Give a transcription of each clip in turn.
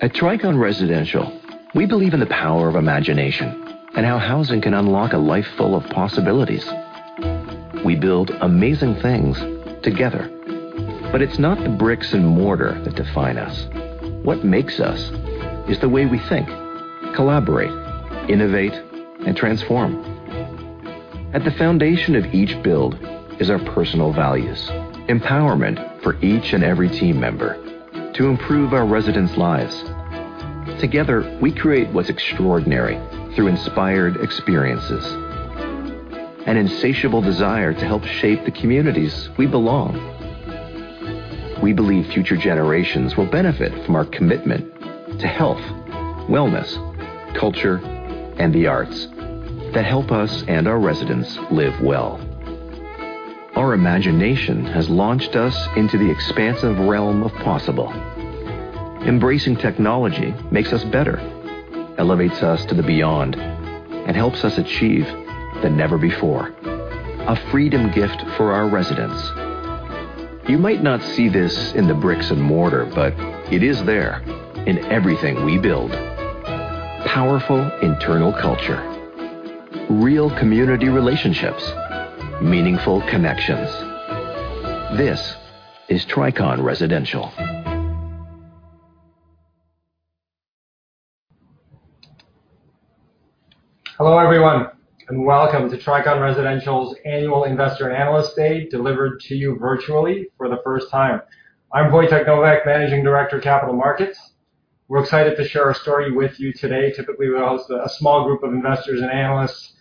At Tricon Residential, we believe in the power of imagination and our housing can unlock a life full of possibilities. We build amazing things together. But it’s not the bricks and mortar that define us. What makes us is the way we think, collaborate, innovate, and transform. At the foundation of each build is our personal values. Empowerment for each and every team member to improve our residents’ lives. Together we create what’s extraordinary through inspired experiences. An insatiable desire to help shape the communities we belong. We believe future generations will benefit from our commitment to health, wellness, culture, and the arts, to help us and our residents live well. Our imagination has launched us into the expansive realm of possible. Embracing technology makes us better. Elevates us to the beyond and helps us achieve the never before. A freedom gift for our residents. You might not see this in the bricks and mortar, but it is there, in everything we build. Powerful internal culture, real community relationships, meaningful connections, this is Tricon Residential. Hello, everyone, welcome to Tricon Residential's Annual Investor Analyst Day, delivered to you virtually for the first time. I'm Wojtek Nowak, Managing Director of Capital Markets. We're excited to share our story with you today. Typically, we host a small group of investors and analysts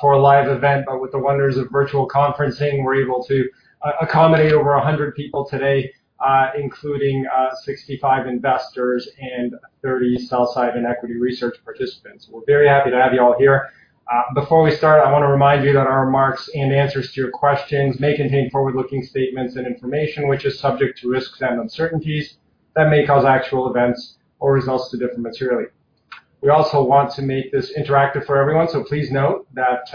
for a live event. With the wonders of virtual conferencing, we're able to accommodate over 100 people today, including 65 investors and 30 sell-side and equity research participants. We're very happy to have you all here. Before we start, I want to remind you that our remarks and answers to your questions may contain forward-looking statements and information which is subject to risks and uncertainties that may cause actual events or results to differ materially. We also want to make this interactive for everyone. Please note that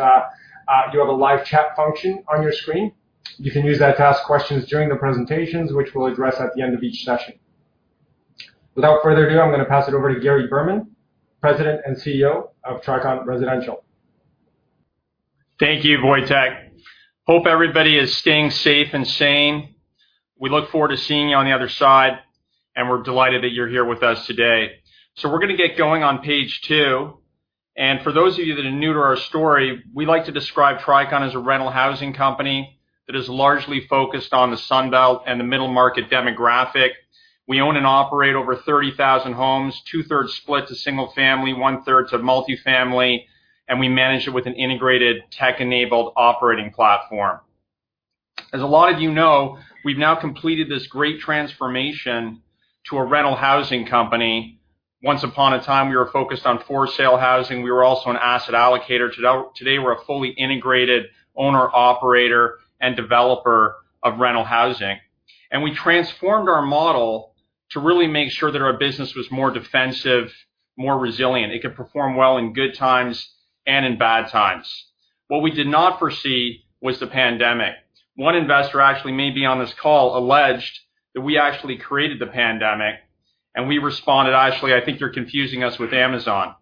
you have a live chat function on your screen. You can use that to ask questions during the presentations, which we'll address at the end of each session. Without further ado, I'm going to pass it over to Gary Berman, President and CEO of Tricon Residential. Thank you, Wojtek. Hope everybody is staying safe and sane. We look forward to seeing you on the other side. We're delighted that you're here with us today. We're going to get going on page two, and for those of you that are new to our story, we like to describe Tricon as a rental housing company that is largely focused on the Sun Belt and the middle-market demographic. We own and operate over 30,000 homes, two-thirds split to single-family, one-third to multi-family, and we manage it with an integrated tech-enabled operating platform. As a lot of you know, we've now completed this great transformation to a rental housing company. Once upon a time, we were focused on for-sale housing. We were also an asset allocator. Today, we're a fully integrated owner, operator, and developer of rental housing. We transformed our model to really make sure that our business was more defensive, more resilient. It could perform well in good times and in bad times. What we did not foresee was the pandemic. One investor actually may be on this call alleged that we actually created the pandemic, and we responded, "Actually, I think you're confusing us with Amazon."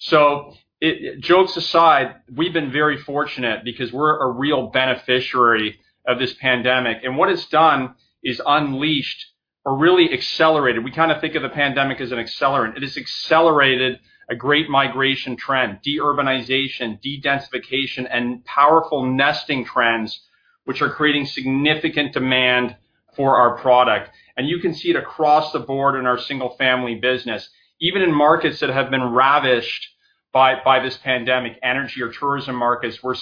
Jokes aside, we've been very fortunate because we're a real beneficiary of this pandemic, and what it's done is unleashed or really accelerated. We kind of think of the pandemic as an accelerant. It has accelerated a great migration trend, de-urbanization, de-densification, and powerful nesting trends, which are creating significant demand for our product. You can see it across the board in our single-family business, even in markets that have been ravished by this pandemic, energy or tourism markets, we're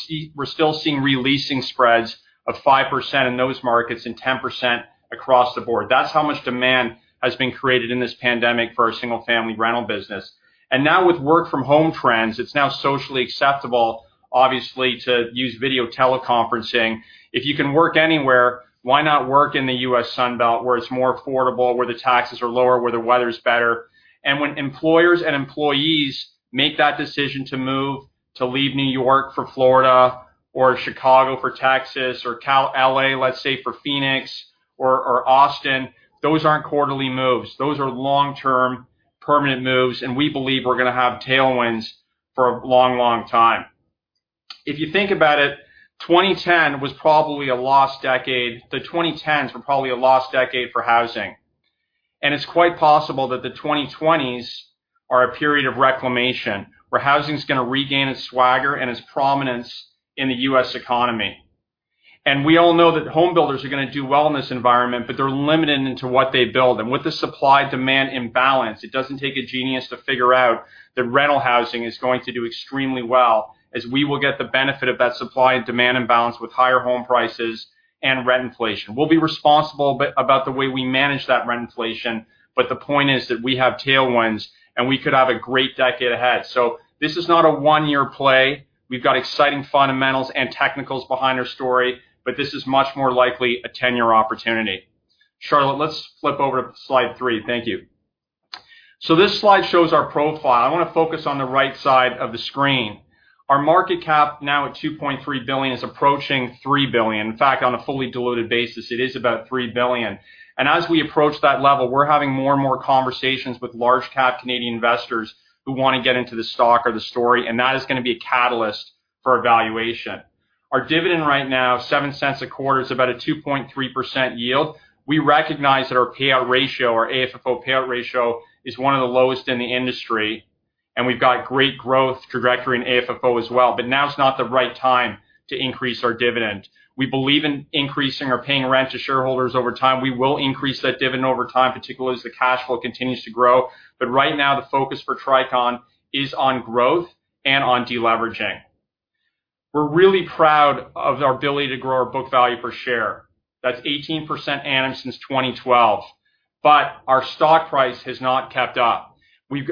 still seeing re-leasing spreads of 5% in those markets and 10% across the board. That's how much demand has been created in this pandemic for our single-family rental business. Now with work-from-home trends, it's now socially acceptable, obviously, to use video teleconferencing. If you can work anywhere, why not work in the U.S. Sun Belt where it's more affordable, where the taxes are lower, where the weather's better? When employers and employees make that decision to move to leave New York for Florida or Chicago for Texas or L.A., let's say, for Phoenix or Austin, those aren't quarterly moves. Those are long-term permanent moves, and we believe we're going to have tailwinds for a long, long time. If you think about it, the 2010 was probably a lost decade for housing. It's quite possible that the 2020s are a period of reclamation where housing's going to regain its swagger and its prominence in the U.S. economy. We all know that home builders are going to do well in this environment, but they're limited into what they build. With the supply-demand imbalance, it doesn't take a genius to figure out that rental housing is going to do extremely well as we will get the benefit of that supply and demand imbalance with higher home prices and rent inflation. We'll be responsible about the way we manage that rent inflation, but the point is that we have tailwinds, and we could have a great decade ahead. This is not a one-year play. We've got exciting fundamentals and technicals behind our story, but this is much more likely a 10-year opportunity. Charlotte, let's flip over to slide three. Thank you. This slide shows our profile. I want to focus on the right side of the screen. Our market cap, now at $2.3 billion, is approaching $3 billion. In fact, on a fully diluted basis, it is about $3 billion. As we approach that level, we're having more and more conversations with large cap Canadian investors who want to get into the stock or the story, and that is going to be a catalyst for evaluation. Our dividend right now, $0.07 a quarter, is about a 2.3% yield. We recognize that our payout ratio, our AFFO payout ratio, is one of the lowest in the industry, and we've got great growth trajectory in AFFO as well. Now is not the right time to increase our dividend. We believe in increasing or paying rent to shareholders over time. We will increase that dividend over time, particularly as the cash flow continues to grow. Right now, the focus for Tricon is on growth and on deleveraging. We're really proud of our ability to grow our book value per share. That's 18% annum since 2012. Our stock price has not kept up.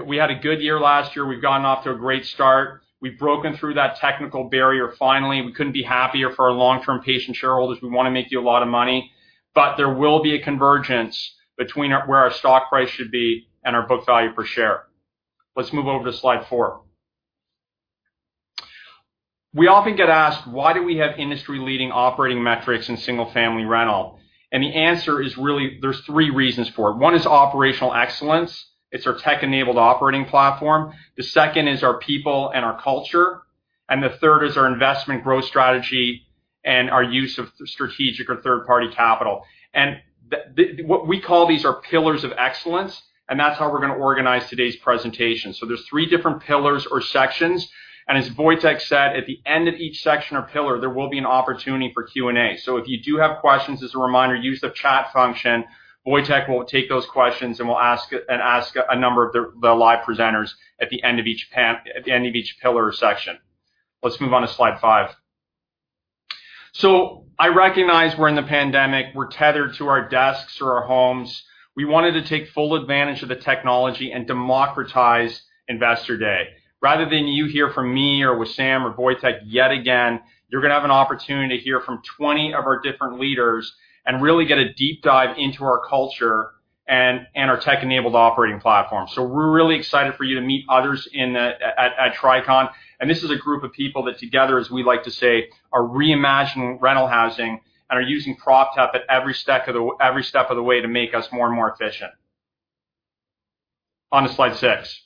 We had a good year last year. We've gotten off to a great start. We've broken through that technical barrier finally. We couldn't be happier for our long-term patient shareholders. We want to make you a lot of money. There will be a convergence between where our stock price should be and our book value per share. Let's move over to slide four. We often get asked, why do we have industry-leading operating metrics in single-family rental? The answer is, really, there's three reasons for it. One is operational excellence. It's our tech-enabled operating platform. The second is our people and our culture, the third is our investment growth strategy and our use of strategic or third-party capital. We call these our pillars of excellence, that's how we're going to organize today's presentation. There's three different pillars or sections, as Wojtek said, at the end of each section or pillar, there will be an opportunity for Q&A. If you do have questions, as a reminder, use the chat function. Wojtek will take those questions will ask a number of the live presenters at the end of each pillar or section. Let's move on to slide five. I recognize we're in the pandemic. We're tethered to our desks or our homes. We wanted to take full advantage of the technology and democratize Investor Day. Rather than you hear from me or Wissam or Wojtek yet again, you're going to have an opportunity to hear from 20 of our different leaders and really get a deep dive into our culture and our tech-enabled operating platform. We're really excited for you to meet others at Tricon. This is a group of people that together, as we like to say, are reimagining rental housing and are using proptech at every step of the way to make us more and more efficient. On to slide six.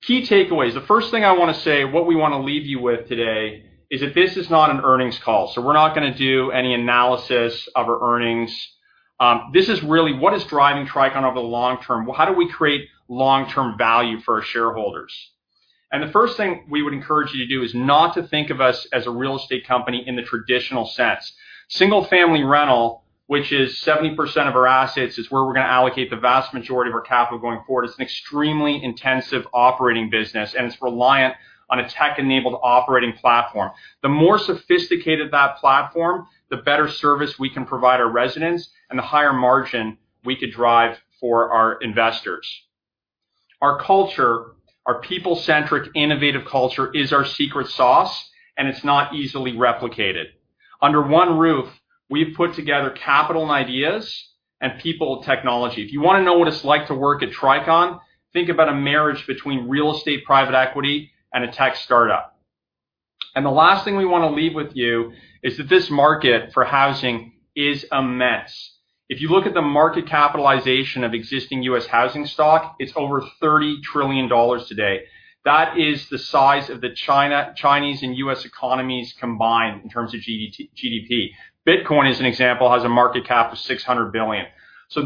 Key takeaways. The first thing I want to say, what we want to leave you with today is that this is not an earnings call. We're not going to do any analysis of our earnings. This is really what is driving Tricon over the long term. How do we create long-term value for our shareholders? The first thing we would encourage you to do is not to think of us as a real estate company in the traditional sense. Single-family rental, which is 70% of our assets, is where we're going to allocate the vast majority of our capital going forward. It's an extremely intensive operating business, and it's reliant on a tech-enabled operating platform. The more sophisticated that platform, the better service we can provide our residents and the higher margin we could drive for our investors. Our culture, our people-centric, innovative culture is our secret sauce, and it's not easily replicated. Under one roof, we've put together capital and ideas and people technology. If you want to know what it's like to work at Tricon, think about a marriage between real estate private equity and a tech startup. The last thing we want to leave with you is that this market for housing is a mess. If you look at the market capitalization of existing U.S. housing stock, it's over $30 trillion today. That is the size of the Chinese and U.S. economies combined in terms of GDP. Bitcoin, as an example, has a market cap of $600 billion.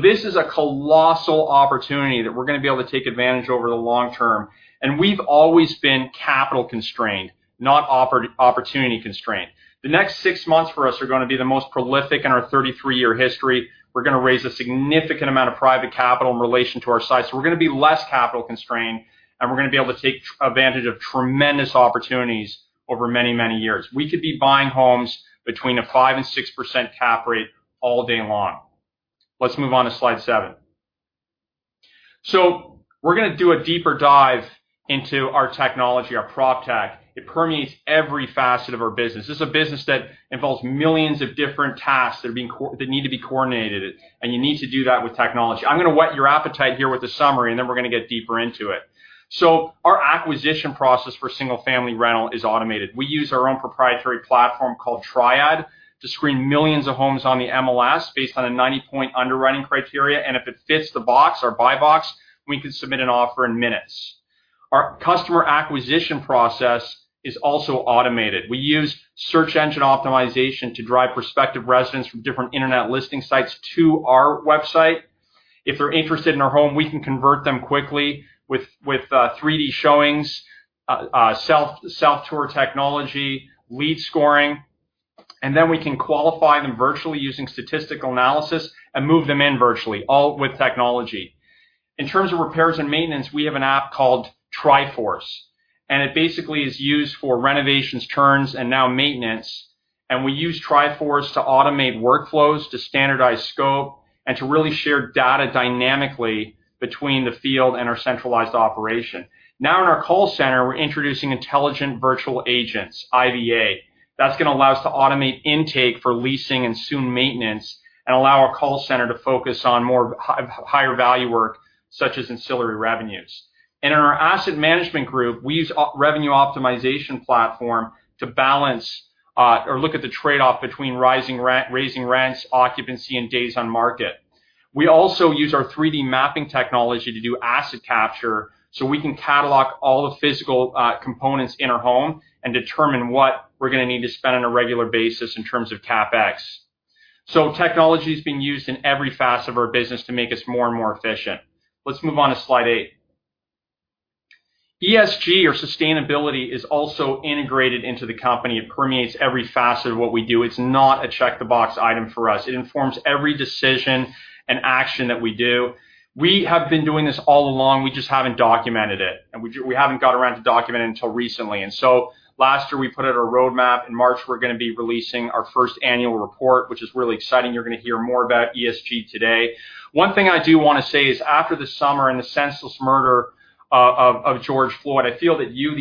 This is a colossal opportunity that we're going to be able to take advantage over the long term. We've always been capital constrained, not opportunity constrained. The next six months for us are going to be the most prolific in our 33-year history. We're going to raise a significant amount of private capital in relation to our size. We're going to be less capital constrained, and we're going to be able to take advantage of tremendous opportunities over many, many years. We could be buying homes between a 5%-6% cap rate all day long. Let's move on to slide seven. We're going to do a deeper dive into our technology, our proptech. It permeates every facet of our business. This is a business that involves millions of different tasks that need to be coordinated, and you need to do that with technology. I'm going to whet your appetite here with a summary, and then we're going to get deeper into it. Our acquisition process for single-family rental is automated. We use our own proprietary platform called TriAd to screen millions of homes on the MLS based on a 90-point underwriting criteria, and if it fits the box, our buy box, we can submit an offer in minutes. Our customer acquisition process is also automated. We use search engine optimization to drive prospective residents from different Internet listing sites to our website. If they're interested in our home, we can convert them quickly with 3D showings, self-tour technology, lead scoring, and then we can qualify them virtually using statistical analysis and move them in virtually, all with technology. In terms of repairs and maintenance, we have an app called TriForce, and it basically is used for renovations, turns, and now maintenance. We use TriForce to automate workflows, to standardize scope, and to really share data dynamically between the field and our centralized operation. In our call center, we're introducing Intelligent Virtual Agents, IVA. That's going to allow us to automate intake for leasing and soon maintenance and allow our call center to focus on more higher value work. Such as ancillary revenues. In our asset management group, we use revenue optimization platform to balance or look at the trade-off between raising rents, occupancy, and days on market. We also use our 3D mapping technology to do asset capture, so we can catalog all the physical components in our home and determine what we're going to need to spend on a regular basis in terms of CapEx. Technology's being used in every facet of our business to make us more and more efficient. Let's move on to slide eight. ESG or sustainability is also integrated into the company. It permeates every facet of what we do. It's not a check the box item for us. It informs every decision and action that we do. We have been doing this all along, we just haven't documented it, and we haven't got around to document it until recently. Last year, we put out a roadmap. In March, we're going to be releasing our first annual report, which is really exciting. You're going to hear more about ESG today. One thing I do want to say is after the summer and the senseless murder of George Floyd, I feel that you,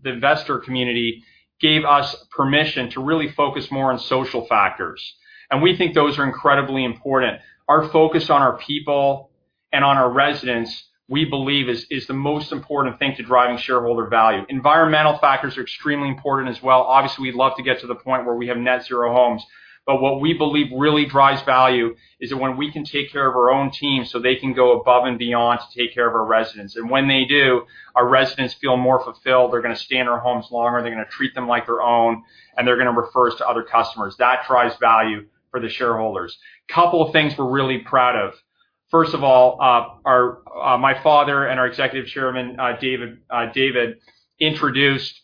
the investor community, gave us permission to really focus more on social factors. We think those are incredibly important. Our focus on our people and on our residents, we believe is the most important thing to driving shareholder value. Environmental factors are extremely important as well. Obviously, we'd love to get to the point where we have net zero homes. What we believe really drives value is that when we can take care of our own team so they can go above and beyond to take care of our residents. When they do, our residents feel more fulfilled. They're going to stay in our homes longer, they're going to treat them like their own, and they're going to refer us to other customers. That drives value for the shareholders. Couple of things we're really proud of. First of all, my father and our Executive Chairman, David, introduced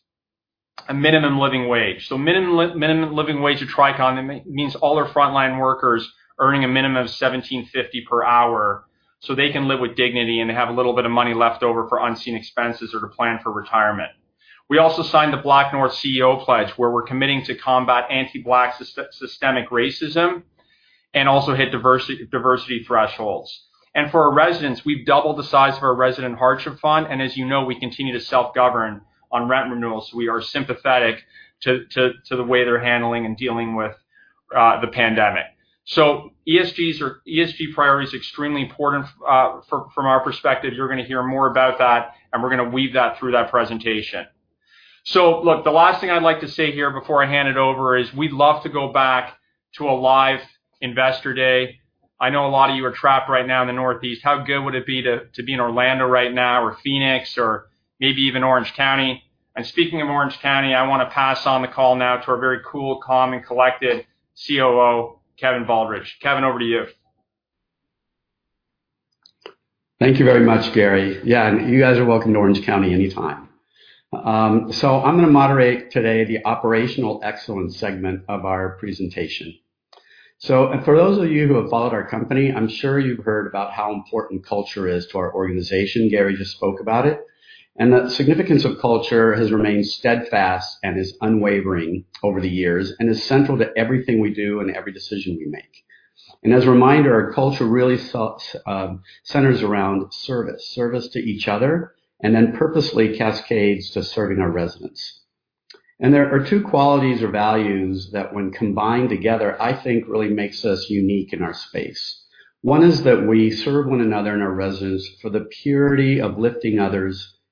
a minimum living wage. Minimum living wage at Tricon means all our frontline workers earning a minimum of $17.50 per hour, so they can live with dignity and have a little bit of money left over for unseen expenses or to plan for retirement. We also signed the BlackNorth CEO Pledge, where we're committing to combat anti-Black systemic racism, and also hit diversity thresholds. For our residents, we've doubled the size of our resident hardship fund. As you know, we continue to self-govern on rent renewals. We are sympathetic to the way they're handling and dealing with the pandemic. ESG priority is extremely important from our perspective. You're going to hear more about that, and we're going to weave that through that presentation. Look, the last thing I'd like to say here before I hand it over is we'd love to go back to a live Investor Day. I know a lot of you are trapped right now in the Northeast. How good would it be to be in Orlando right now, or Phoenix, or maybe even Orange County? Speaking of Orange County, I want to pass on the call now to our very cool, calm, and collected COO, Kevin Baldridge. Kevin, over to you. Thank you very much, Gary. Yeah, you guys are welcome to Orange County anytime. I'm going to moderate today the operational excellence segment of our presentation. For those of you who have followed our company, I'm sure you've heard about how important culture is to our organization. Gary just spoke about it. That significance of culture has remained steadfast and is unwavering over the years, and is central to everything we do and every decision we make. As a reminder, our culture really centers around service. Service to each other, and then purposely cascades to serving our residents. There are two qualities or values that when combined together, I think really makes us unique in our space. One is that we serve one another and our residents for the purity of lifting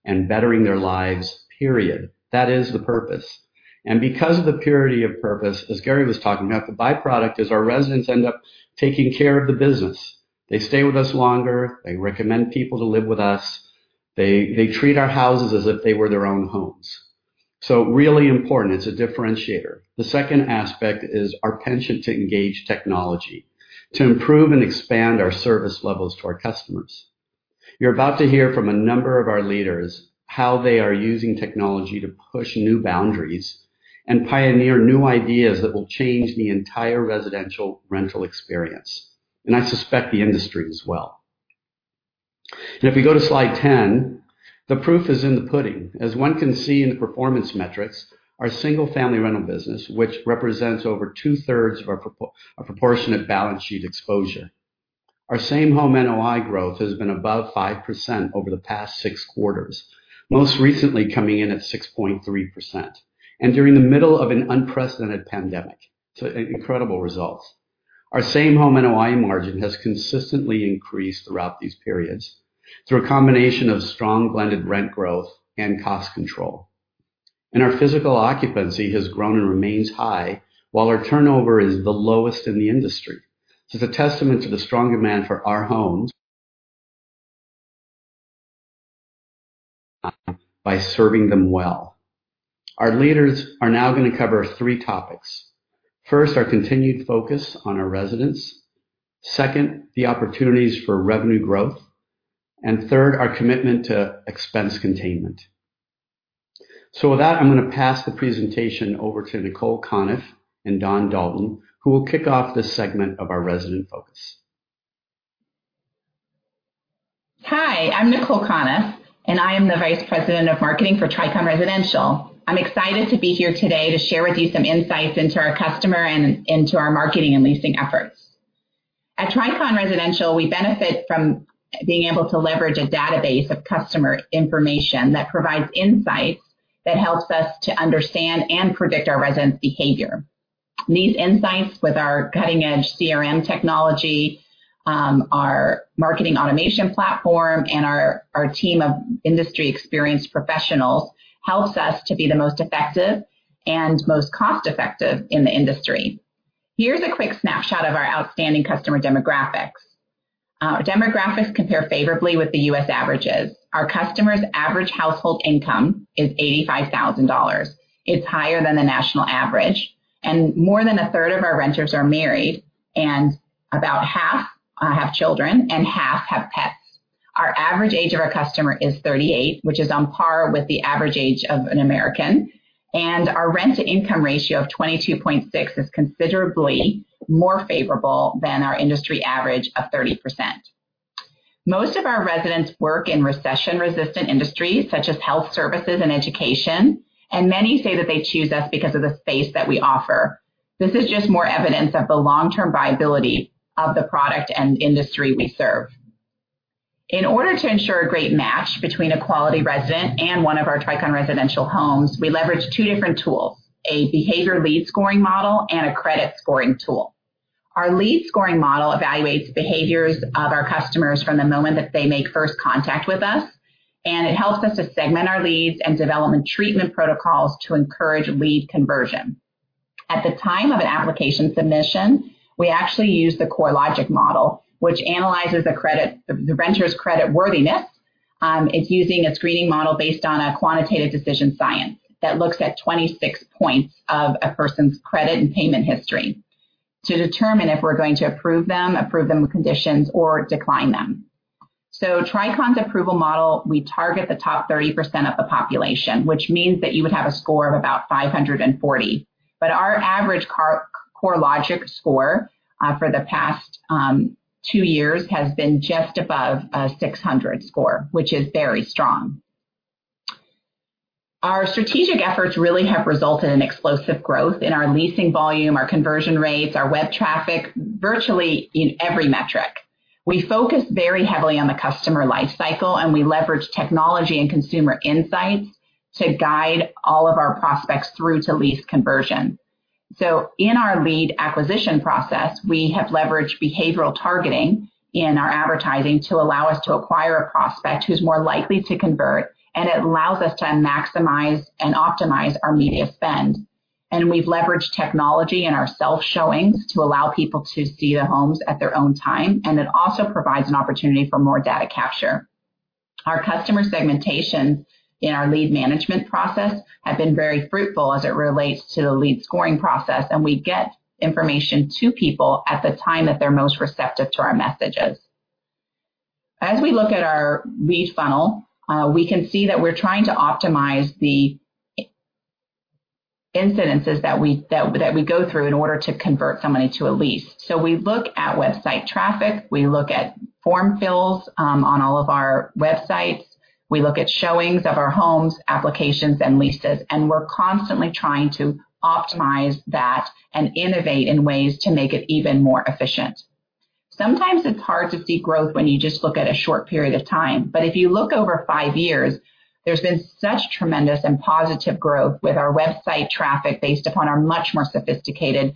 others and bettering their lives, period. That is the purpose. Because of the purity of purpose, as Gary was talking about, the byproduct is our residents end up taking care of the business. They stay with us longer, they recommend people to live with us, they treat our houses as if they were their own homes. Really important. It's a differentiator. The second aspect is our penchant to engage technology to improve and expand our service levels to our customers. You're about to hear from a number of our leaders how they are using technology to push new boundaries and pioneer new ideas that will change the entire residential rental experience. I suspect the industry as well. If you go to slide 10, the proof is in the pudding. As one can see in the performance metrics, our single-family rental business, which represents over two-thirds of our proportionate balance sheet exposure. Our same-home NOI growth has been above 5% over the past six quarters, most recently coming in at 6.3%. During the middle of an unprecedented pandemic. Incredible results. Our same-home NOI margin has consistently increased throughout these periods through a combination of strong blended rent growth and cost control. Our physical occupancy has grown and remains high, while our turnover is the lowest in the industry. It's a testament to the strong demand for our homes by serving them well. Our leaders are now going to cover three topics. First, our continued focus on our residents. Second, the opportunities for revenue growth. Third, our commitment to expense containment. With that, I'm going to pass the presentation over to Nicole Conniff and Dawn Dalton, who will kick off this segment of our resident focus. Hi, I'm Nicole Conniff. I am the Vice President of Marketing for Tricon Residential. I'm excited to be here today to share with you some insights into our customer and into our marketing and leasing efforts. At Tricon Residential, we benefit from being able to leverage a database of customer information that provides insights that helps us to understand and predict our residents' behavior. These insights with our cutting-edge CRM technology, our marketing automation platform, and our team of industry experienced professionals helps us to be the most effective and most cost-effective in the industry. Here's a quick snapshot of our outstanding customer demographics. Our demographics compare favorably with the U.S. averages. Our customers' average household income is $85,000. It's higher than the national average. More than a third of our renters are married, and about half have children and half have pets. Our average age of our customer is 38, which is on par with the average age of an American, and our rent-to-income ratio of 22.6 is considerably more favorable than our industry average of 30%. Most of our residents work in recession-resistant industries such as health services and education, and many say that they choose us because of the space that we offer. This is just more evidence of the long-term viability of the product and industry we serve. In order to ensure a great match between a quality resident and one of our Tricon Residential homes, we leverage two different tools, a behavior lead scoring model and a credit scoring tool. Our lead scoring model evaluates behaviors of our customers from the moment that they make first contact with us, and it helps us to segment our leads and development treatment protocols to encourage lead conversion. At the time of an application submission, we actually use the CoreLogic model, which analyzes the renter's credit worthiness. It's using a screening model based on a quantitative decision science that looks at 26 points of a person's credit and payment history to determine if we're going to approve them, approve them with conditions, or decline them. Tricon's approval model, we target the top 30% of the population, which means that you would have a score of about 540. Our average CoreLogic score for the past two years has been just above a 600 score, which is very strong. Our strategic efforts really have resulted in explosive growth in our leasing volume, our conversion rates, our web traffic, virtually in every metric. We focus very heavily on the customer life cycle, and we leverage technology and consumer insights to guide all of our prospects through to lease conversion. In our lead acquisition process, we have leveraged behavioral targeting in our advertising to allow us to acquire a prospect who's more likely to convert, and it allows us to maximize and optimize our media spend. We've leveraged technology in our self-showings to allow people to see the homes at their own time, and it also provides an opportunity for more data capture. Our customer segmentation in our lead management process have been very fruitful as it relates to the lead scoring process, and we get information to people at the time that they're most receptive to our messages. As we look at our lead funnel, we can see that we're trying to optimize the incidences that we go through in order to convert somebody to a lease. We look at website traffic, we look at form fills on all of our websites, we look at showings of our homes, applications, and leases, and we're constantly trying to optimize that and innovate in ways to make it even more efficient. Sometimes it's hard to see growth when you just look at a short period of time. If you look over five years, there's been such tremendous and positive growth with our website traffic based upon our much more sophisticated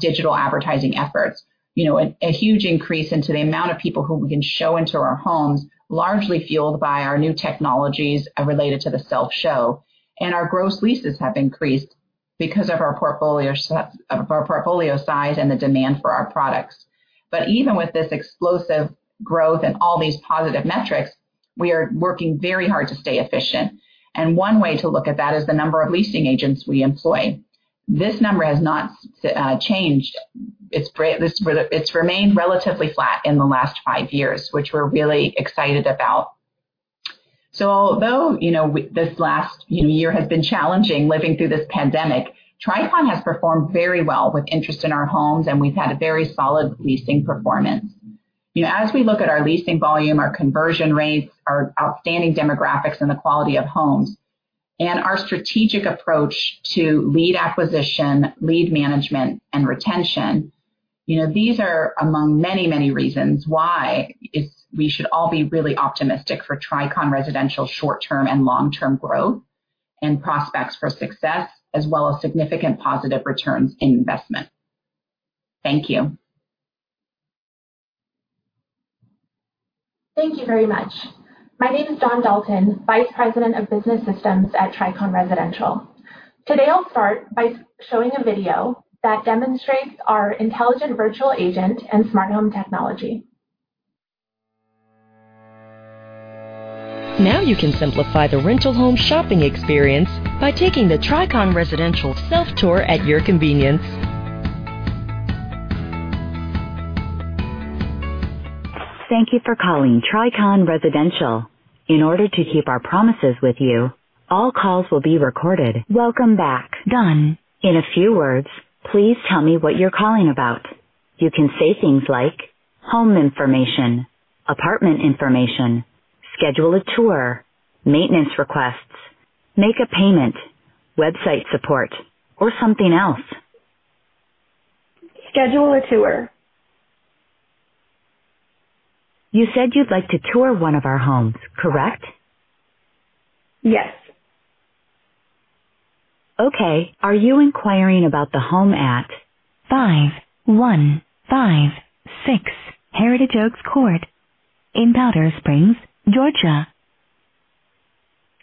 digital advertising efforts. A huge increase into the amount of people who we can show into our homes, largely fueled by our new technologies related to the self-show. Our gross leases have increased because of our portfolio size and the demand for our products. Even with this explosive growth and all these positive metrics, we are working very hard to stay efficient. One way to look at that is the number of leasing agents we employ. This number has not changed. It's remained relatively flat in the last five years, which we're really excited about. Although this last year has been challenging, living through this pandemic, Tricon has performed very well with interest in our homes, and we've had a very solid leasing performance. As we look at our leasing volume, our conversion rates, our outstanding demographics, and the quality of homes, and our strategic approach to lead acquisition, lead management, and retention, these are among many reasons why we should all be really optimistic for Tricon Residential short-term and long-term growth and prospects for success, as well as significant positive returns in investment. Thank you. Thank you very much. My name is Dawn Dalton, Vice President of Business Systems at Tricon Residential. Today, I'll start by showing a video that demonstrates our Intelligent Virtual Agent and Smart Home technology. Now you can simplify the rental home shopping experience by taking the Tricon Residential self-tour at your convenience. Thank you for calling Tricon Residential. In order to keep our promises with you, all calls will be recorded. Welcome back, Dawn, in a few words, please tell me what you're calling about. You can say things like home information, apartment information, schedule a tour, maintenance requests, make a payment, website support, or something else. Schedule a tour. You said you'd like to tour one of our homes, correct? Yes. Okay. Are you inquiring about the home at 5156 Heritage Oaks Court in Powder Springs, Georgia?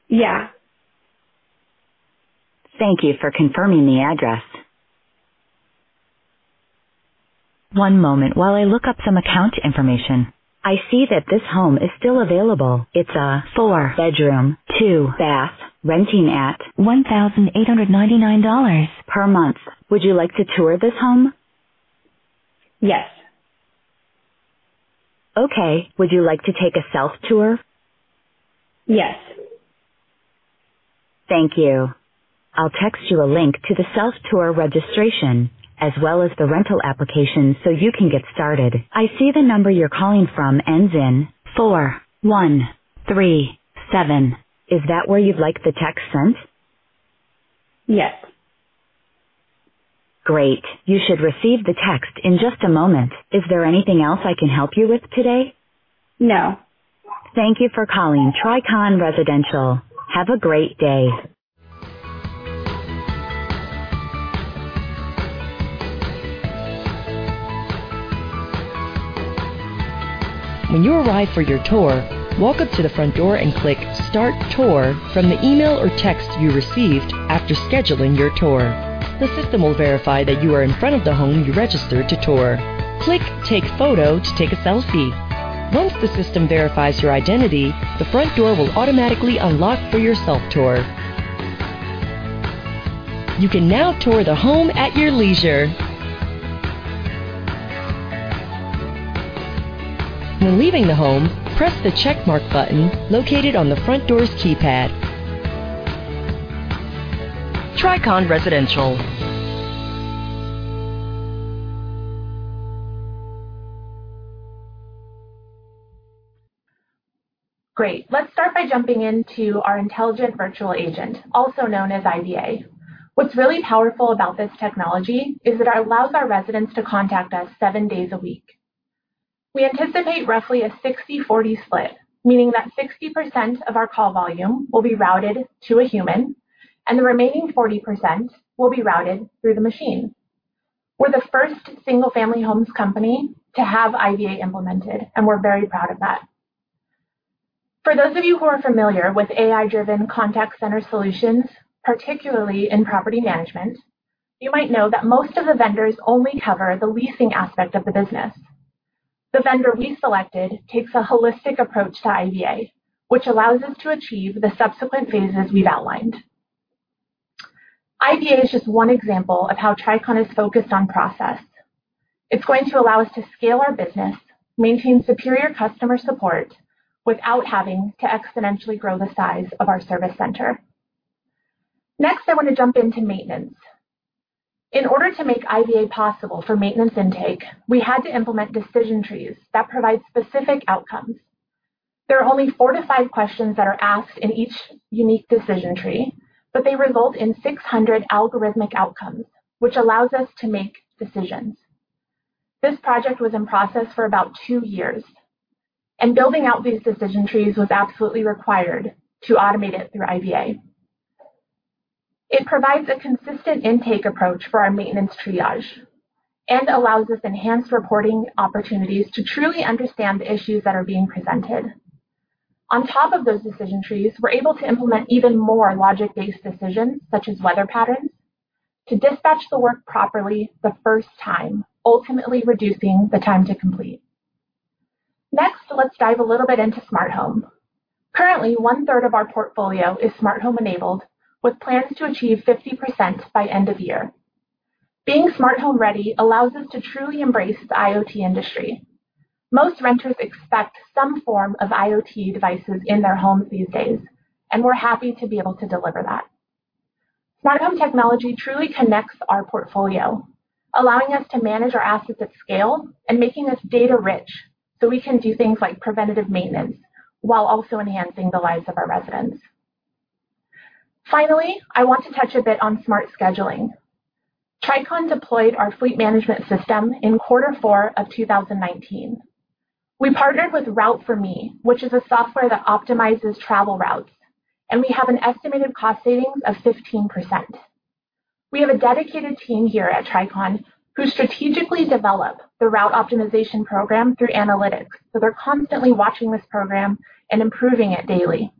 Yeah. Thank you for confirming the address. One moment while I look up some account information. I see that this home is still available. It's a four-bedroom, two-bath, renting at $1,899 per month. Would you like to tour this home? Yes. Okay. Would you like to take a self-tour? Yes. Thank you. I'll text you a link to the self-tour registration as well as the rental application so you can get started. I see the number you're calling from ends in four, one, three, seven. Is that where you'd like the text sent? Yes. Great. You should receive the text in just a moment. Is there anything else I can help you with today? No. Thank you for calling Tricon Residential. Have a great day. When you arrive for your tour, walk up to the front door and click start tour from the email or text you received after scheduling your tour. The system will verify that you are in front of the home you registered to tour. Click Take Photo to take a selfie. Once the system verifies your identity, the front door will automatically unlock for your self-tour. You can now tour the home at your leisure. When leaving the home, press the check mark button located on the front door's keypad. Tricon Residential. Great. Let's start by jumping into our Intelligent Virtual Agent, also known as IVA. What's really powerful about this technology is that it allows our residents to contact us seven days a week. We anticipate roughly a 60/40 split, meaning that 60% of our call volume will be routed to a human, and the remaining 40% will be routed through the machine. We're the first single-family homes company to have IVA implemented, and we're very proud of that. For those of you who are familiar with AI-driven contact center solutions, particularly in property management, you might know that most of the vendors only cover the leasing aspect of the business. The vendor we selected takes a holistic approach to IVA, which allows us to achieve the subsequent phases we've outlined. IVA is just one example of how Tricon is focused on process. It's going to allow us to scale our business, maintain superior customer support without having to exponentially grow the size of our service center. Next, I want to jump into maintenance. In order to make IVA possible for maintenance intake, we had to implement decision trees that provide specific outcomes. There are only four to five questions that are asked in each unique decision tree, they result in 600 algorithmic outcomes, which allows us to make decisions. This project was in process for about two years, building out these decision trees was absolutely required to automate it through IVA. It provides a consistent intake approach for our maintenance triage and allows us enhanced reporting opportunities to truly understand the issues that are being presented. On top of those decision trees, we're able to implement even more logic-based decisions, such as weather patterns, to dispatch the work properly the first time, ultimately reducing the time to complete. Let's dive a little bit into Smart Home. Currently, one-third of our portfolio is Smart Home enabled, with plans to achieve 50% by end of year. Being Smart Home ready allows us to truly embrace the IoT industry. Most renters expect some form of IoT devices in their homes these days, and we're happy to be able to deliver that. Smart Home technology truly connects our portfolio, allowing us to manage our assets at scale and making us data rich so we can do things like preventative maintenance while also enhancing the lives of our residents. Finally, I want to touch a bit on smart scheduling. Tricon deployed our fleet management system in quarter four of 2019. We partnered with Route4Me, which is a software that optimizes travel routes, and we have an estimated cost savings of 15%. We have a dedicated team here at Tricon who strategically develop the route optimization program through analytics. They're constantly watching this program and improving it daily.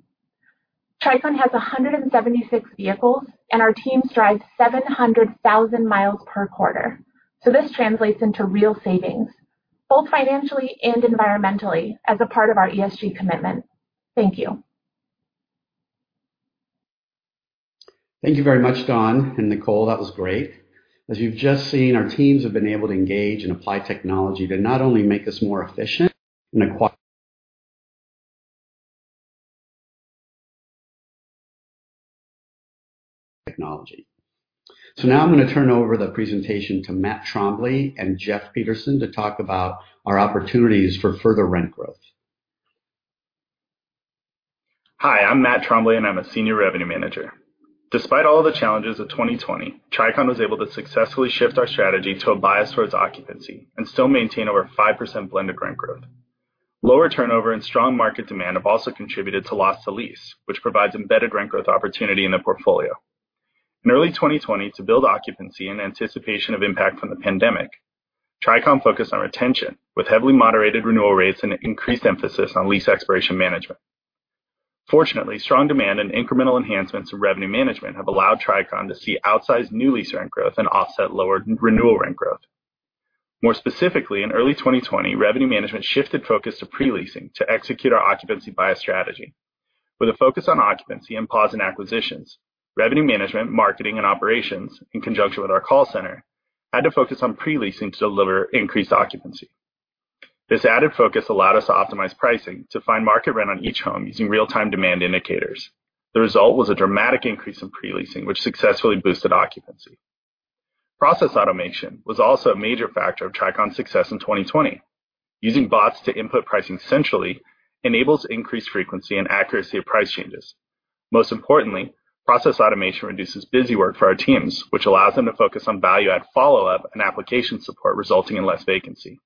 Tricon has 176 vehicles, and our teams drive 700,000 miles per quarter. This translates into real savings, both financially and environmentally as a part of our ESG commitment. Thank you. Thank you very much, Dawn and Nicole. That was great. As you've just seen, our teams have been able to engage and apply technology to not only make us more efficient and acquire technology. Now I'm going to turn over the presentation to Matt Trombley and Jeff Peterson to talk about our opportunities for further rent growth. Hi, I'm Matt Trombley, and I'm a Senior Revenue Manager. Despite all the challenges of 2020, Tricon was able to successfully shift our strategy to a bias towards occupancy and still maintain over 5% blended rent growth. Lower turnover and strong market demand have also contributed to loss to lease, which provides embedded rent growth opportunity in the portfolio. In early 2020, to build occupancy in anticipation of impact from the pandemic, Tricon focused on retention with heavily moderated renewal rates and an increased emphasis on lease expiration management. Fortunately, strong demand and incremental enhancements in revenue management have allowed Tricon to see outsized new lease rent growth and offset lower renewal rent growth. More specifically, in early 2020, revenue management shifted focus to pre-leasing to execute our occupancy bias strategy. With a focus on occupancy and pause in acquisitions, revenue management, marketing, and operations, in conjunction with our call center, had to focus on pre-leasing to deliver increased occupancy. This added focus allowed us to optimize pricing to find market rent on each home using real-time demand indicators. The result was a dramatic increase in pre-leasing, which successfully boosted occupancy. Process automation was also a major factor of Tricon's success in 2020. Using bots to input pricing centrally enables increased frequency and accuracy of price changes. Most importantly, process automation reduces busy work for our teams, which allows them to focus on value-add follow-up and application support, resulting in less vacancy.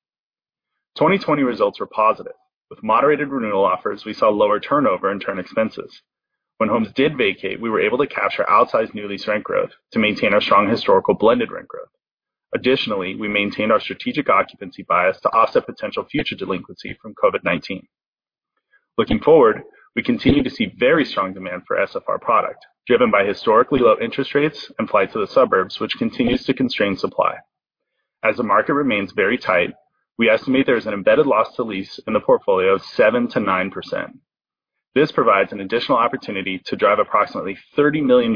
2020 results were positive. With moderated renewal offers, we saw lower turnover and turn expenses. When homes did vacate, we were able to capture outsized new lease rent growth to maintain our strong historical blended rent growth. Additionally, we maintained our strategic occupancy bias to offset potential future delinquency from COVID-19. Looking forward, we continue to see very strong demand for SFR product, driven by historically low interest rates and flight to the suburbs, which continues to constrain supply. As the market remains very tight, we estimate there is an embedded loss to lease in the portfolio of 7%-9%. This provides an additional opportunity to drive approximately $30 million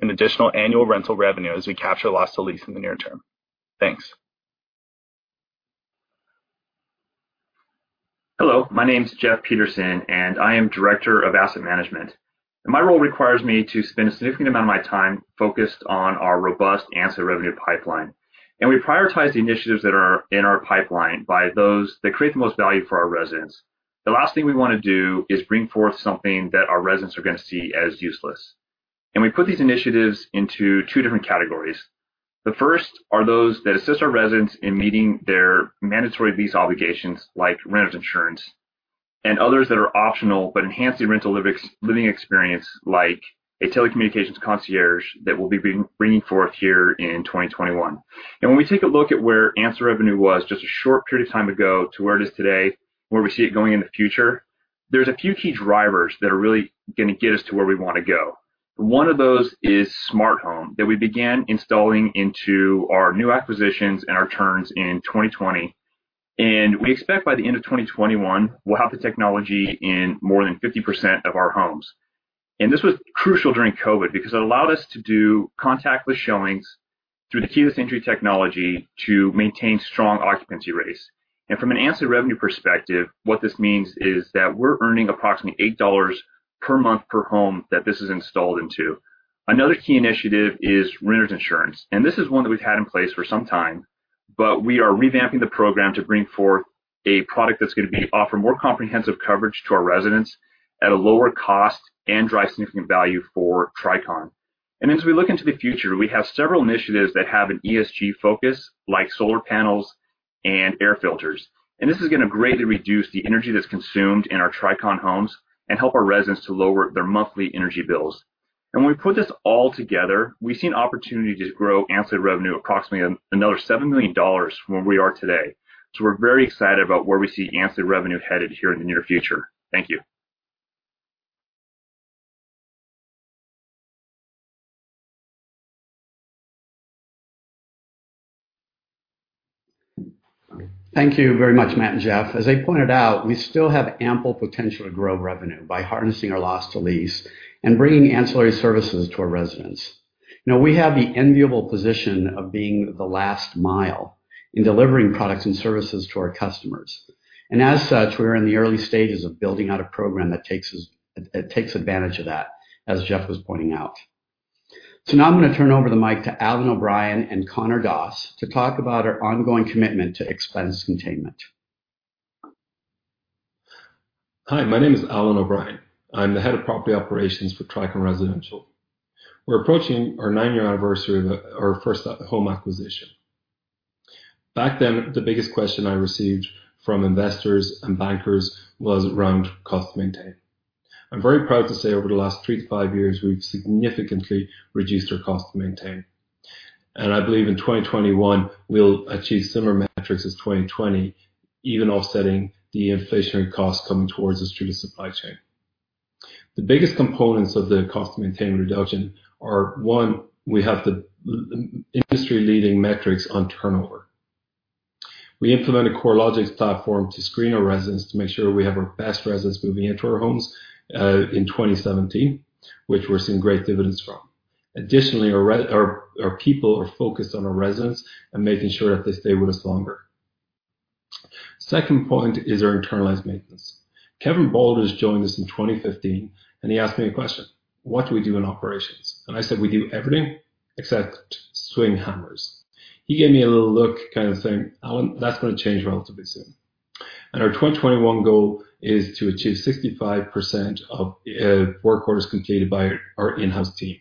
in additional annual rental revenue as we capture loss to lease in the near term. Thanks. Hello, my name's Jeff Peterson. I am Director of Asset Management. My role requires me to spend a significant amount of my time focused on our robust ancillary revenue pipeline. We prioritize the initiatives that are in our pipeline by those that create the most value for our residents. The last thing we want to do is bring forth something that our residents are going to see as useless. We put these initiatives into two different categories. The first are those that assist our residents in meeting their mandatory lease obligations, like renters insurance, and others that are optional but enhance the rental living experience, like a telecommunications concierge that we'll be bringing forth here in 2021. When we take a look at where ancillary revenue was just a short period of time ago to where it is today, where we see it going in the future, there's a few key drivers that are really going to get us to where we want to go. One of those is Smart Home that we began installing into our new acquisitions and our turns in 2020. We expect by the end of 2021, we'll have the technology in more than 50% of our homes. This was crucial during COVID-19 because it allowed us to do contactless showings through the keyless entry technology to maintain strong occupancy rates. From an ancillary revenue perspective, what this means is that we're earning approximately $8 per month per home that this is installed into. Another key initiative is renters insurance. This is one that we've had in place for some time, but we are revamping the program to bring forth a product that's going to offer more comprehensive coverage to our residents at a lower cost and drive significant value for Tricon. As we look into the future, we have several initiatives that have an ESG focus, like solar panels and air filters. This is going to greatly reduce the energy that's consumed in our Tricon homes and help our residents to lower their monthly energy bills. When we put this all together, we see an opportunity to grow ancillary revenue approximately another $7 million from where we are today. We're very excited about where we see ancillary revenue headed here in the near future. Thank you. Thank you very much, Matt and Jeff. As they pointed out, we still have ample potential to grow revenue by harnessing our loss to lease and bringing ancillary services to our residents. We have the enviable position of being the last mile in delivering products and services to our customers. As such, we are in the early stages of building out a program that takes advantage of that, as Jeff was pointing out. Now I'm going to turn over the mic to Alan O'Brien and Connor Doss to talk about our ongoing commitment to expense containment. Hi, my name is Alan O'Brien. I am the Head of Property Operations for Tricon Residential. We are approaching our nine-year anniversary of our first home acquisition. Back then, the biggest question I received from investors and bankers was around cost to maintain. I am very proud to say over the last three to five years, we have significantly reduced our cost to maintain. I believe in 2021, we will achieve similar metrics as 2020, even offsetting the inflationary costs coming towards us through the supply chain. The biggest components of the cost to maintain reduction are one, we have the industry-leading metrics on turnover. We implemented CoreLogic's platform to screen our residents to make sure we have our best residents moving into our homes in 2017, which we are seeing great dividends from. Additionally, our people are focused on our residents and making sure that they stay with us longer. Second point is our internalized maintenance. Kevin Baldridge joined us in 2015, he asked me a question. "What do we do in operations?" I said, "We do everything except swing hammers." He gave me a little look kind of saying, "That's going to change relatively soon." Our 2021 goal is to achieve 65% of work orders completed by our in-house team.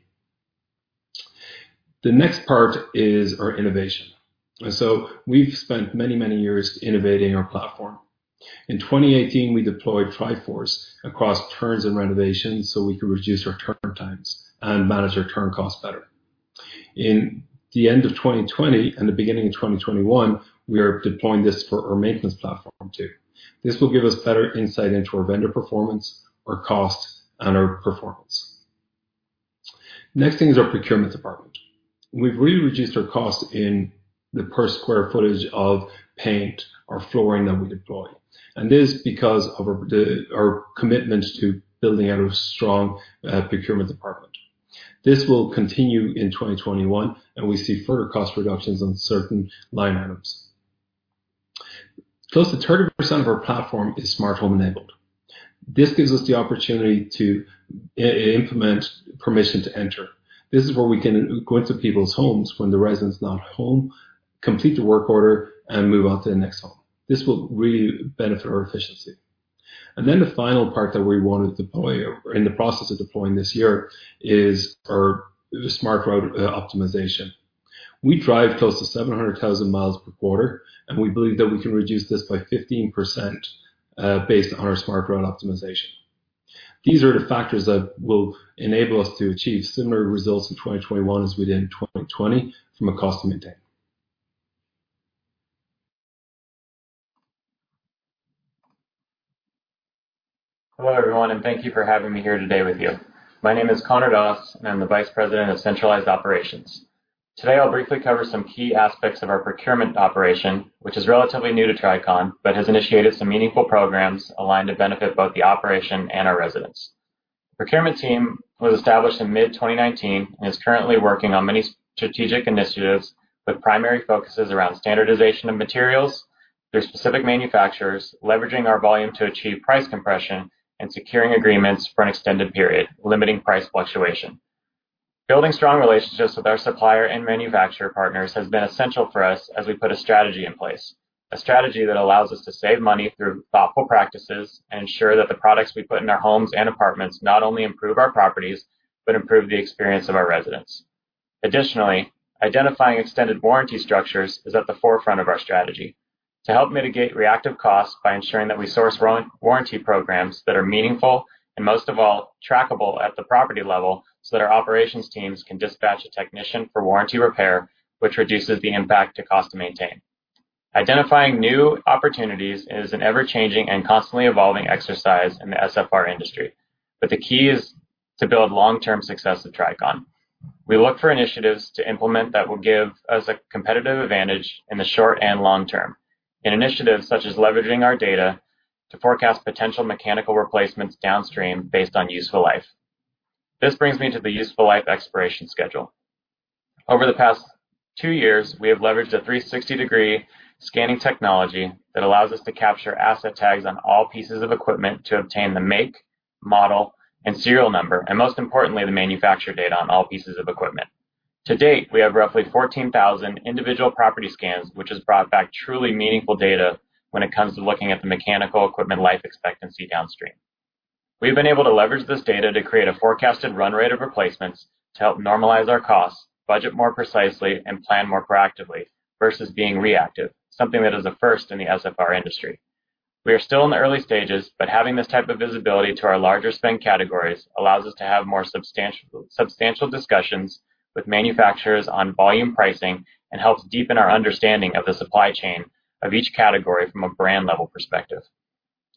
The next part is our innovation. We've spent many, many years innovating our platform. In 2018, we deployed TriForce across turns and renovations so we could reduce our turn times and manage our turn costs better. In the end of 2020 and the beginning of 2021, we are deploying this for our maintenance platform too. This will give us better insight into our vendor performance, our costs, and our performance. Next thing is our procurement department. We've really reduced our costs in the per square footage of paint or flooring that we deploy. It is because of our commitment to building out a strong procurement department. This will continue in 2021, and we see further cost reductions on certain line items. Close to 30% of our platform is Smart Home enabled. This gives us the opportunity to implement permission to enter. This is where we can go into people's homes when the resident's not home, complete the work order, and move on to the next home. This will really benefit our efficiency. Then the final part that we want to deploy, or are in the process of deploying this year, is our smart route optimization. We drive close to 700,000 miles per quarter, and we believe that we can reduce this by 15% based on our smart route optimization. These are the factors that will enable us to achieve similar results in 2021 as we did in 2020 from a cost to maintain. Hello, everyone, and thank you for having me here today with you. My name is Connor Doss, and I'm the Vice President of Centralized Operations. Today, I'll briefly cover some key aspects of our procurement operation, which is relatively new to Tricon, but has initiated some meaningful programs aligned to benefit both the operation and our residents. Procurement team was established in mid-2019 and is currently working on many strategic initiatives, with primary focuses around standardization of materials through specific manufacturers, leveraging our volume to achieve price compression, and securing agreements for an extended period, limiting price fluctuation. Building strong relationships with our supplier and manufacturer partners has been essential for us as we put a strategy in place, a strategy that allows us to save money through thoughtful practices and ensure that the products we put in our homes and apartments not only improve our properties, but improve the experience of our residents. Additionally, identifying extended warranty structures is at the forefront of our strategy to help mitigate reactive costs by ensuring that we source warranty programs that are meaningful and most of all trackable at the property level, so that our operations teams can dispatch a technician for warranty repair, which reduces the impact to cost to maintain. Identifying new opportunities is an ever-changing and constantly evolving exercise in the SFR industry. The key is to build long-term success with Tricon. We look for initiatives to implement that will give us a competitive advantage in the short and long term. In initiatives such as leveraging our data to forecast potential mechanical replacements downstream based on useful life. This brings me to the useful life expiration schedule. Over the past two years, we have leveraged a 360-degree scanning technology that allows us to capture asset tags on all pieces of equipment to obtain the make, model, and serial number, and most importantly, the manufacture date on all pieces of equipment. To date, we have roughly 14,000 individual property scans, which has brought back truly meaningful data when it comes to looking at the mechanical equipment life expectancy downstream. We've been able to leverage this data to create a forecasted run rate of replacements to help normalize our costs, budget more precisely, and plan more proactively versus being reactive, something that is a first in the SFR industry. We are still in the early stages, but having this type of visibility to our larger spend categories allows us to have more substantial discussions with manufacturers on volume pricing and helps deepen our understanding of the supply chain of each category from a brand level perspective,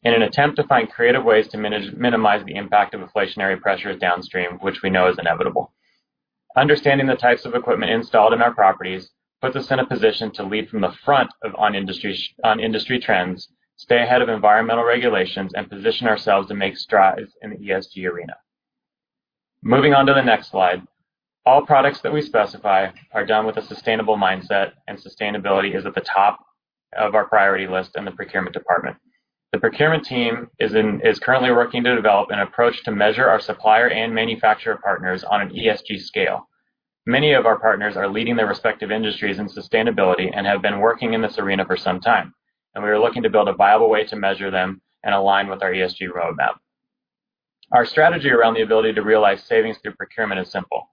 in an attempt to find creative ways to minimize the impact of inflationary pressures downstream, which we know is inevitable. Understanding the types of equipment installed in our properties puts us in a position to lead from the front on industry trends, stay ahead of environmental regulations, and position ourselves to make strides in the ESG arena. Moving on to the next slide. All products that we specify are done with a sustainable mindset, and sustainability is at the top of our priority list in the procurement department. The procurement team is currently working to develop an approach to measure our supplier and manufacturer partners on an ESG scale. Many of our partners are leading their respective industries in sustainability and have been working in this arena for some time. We are looking to build a viable way to measure them and align with our ESG roadmap. Our strategy around the ability to realize savings through procurement is simple.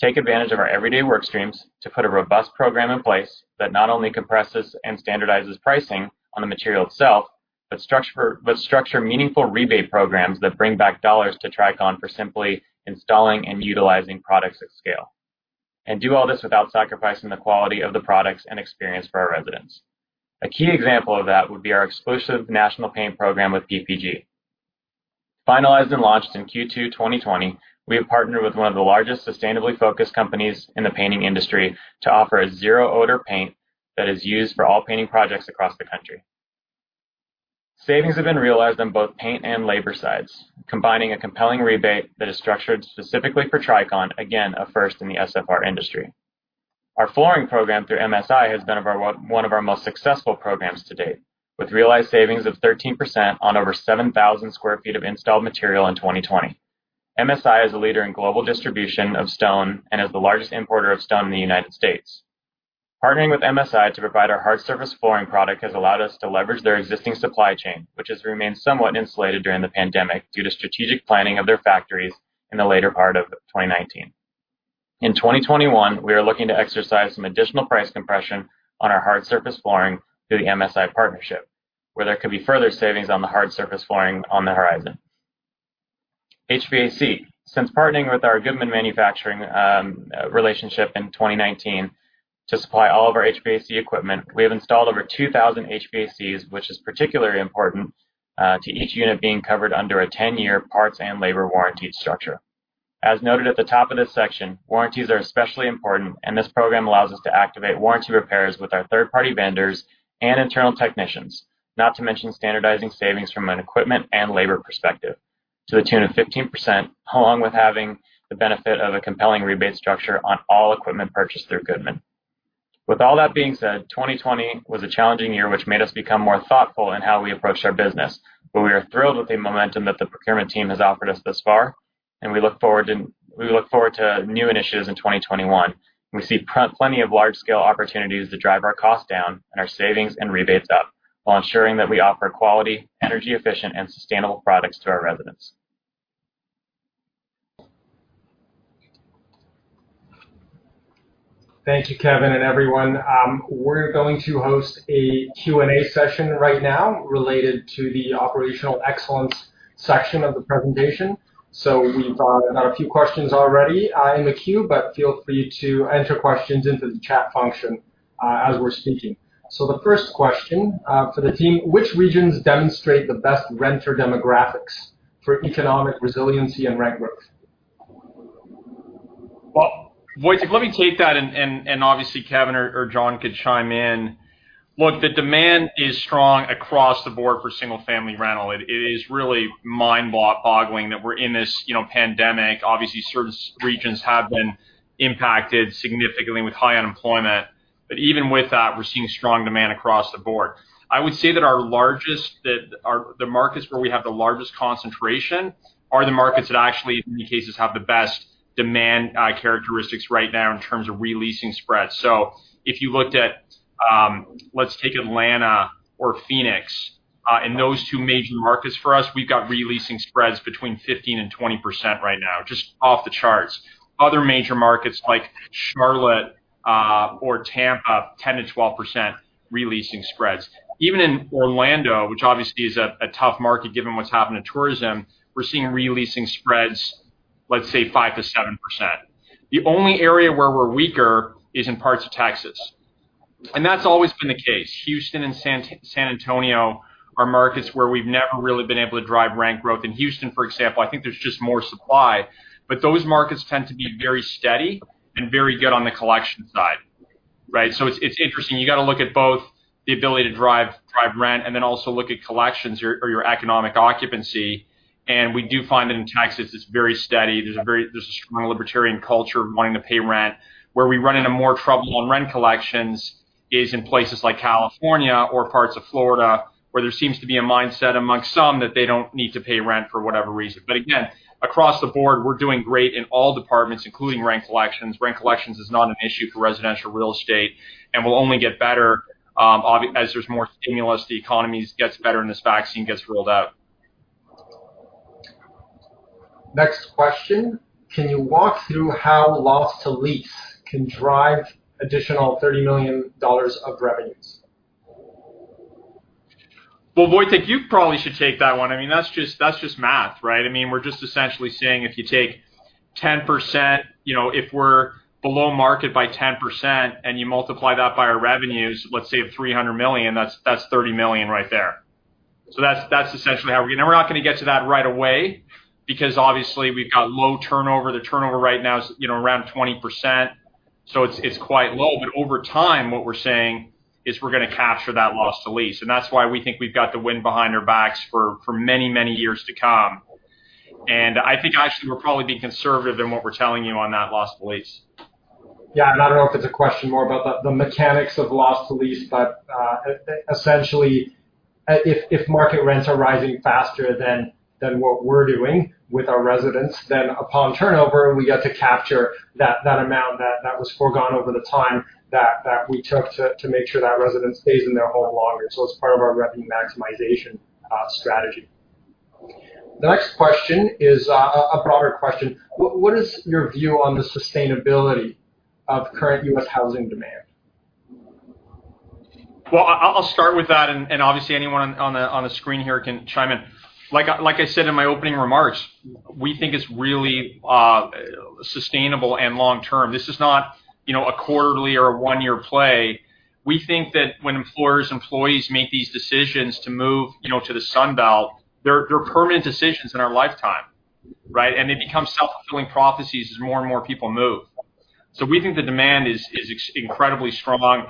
Take advantage of our everyday work streams to put a robust program in place that not only compresses and standardizes pricing on the material itself, but structure meaningful rebate programs that bring back dollars to Tricon for simply installing and utilizing products at scale. Do all this without sacrificing the quality of the products and experience for our residents. A key example of that would be our exclusive national paint program with PPG. Finalized and launched in Q2 2020, we have partnered with one of the largest sustainably focused companies in the painting industry to offer a zero-odor paint that is used for all painting projects across the country. Savings have been realized on both paint and labor sides, combining a compelling rebate that is structured specifically for Tricon, again, a first in the SFR industry. Our flooring program through MSI has been one of our most successful programs to date, with realized savings of 13% on over 7,000 sq ft of installed material in 2020. MSI is a leader in global distribution of stone and is the largest importer of stone in the United States. Partnering with MSI to provide our hard surface flooring product has allowed us to leverage their existing supply chain, which has remained somewhat insulated during the pandemic due to strategic planning of their factories in the later part of 2019. In 2021, we are looking to exercise some additional price compression on our hard surface flooring through the MSI partnership, where there could be further savings on the hard surface flooring on the horizon. HVAC. Since partnering with our Goodman Manufacturing relationship in 2019 to supply all of our HVAC equipment, we have installed over 2,000 HVACs, which is particularly important to each unit being covered under a 10-year parts and labor warranty structure. As noted at the top of this section, warranties are especially important, and this program allows us to activate warranty repairs with our third-party vendors and internal technicians, not to mention standardizing savings from an equipment and labor perspective to the tune of 15%, along with having the benefit of a compelling rebate structure on all equipment purchased through Goodman. With all that being said, 2020 was a challenging year, which made us become more thoughtful in how we approach our business. We are thrilled with the momentum that the procurement team has offered us thus far, and we look forward to new initiatives in 2021. We see plenty of large-scale opportunities to drive our costs down and our savings and rebates up while ensuring that we offer quality, energy-efficient, and sustainable products to our residents. Thank you, Kevin and everyone. We're going to host a Q&A session right now related to the operational excellence section of the presentation. We've got a few questions already in the queue, but feel free to enter questions into the chat function as we're speaking. The first question for the team. Which regions demonstrate the best renter demographics for economic resiliency and rent growth? Well, Wojtek, let me take that, and obviously, Kevin or Jon could chime in. Look, the demand is strong across the board for single-family rental. It is really mind-boggling that we're in this pandemic. Obviously, certain regions have been impacted significantly with high unemployment. Even with that, we're seeing strong demand across the board. I would say that the markets where we have the largest concentration are the markets that actually, in many cases, have the best demand characteristics right now in terms of re-leasing spreads. If you looked at, let's take Atlanta or Phoenix, in those two major markets for us, we've got re-leasing spreads between 15% and 20% right now, just off the charts. Other major markets like Charlotte or Tampa, 10%-12% re-leasing spreads. Even in Orlando, which obviously is a tough market given what's happened to tourism, we're seeing re-leasing spreads, let's say 5%-7%. The only area where we're weaker is in parts of Texas, that's always been the case. Houston and San Antonio are markets where we've never really been able to drive rent growth. In Houston, for example, I think there's just more supply, those markets tend to be very steady and very good on the collection side. Right? It's interesting. You got to look at both the ability to drive rent then also look at collections or your economic occupancy. We do find that in Texas, it's very steady. There's a strong libertarian culture of wanting to pay rent. Where we run into more trouble on rent collections is in places like California or parts of Florida, where there seems to be a mindset amongst some that they don't need to pay rent for whatever reason. Again, across the board, we're doing great in all departments, including rent collections. Rent collections is not an issue for residential real estate and will only get better as there's more stimulus, the economy gets better, and this vaccine gets rolled out. Next question. Can you walk through how loss to lease can drive additional $30 million of revenues? Well, Wojtek, you probably should take that one. I mean, that's just math, right? We're just essentially saying if you take 10%, if we're below market by 10% and you multiply that by our revenues, let's say of $300 million, that's $30 million right there. That's essentially how we're going to. Now, we're not going to get to that right away because obviously we've got low turnover. The turnover right now is around 20%, so it's quite low. Over time, what we're saying is we're going to capture that loss to lease, and that's why we think we've got the wind behind our backs for many, many years to come. I think actually, we're probably being conservative in what we're telling you on that loss to lease. Yeah, I don't know if it's a question more about the mechanics of loss to lease, but essentially, if market rents are rising faster than what we're doing with our residents, then upon turnover, we get to capture that amount that was foregone over the time that we took to make sure that resident stays in their home longer. It's part of our revenue maximization strategy. The next question is a broader question. What is your view on the sustainability of current U.S. housing demand? Well, I'll start with that, and obviously anyone on the screen here can chime in. Like I said in my opening remarks, we think it's really sustainable and long-term. This is not a quarterly or a one-year play. We think that when employers and employees make these decisions to move to the Sun Belt, they're permanent decisions in our lifetime, right? They become self-fulfilling prophecies as more and more people move. We think the demand is incredibly strong.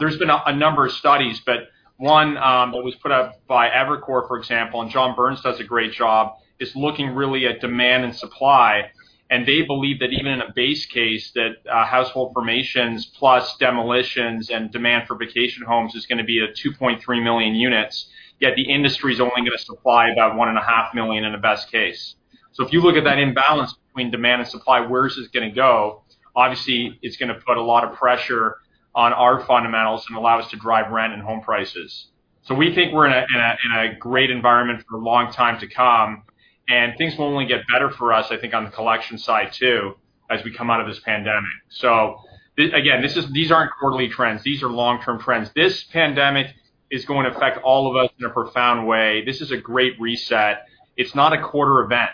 There's been a number of studies, but one that was put out by Evercore, for example, and John Burns does a great job, is looking really at demand and supply. They believe that even in a base case, that household formations plus demolitions and demand for vacation homes is going to be at 2.3 million units, yet the industry's only going to supply about 1.5 million in a best case. If you look at that imbalance between demand and supply, where is this going to go? Obviously, it's going to put a lot of pressure on our fundamentals and allow us to drive rent and home prices. We think we're in a great environment for a long time to come, and things will only get better for us, I think, on the collection side, too, as we come out of this pandemic. Again, these aren't quarterly trends. These are long-term trends. This pandemic is going to affect all of us in a profound way. This is a great reset. It's not a quarter event.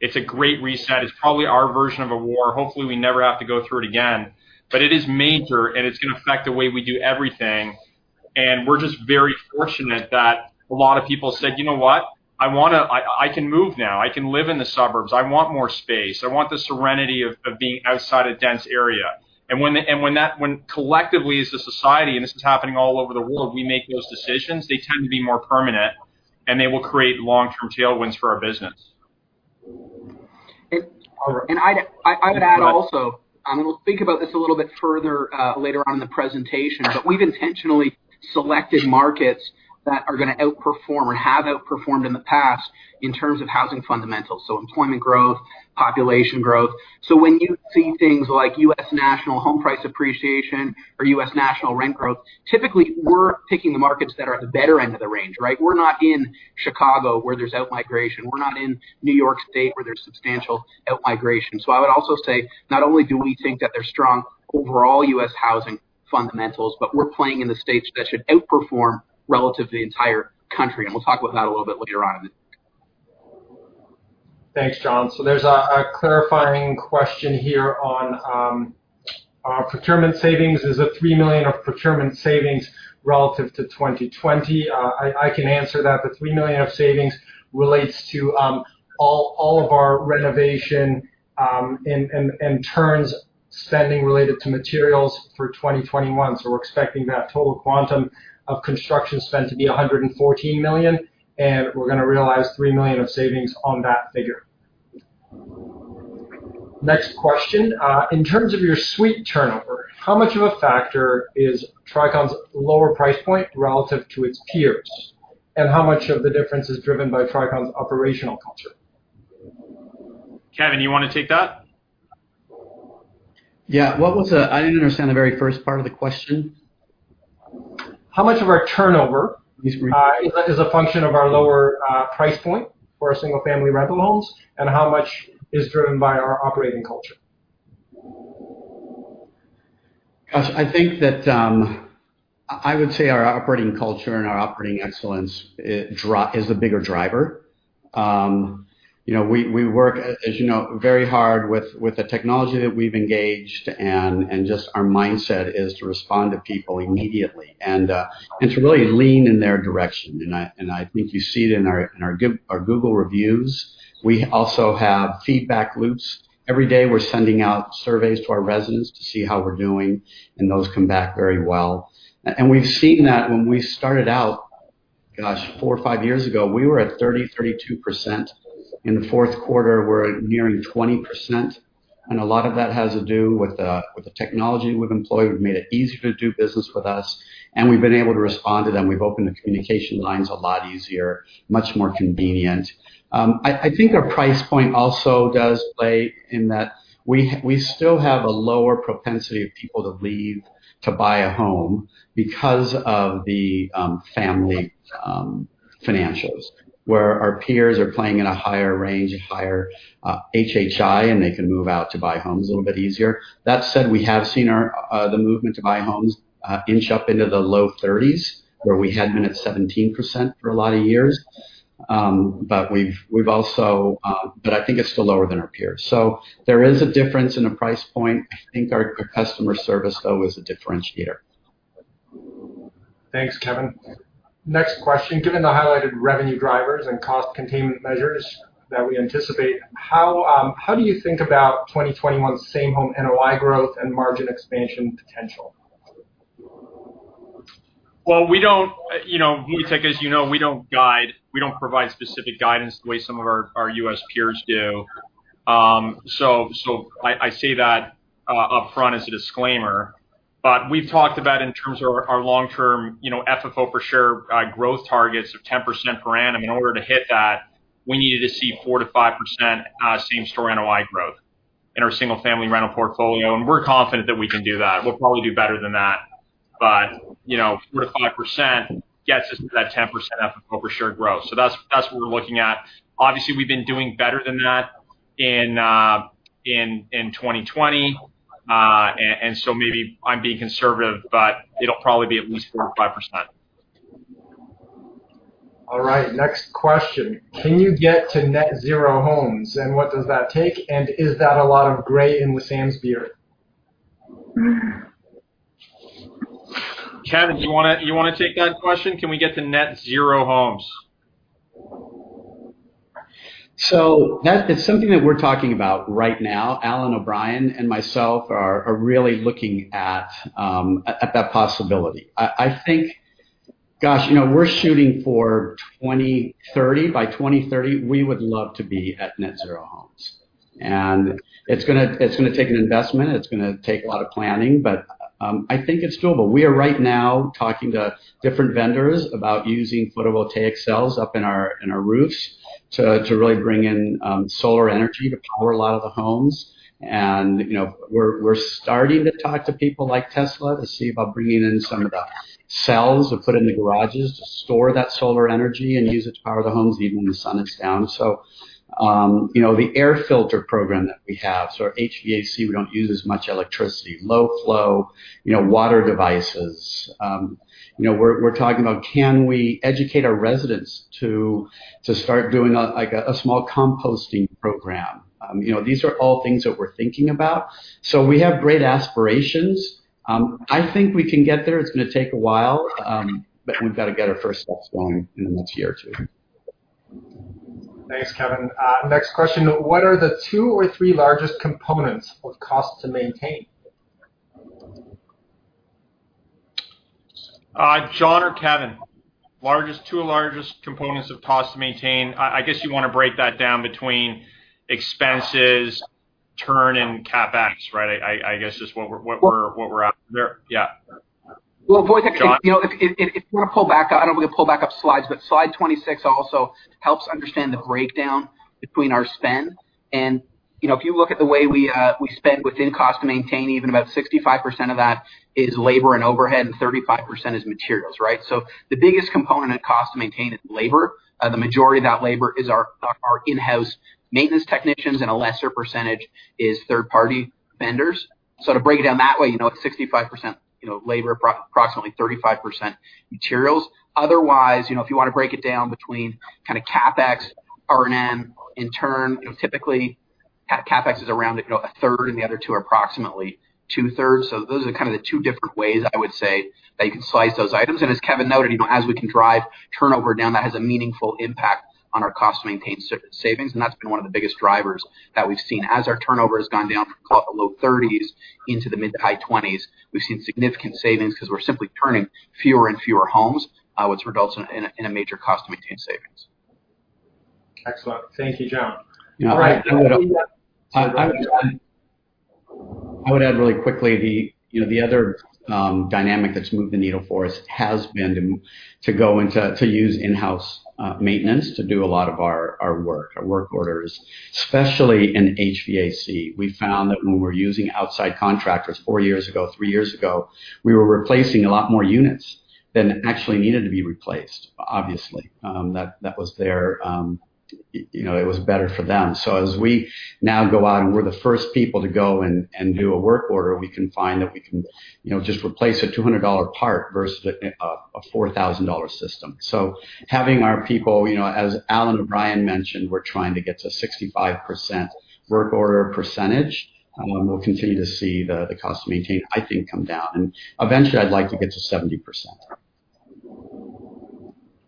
It's a great reset. It's probably our version of a war. Hopefully we never have to go through it again. It is major, and it's going to affect the way we do everything. We're just very fortunate that a lot of people said, "You know what? I can move now. I can live in the suburbs. I want more space. I want the serenity of being outside a dense area." When collectively as a society, and this is happening all over the world, we make those decisions, they tend to be more permanent, and they will create long-term tailwinds for our business. I'd add also, and we'll think about this a little bit further later on in the presentation, but we've intentionally selected markets that are going to outperform or have outperformed in the past in terms of housing fundamentals. Employment growth, population growth. When you see things like U.S. national home price appreciation or U.S. national rent growth, typically we're picking the markets that are at the better end of the range. We're not in Chicago where there's outmigration. We're not in New York State where there's substantial outmigration. I would also say not only do we think that there's strong overall U.S. housing fundamentals, but we're playing in the states that should outperform relative to the entire country. We'll talk about that a little bit later on in the day. Thanks, Jon. There's a clarifying question here on procurement savings. Is the $3 million of procurement savings relative to 2020? I can answer that. The $3 million of savings relates to all of our renovation and turns spending related to materials for 2021. We're expecting that total quantum of construction spend to be $114 million, and we're going to realize $3 million of savings on that figure. Next question. In terms of your suite turnover, how much of a factor is Tricon's lower price point relative to its peers? How much of the difference is driven by Tricon's operational culture? Kevin, you want to take that? Yeah. I didn't understand the very first part of the question. How much of our turnover is a function of our lower price point for our single-family rental homes, and how much is driven by our operating culture? Gosh, I think that I would say our operating culture and our operating excellence is the bigger driver. We work, as you know, very hard with the technology that we've engaged and just our mindset is to respond to people immediately and to really lean in their direction. And I think you see it in our Google reviews. We also have feedback loops. Every day we're sending out surveys to our residents to see how we're doing, and those come back very well. And we've seen that when we started out, gosh, four or five years ago, we were at 30%, 32%. In the fourth quarter, we're nearing 20%, and a lot of that has to do with the technology we've employed. We've made it easier to do business with us, and we've been able to respond to them. We've opened the communication lines a lot easier, much more convenient. I think our price point also does play in that we still have a lower propensity of people to leave to buy a home because of the family financials. Where our peers are playing in a higher range, a higher HHI, and they can move out to buy homes a little bit easier. That said, we have seen the movement to buy homes inch up into the low 30s, where we had been at 17% for a lot of years. I think it's still lower than our peers. There is a difference in the price point. I think our customer service, though, is a differentiator. Thanks, Kevin. Next question. Given the highlighted revenue drivers and cost containment measures that we anticipate, how do you think about 2021 same home NOI growth and margin expansion potential? Well, Wojtek, as you know, we don't provide specific guidance the way some of our U.S. peers do. I say that upfront as a disclaimer. We've talked about in terms of our long-term FFO per share growth targets of 10% per annum. In order to hit that, we needed to see 4%-5% same store NOI growth in our single-family rental portfolio, and we're confident that we can do that. We'll probably do better than that. 4%-5% gets us to that 10% FFO per share growth. That's what we're looking at. Obviously, we've been doing better than that in 2020. Maybe I'm being conservative, it'll probably be at least 4% or 5%. All right. Next question. Can you get to net zero homes? What does that take? Is that a lot of gray in Wissam's beard? Kevin, do you want to take that question? Can we get to net zero homes? That is something that we're talking about right now. Alan O'Brien and myself are really looking at that possibility. I think, gosh, we're shooting for 2030. By 2030, we would love to be at net zero homes. It's going to take an investment, it's going to take a lot of planning, but I think it's doable. We are right now talking to different vendors about using photovoltaic cells up in our roofs to really bring in solar energy to power a lot of the homes. We're starting to talk to people like Tesla to see about bringing in some of the cells to put in the garages to store that solar energy and use it to power the homes even when the sun is down. The air filter program that we have. Our HVAC, we don't use as much electricity. Low flow water devices. We're talking about can we educate our residents to start doing a small composting program? These are all things that we're thinking about. We have great aspirations. I think we can get there. It's going to take a while, but we've got to get our first steps going in the next year or two. Thanks, Kevin. Next question. What are the two or three largest components of cost to maintain? Jon or Kevin, two largest components of cost to maintain. I guess you want to break that down between expenses, turn, and CapEx, right? I guess is what we're after there. Yeah. Well, Wojtek- Jon. If you want to pull back up, I don't know if we can pull back up slides, but slide 26 also helps understand the breakdown between our spend. If you look at the way we spend within cost to maintain, even about 65% of that is labor and overhead, and 35% is materials, right? The biggest component of cost to maintain is labor. The majority of that labor is our in-house maintenance technicians, and a lesser percentage is third-party vendors. To break it down that way, it's 65% labor, approximately 35% materials. Otherwise, if you want to break it down between kind of CapEx, R&M, and turn, typically CapEx is around a third, and the other two are approximately two thirds. Those are kind of the two different ways I would say that you can slice those items. As Kevin noted, as we can drive turnover down, that has a meaningful impact on our cost to maintain savings. That's been one of the biggest drivers that we've seen. As our turnover has gone down from the low 30s into the mid to high 20s, we've seen significant savings because we're simply turning fewer and fewer homes, which results in a major cost to maintain savings. Excellent. Thank you, Jon. All right. I would add really quickly, the other dynamic that's moved the needle for us has been to use in-house maintenance to do a lot of our work, our work orders, especially in HVAC. We found that when we were using outside contractors four years ago, three years ago, we were replacing a lot more units than actually needed to be replaced. Obviously, it was better for them. As we now go out and we're the first people to go and do a work order, we can find that we can just replace a 200 dollar part versus a 4,000 dollar system. Having our people, as Alan O'Brien mentioned, we're trying to get to 65% work order percentage, and we'll continue to see the cost to maintain, I think, come down. Eventually I'd like to get to 70%.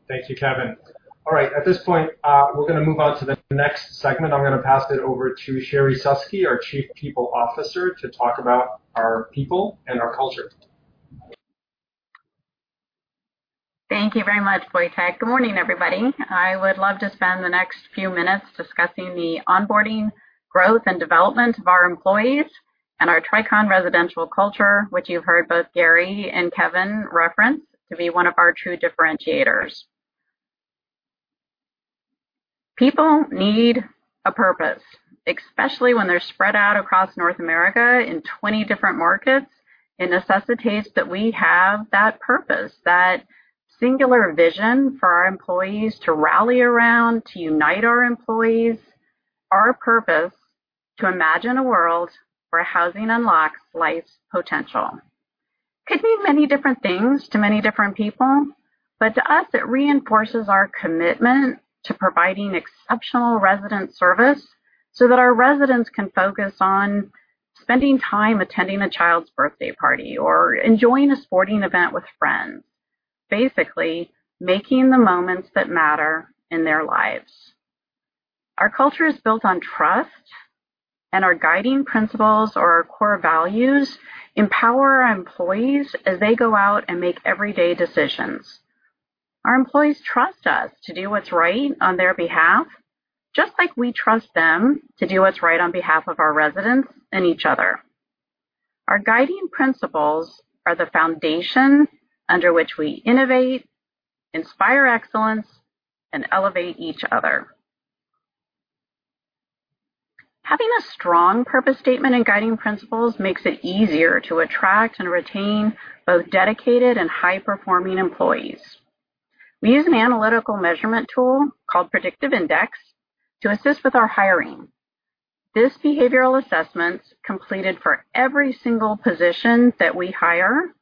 Thank you, Kevin. All right. At this point, we're going to move on to the next segment. I'm going to pass it over to Sherrie Suski, our Chief People Officer, to talk about our people and our culture. Thank you very much, Wojtek. Good morning, everybody. I would love to spend the next few minutes discussing the onboarding, growth, and development of our employees, and our Tricon Residential culture, which you've heard both Gary and Kevin reference to be one of our true differentiators. People need a purpose, especially when they're spread out across North America in 20 different markets. It necessitates that we have that purpose, that singular vision for our employees to rally around, to unite our employees. Our purpose, to imagine a world where housing unlocks life's potential. Could mean many different things to many different people, but to us, it reinforces our commitment to providing exceptional resident service so that our residents can focus on spending time attending a child's birthday party or enjoying a sporting event with friends, basically making the moments that matter in their lives. Our culture is built on trust, and our guiding principles or our core values empower our employees as they go out and make everyday decisions. Our employees trust us to do what's right on their behalf, just like we trust them to do what's right on behalf of our residents and each other. Our guiding principles are the foundation under which we innovate, inspire excellence, and elevate each other. Having a strong purpose statement and guiding principles makes it easier to attract and retain both dedicated and high-performing employees. We use an analytical measurement tool called Predictive Index to assist with our hiring. This behavioral assessment's completed for every single position that we hire,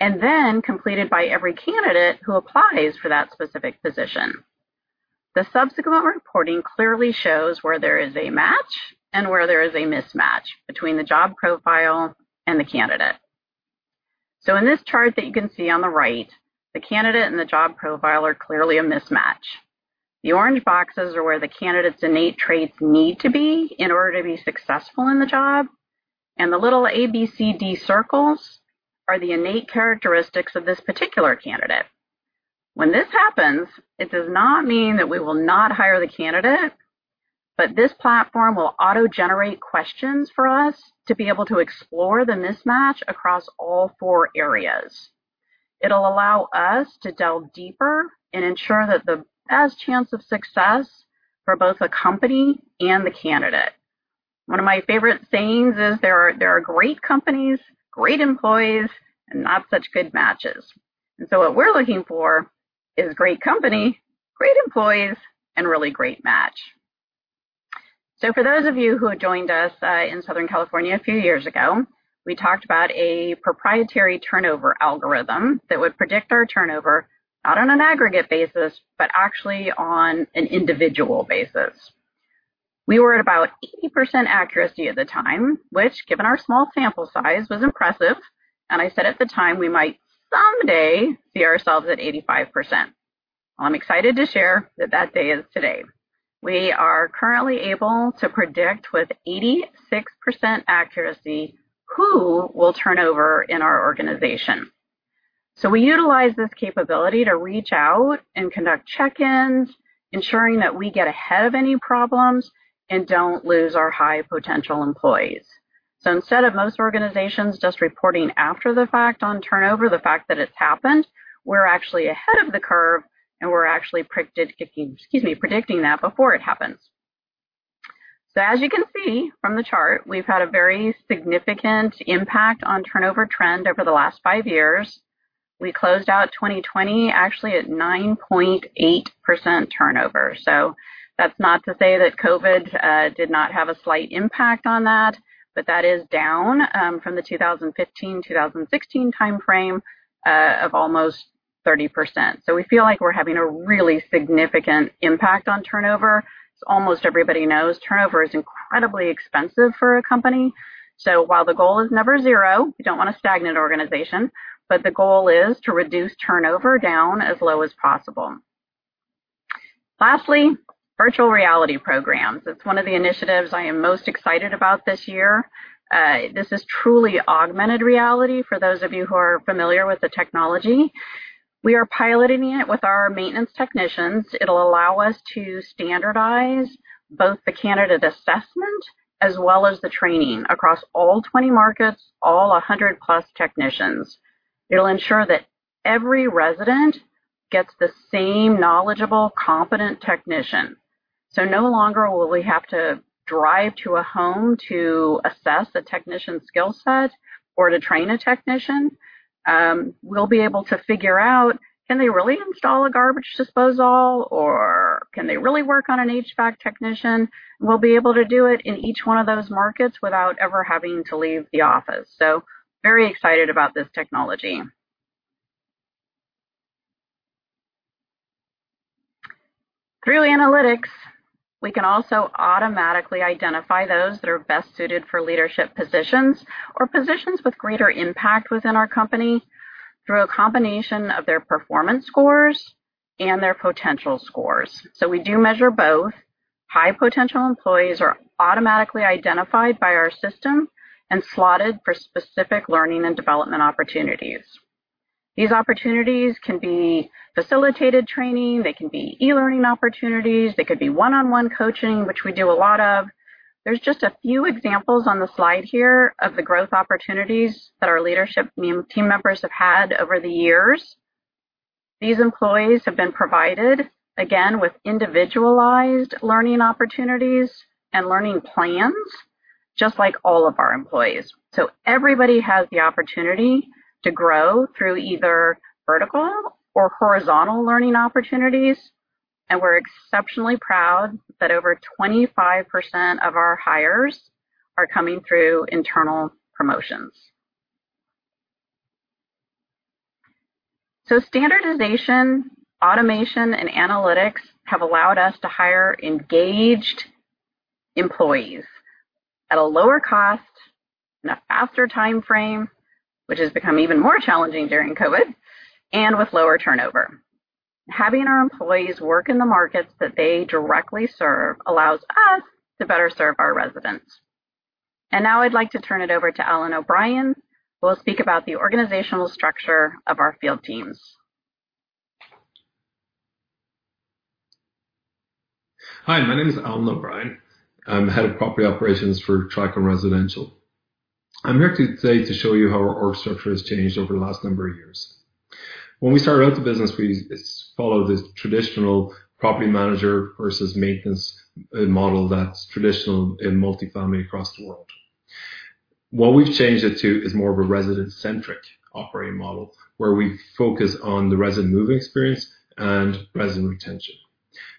and then completed by every candidate who applies for that specific position. The subsequent reporting clearly shows where there is a match and where there is a mismatch between the job profile and the candidate. In this chart that you can see on the right, the candidate and the job profile are clearly a mismatch. The orange boxes are where the candidate's innate traits need to be in order to be successful in the job, and the little A, B, C, D circles are the innate characteristics of this particular candidate. When this happens, it does not mean that we will not hire the candidate, but this platform will auto-generate questions for us to be able to explore the mismatch across all four areas. It'll allow us to delve deeper and ensure that the best chance of success for both the company and the candidate. One of my favorite sayings is, "There are great companies, great employees, and not such good matches." What we're looking for is great company, great employees, and really great match. For those of you who joined us in Southern California a few years ago, we talked about a proprietary turnover algorithm that would predict our turnover, not on an aggregate basis, but actually on an individual basis. We were at about 80% accuracy at the time, which, given our small sample size, was impressive. I said at the time, we might someday see ourselves at 85%. I'm excited to share that that day is today. We are currently able to predict with 86% accuracy who will turnover in our organization. We utilize this capability to reach out and conduct check-ins, ensuring that we get ahead of any problems and don't lose our high-potential employees. Instead of most organizations just reporting after the fact on turnover, the fact that it's happened, we're actually ahead of the curve, and we're actually predicting that before it happens. As you can see from the chart, we've had a very significant impact on turnover trend over the last five years. We closed out 2020 actually at 9.8% turnover. That's not to say that COVID did not have a slight impact on that, but that is down from the 2015/2016 timeframe of almost 30%. We feel like we're having a really significant impact on turnover. As almost everybody knows, turnover is incredibly expensive for a company. While the goal is never zero, we don't want a stagnant organization, but the goal is to reduce turnover down as low as possible. Lastly, virtual reality programs. It's one of the initiatives I am most excited about this year. This is truly augmented reality, for those of you who are familiar with the technology. We are piloting it with our maintenance technicians. It'll allow us to standardize both the candidate assessment as well as the training across all 20 markets, all 100-plus technicians. It'll ensure that every resident gets the same knowledgeable, competent technician. No longer will we have to drive to a home to assess a technician's skill set or to train a technician. We'll be able to figure out, can they really install a garbage disposal, or can they really work on an HVAC technician? We'll be able to do it in each one of those markets without ever having to leave the office. Very excited about this technology. Through analytics, we can also automatically identify those that are best suited for leadership positions or positions with greater impact within our company through a combination of their performance scores and their potential scores. We do measure both. High-potential employees are automatically identified by our system and slotted for specific learning and development opportunities. These opportunities can be facilitated training, they can be e-learning opportunities, they could be one-on-one coaching, which we do a lot of. There's just a few examples on the slide here of the growth opportunities that our leadership team members have had over the years. These employees have been provided, again, with individualized learning opportunities and learning plans, just like all of our employees. Everybody has the opportunity to grow through either vertical or horizontal learning opportunities, and we're exceptionally proud that over 25% of our hires are coming through internal promotions. Standardization, automation, and analytics have allowed us to hire engaged employees at a lower cost in a faster timeframe, which has become even more challenging during COVID, and with lower turnover. Having our employees work in the markets that they directly serve allows us to better serve our residents. Now I'd like to turn it over to Alan O'Brien, who will speak about the organizational structure of our field teams. Hi, my name is Alan O'Brien. I'm Head of Property Operations for Tricon Residential. I'm here today to show you how our org structure has changed over the last number of years. When we started out the business, we followed the traditional property manager versus maintenance model that's traditional in multifamily across the world. What we've changed it to is more of a resident-centric operating model, where we focus on the resident move-in experience and resident retention.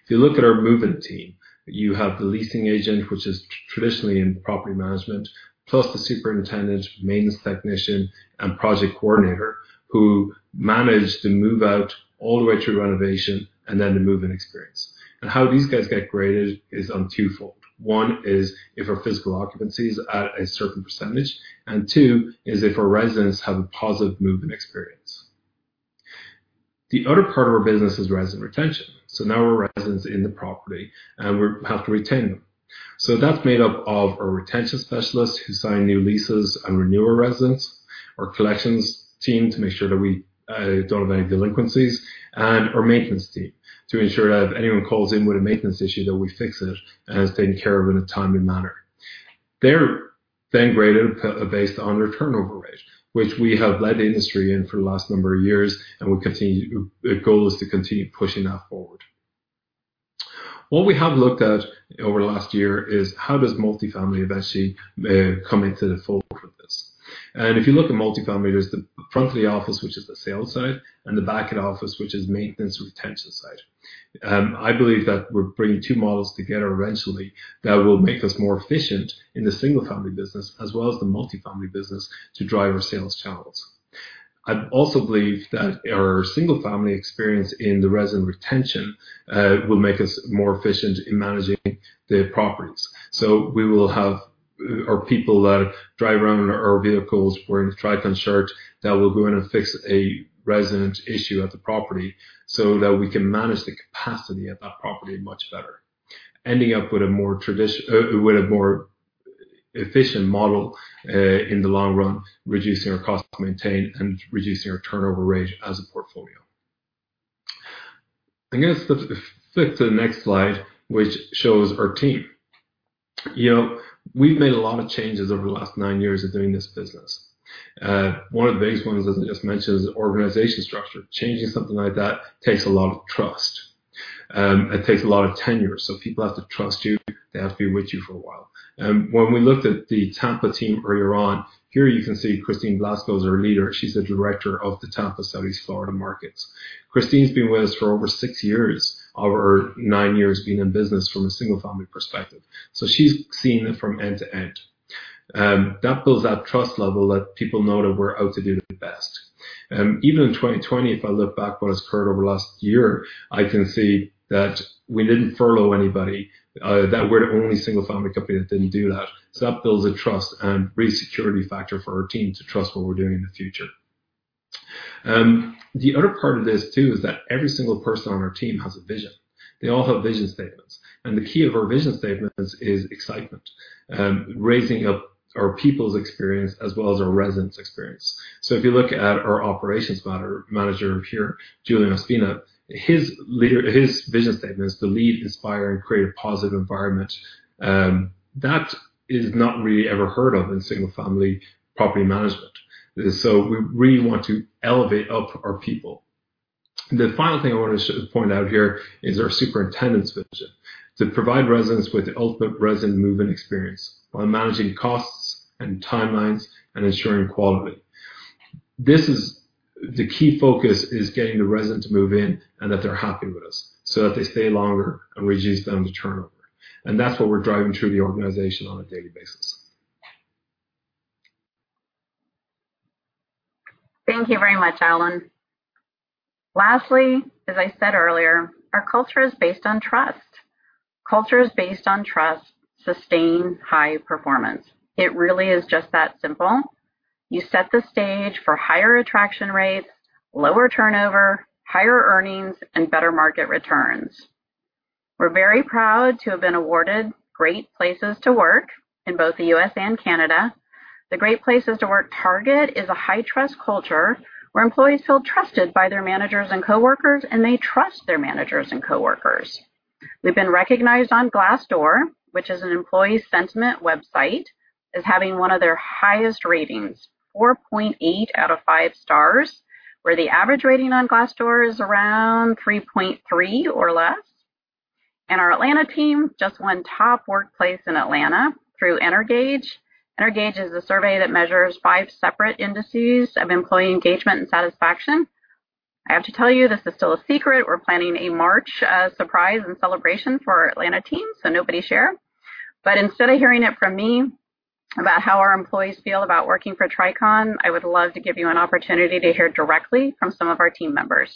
If you look at our move-in team, you have the leasing agent, which is traditionally in property management, plus the superintendent, maintenance technician, and project coordinator who manage the move-out all the way through renovation and then the move-in experience. How these guys get graded is on twofold. One is if our physical occupancy is at a certain percentage, and two is if our residents have a positive move-in experience. The other part of our business is resident retention. Now our residents in the property, and we have to retain them. That's made up of our retention specialists who sign new leases and renew our residents, our collections team to make sure that we don't have any delinquencies, and our maintenance team to ensure that if anyone calls in with a maintenance issue, that we fix it and it's taken care of in a timely manner. They're then graded based on our turnover rate, which we have led the industry in for the last number of years. The goal is to continue pushing that forward. What we have looked at over the last year is how does multifamily eventually may come into the fold with this. If you look at multifamily, there's the front of the office, which is the sales side, and the back of the office, which is maintenance, retention side. I believe that we're bringing two models together eventually that will make us more efficient in the single-family business as well as the multifamily business to drive our sales channels. I also believe that our single-family experience in the resident retention will make us more efficient in managing the properties. We will have our people that drive around in our vehicles wearing Tricon shirts that will go in and fix a resident issue at the property so that we can manage the capacity at that property much better, ending up with a more efficient model in the long run, reducing our cost to maintain and reducing our turnover rate as a portfolio. I guess let's flick to the next slide, which shows our team. We've made a lot of changes over the last nine years of doing this business. One of the biggest ones, as I just mentioned, is the organization structure. Changing something like that takes a lot of trust. It takes a lot of tenure. People have to trust you. They have to be with you for a while. When we looked at the Tampa team earlier on, here you can see Kristine Blasko is our leader. She's the director of the Tampa Southeast Florida markets. Kristine's been with us for over six years, of our nine years being in business from a single-family perspective. She's seen it from end to end. That builds that trust level that people know that we're out to do the best. Even in 2020, if I look back what has occurred over the last year, I can see that we didn't furlough anybody, that we're the only single-family company that didn't do that. That builds a trust and resecurity factor for our team to trust what we're doing in the future. The other part of this too is that every single person on our team has a vision. They all have vision statements. The key of our vision statements is excitement, raising up our people's experience as well as our residents' experience. If you look at our operations manager here, Julian Ospina, his vision statement is to lead, inspire, and create a positive environment. That is not really ever heard of in single-family property management. We really want to elevate up our people. The final thing I want to point out here is our superintendent's vision. To provide residents with the ultimate resident move-in experience while managing costs and timelines and ensuring quality. The key focus is getting the residents move in and that they're happy with us so that they stay longer and reduce the amount of turnover. That's what we're driving through the organization on a daily basis. Thank you very much, Alan. Lastly, as I said earlier, our culture is based on trust. Cultures based on trust sustain high performance. It really is just that simple. You set the stage for higher attraction rates, lower turnover, higher earnings, and better market returns. We're very proud to have been awarded Great Place To Work in both the U.S. and Canada. The Great Place To Work target is a high-trust culture where employees feel trusted by their managers and coworkers, and they trust their managers and coworkers. We've been recognized on Glassdoor, which is an employee sentiment website, as having one of their highest ratings, 4.8 out of five stars, where the average rating on Glassdoor is around 3.3 or less. Our Atlanta team just won Top Workplace in Atlanta through Energage. Energage is a survey that measures five separate indices of employee engagement and satisfaction. I have to tell you, this is still a secret. We're planning a March surprise and celebration for our Atlanta team, so nobody share. Instead of hearing it from me about how our employees feel about working for Tricon, I would love to give you an opportunity to hear directly from some of our team members.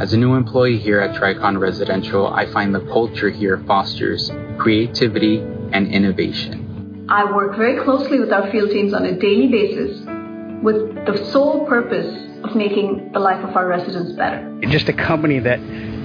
As a new employee here at Tricon Residential, I find the culture here fosters creativity and innovation. I work very closely with our field teams on a daily basis with the sole purpose of making the life of our residents better. Just a company that,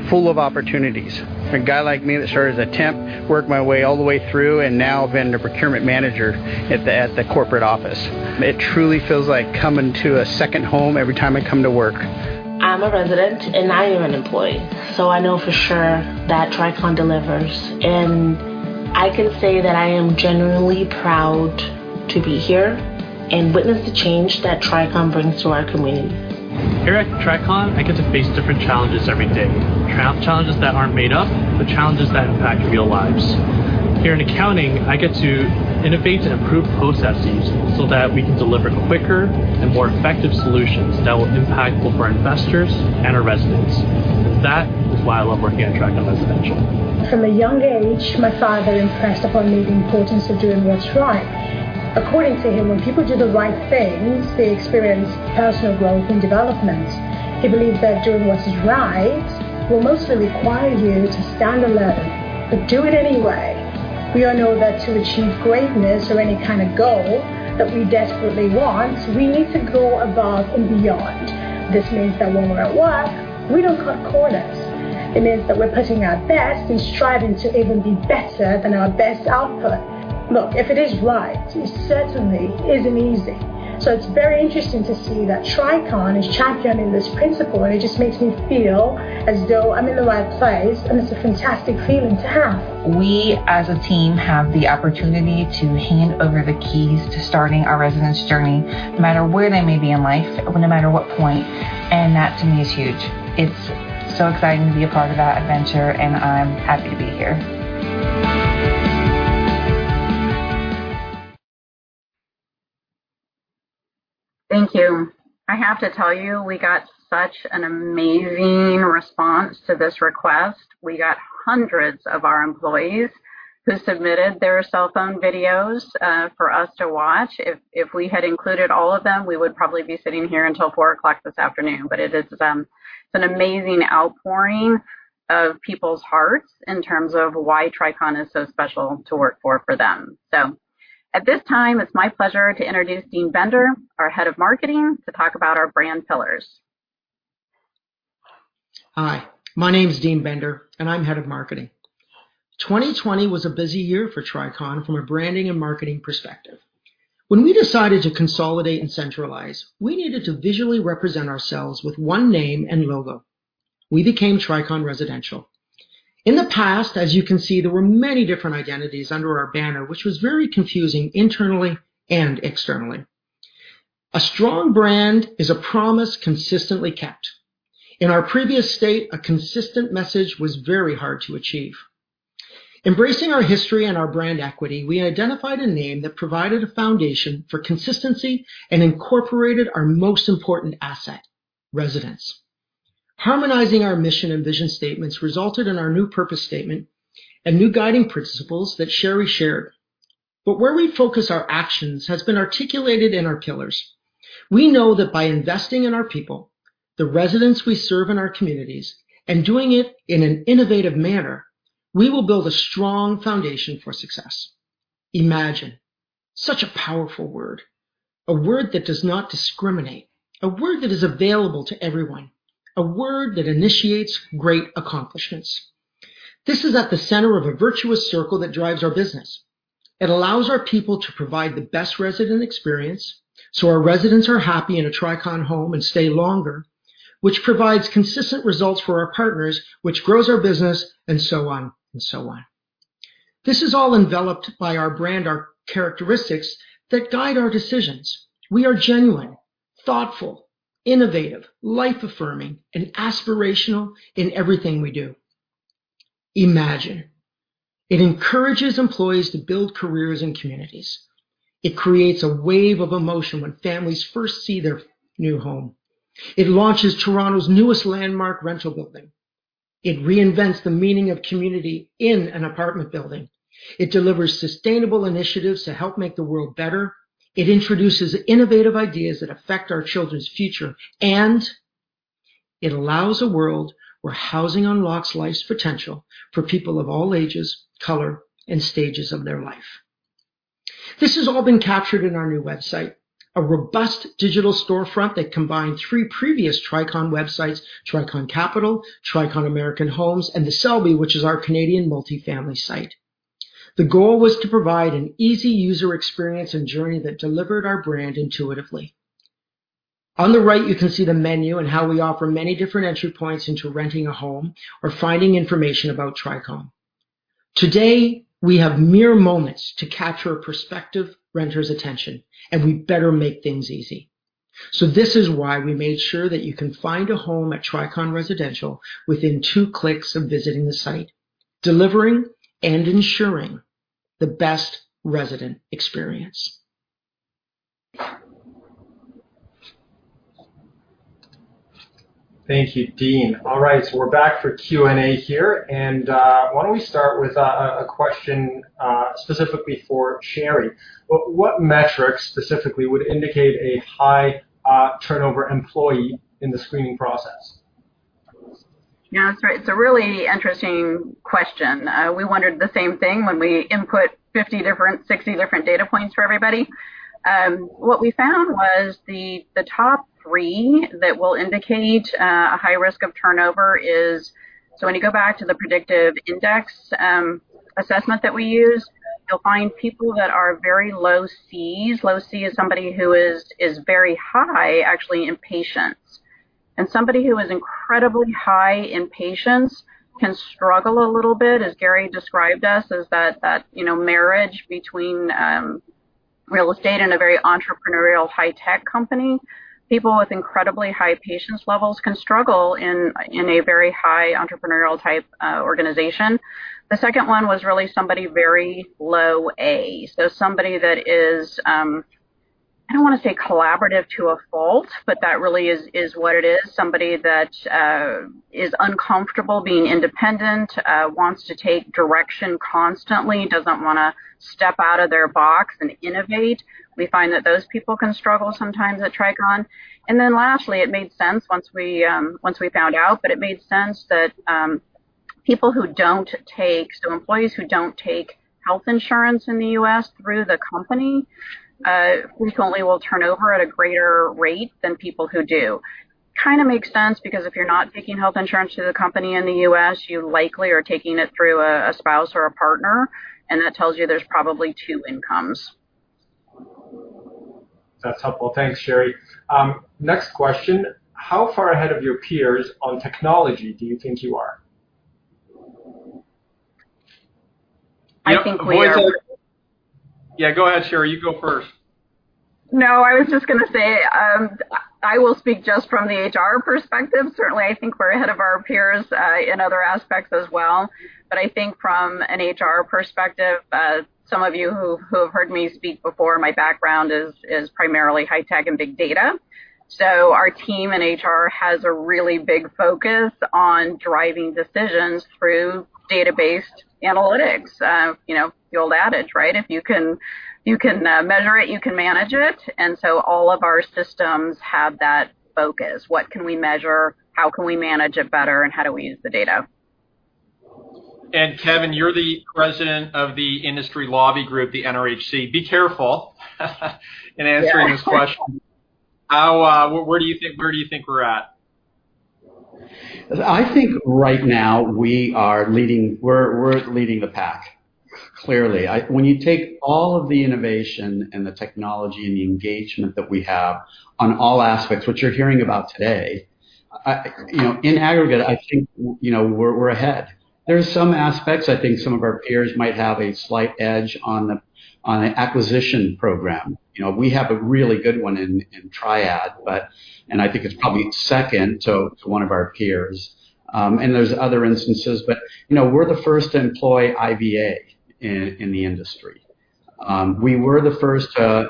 full of opportunities. A guy like me that started as a temp, worked my way all the way through, and now been the procurement manager at the corporate office. It truly feels like coming to a second home every time I come to work. I'm a resident, and I am an employee. I know for sure that Tricon delivers. I can say that I am genuinely proud to be here and witness the change that Tricon brings to our community. Here at Tricon, I get to face different challenges every day. Not challenges that aren't made up, but challenges that impact real lives. Here in accounting, I get to innovate and improve processes so that we can deliver quicker and more effective solutions that will impact both our investors and our residents. That is why I love working at Tricon Residential. From a young age, my father impressed upon me the importance of doing what's right. According to him, when people do the right things, they experience personal growth and development. He believes that doing what is right will mostly require you to stand alone, but do it anyway. We all know that to achieve greatness or any kind of goal that we desperately want, we need to go above and beyond. This means that when we're at work, we don't cut corners. It means that we're putting our best and striving to even be better than our best output. Look, if it is right, it certainly isn't easy. It's very interesting to see that Tricon is championing this principle, and it just makes me feel as though I'm in the right place, and it's a fantastic feeling to have. We as a team have the opportunity to hand over the keys to starting our residents' journey no matter where they may be in life, no matter what point. That to me is huge. It's so exciting to be a part of that adventure. I'm happy to be here. Thank you. I have to tell you, we got such an amazing response to this request. We got hundreds of our employees who submitted their cell phone videos for us to watch. If we had included all of them, we would probably be sitting here until 4:00 this afternoon. It is an amazing outpouring of people's hearts in terms of why Tricon is so special to work for them. At this time, it's my pleasure to introduce Dean Bender, our Head of Marketing, to talk about our brand pillars. Hi, my name's Dean Bender, and I'm Head of Marketing. 2020 was a busy year for Tricon from a branding and marketing perspective. When we decided to consolidate and centralize, we needed to visually represent ourselves with one name and logo. We became Tricon Residential. In the past, as you can see, there were many different identities under our banner, which was very confusing internally and externally. A strong brand is a promise consistently kept. In our previous state, a consistent message was very hard to achieve. Embracing our history and our brand equity, we identified a name that provided a foundation for consistency and incorporated our most important asset, residents. Harmonizing our mission and vision statements resulted in our new purpose statement and new guiding principles that Sherrie shared. Where we focus our actions has been articulated in our pillars. We know that by investing in our people, the residents we serve in our communities, and doing it in an innovative manner, we will build a strong foundation for success. Imagine. Such a powerful word. A word that does not discriminate. A word that is available to everyone. A word that initiates great accomplishments. This is at the center of a virtuous circle that drives our business. It allows our people to provide the best resident experience, so our residents are happy in a Tricon home and stay longer, which provides consistent results for our partners, which grows our business, and so on, and so on. This is all enveloped by our brand, our characteristics that guide our decisions. We are genuine, thoughtful, innovative, life-affirming, and aspirational in everything we do. Imagine. It encourages employees to build careers and communities. It creates a wave of emotion when families first see their new home. It launches Toronto's newest landmark rental building. It reinvents the meaning of community in an apartment building. It delivers sustainable initiatives to help make the world better. It introduces innovative ideas that affect our children's future. It allows a world where housing unlocks life's potential for people of all ages, color, and stages of their life. This has all been captured in our new website, a robust digital storefront that combined three previous Tricon websites, Tricon Capital, Tricon American Homes, and The Selby, which is our Canadian multifamily site. The goal was to provide an easy user experience and journey that delivered our brand intuitively. On the right, you can see the menu and how we offer many different entry points into renting a home or finding information about Tricon. Today, we have mere moments to capture a prospective renter's attention, and we better make things easy. This is why we made sure that you can find a home at Tricon Residential within two clicks of visiting the site, delivering and ensuring the best resident experience. Thank you, Dean. All right, we're back for Q&A here. Why don't we start with a question specifically for Sherrie. What metrics specifically would indicate a high turnover employee in the screening process? Yeah, that's right. It's a really interesting question. We wondered the same thing when we input 50 different, 60 different data points for everybody. What we found was the top three that will indicate a high risk of turnover is. When you go back to the Predictive Index assessment that we use, you'll find people that are very low Cs. Low C is somebody who is very high, actually, in patience. Somebody who is incredibly high in patience can struggle a little bit, as Gary described us, as that marriage between real estate and a very entrepreneurial high-tech company. People with incredibly high patience levels can struggle in a very high entrepreneurial type organization. The second one was really somebody very low A. Somebody that I don't want to say collaborative to a fault, but that really is what it is. Somebody that is uncomfortable being independent, wants to take direction constantly, doesn't want to step out of their box and innovate. We find that those people can struggle sometimes at Tricon. Lastly, it made sense once we found out, but it made sense that so employees who don't take health insurance in the U.S. through the company, frequently will turn over at a greater rate than people who do. Kind of makes sense because if you're not taking health insurance through the company in the U.S., you likely are taking it through a spouse or a partner, and that tells you there's probably two incomes. That's helpful. Thanks, Sherrie. Next question. How far ahead of your peers on technology do you think you are? I think we are- Yep. Yeah, go ahead, Sherrie You go first. No, I was just going to say, I will speak just from the HR perspective. Certainly, I think we're ahead of our peers in other aspects as well. I think from an HR perspective, some of you who have heard me speak before, my background is primarily high tech and big data. Our team in HR has a really big focus on driving decisions through data-based analytics. The old adage: If you can measure it, you can manage it. All of our systems have that focus. What can we measure? How can we manage it better, and how do we use the data? Kevin, you're the president of the industry lobby group, the NRHC. Be careful in answering this question. Where do you think we're at? I think right now we're leading the pack. Clearly. When you take all of the innovation and the technology and the engagement that we have on all aspects, which you're hearing about today, in aggregate, I think we're ahead. There are some aspects I think some of our peers might have a slight edge on the acquisition program. We have a really good one in TriAd, and I think it's probably second to one of our peers. There's other instances, but we're the first to employ IVA in the industry. We were the first to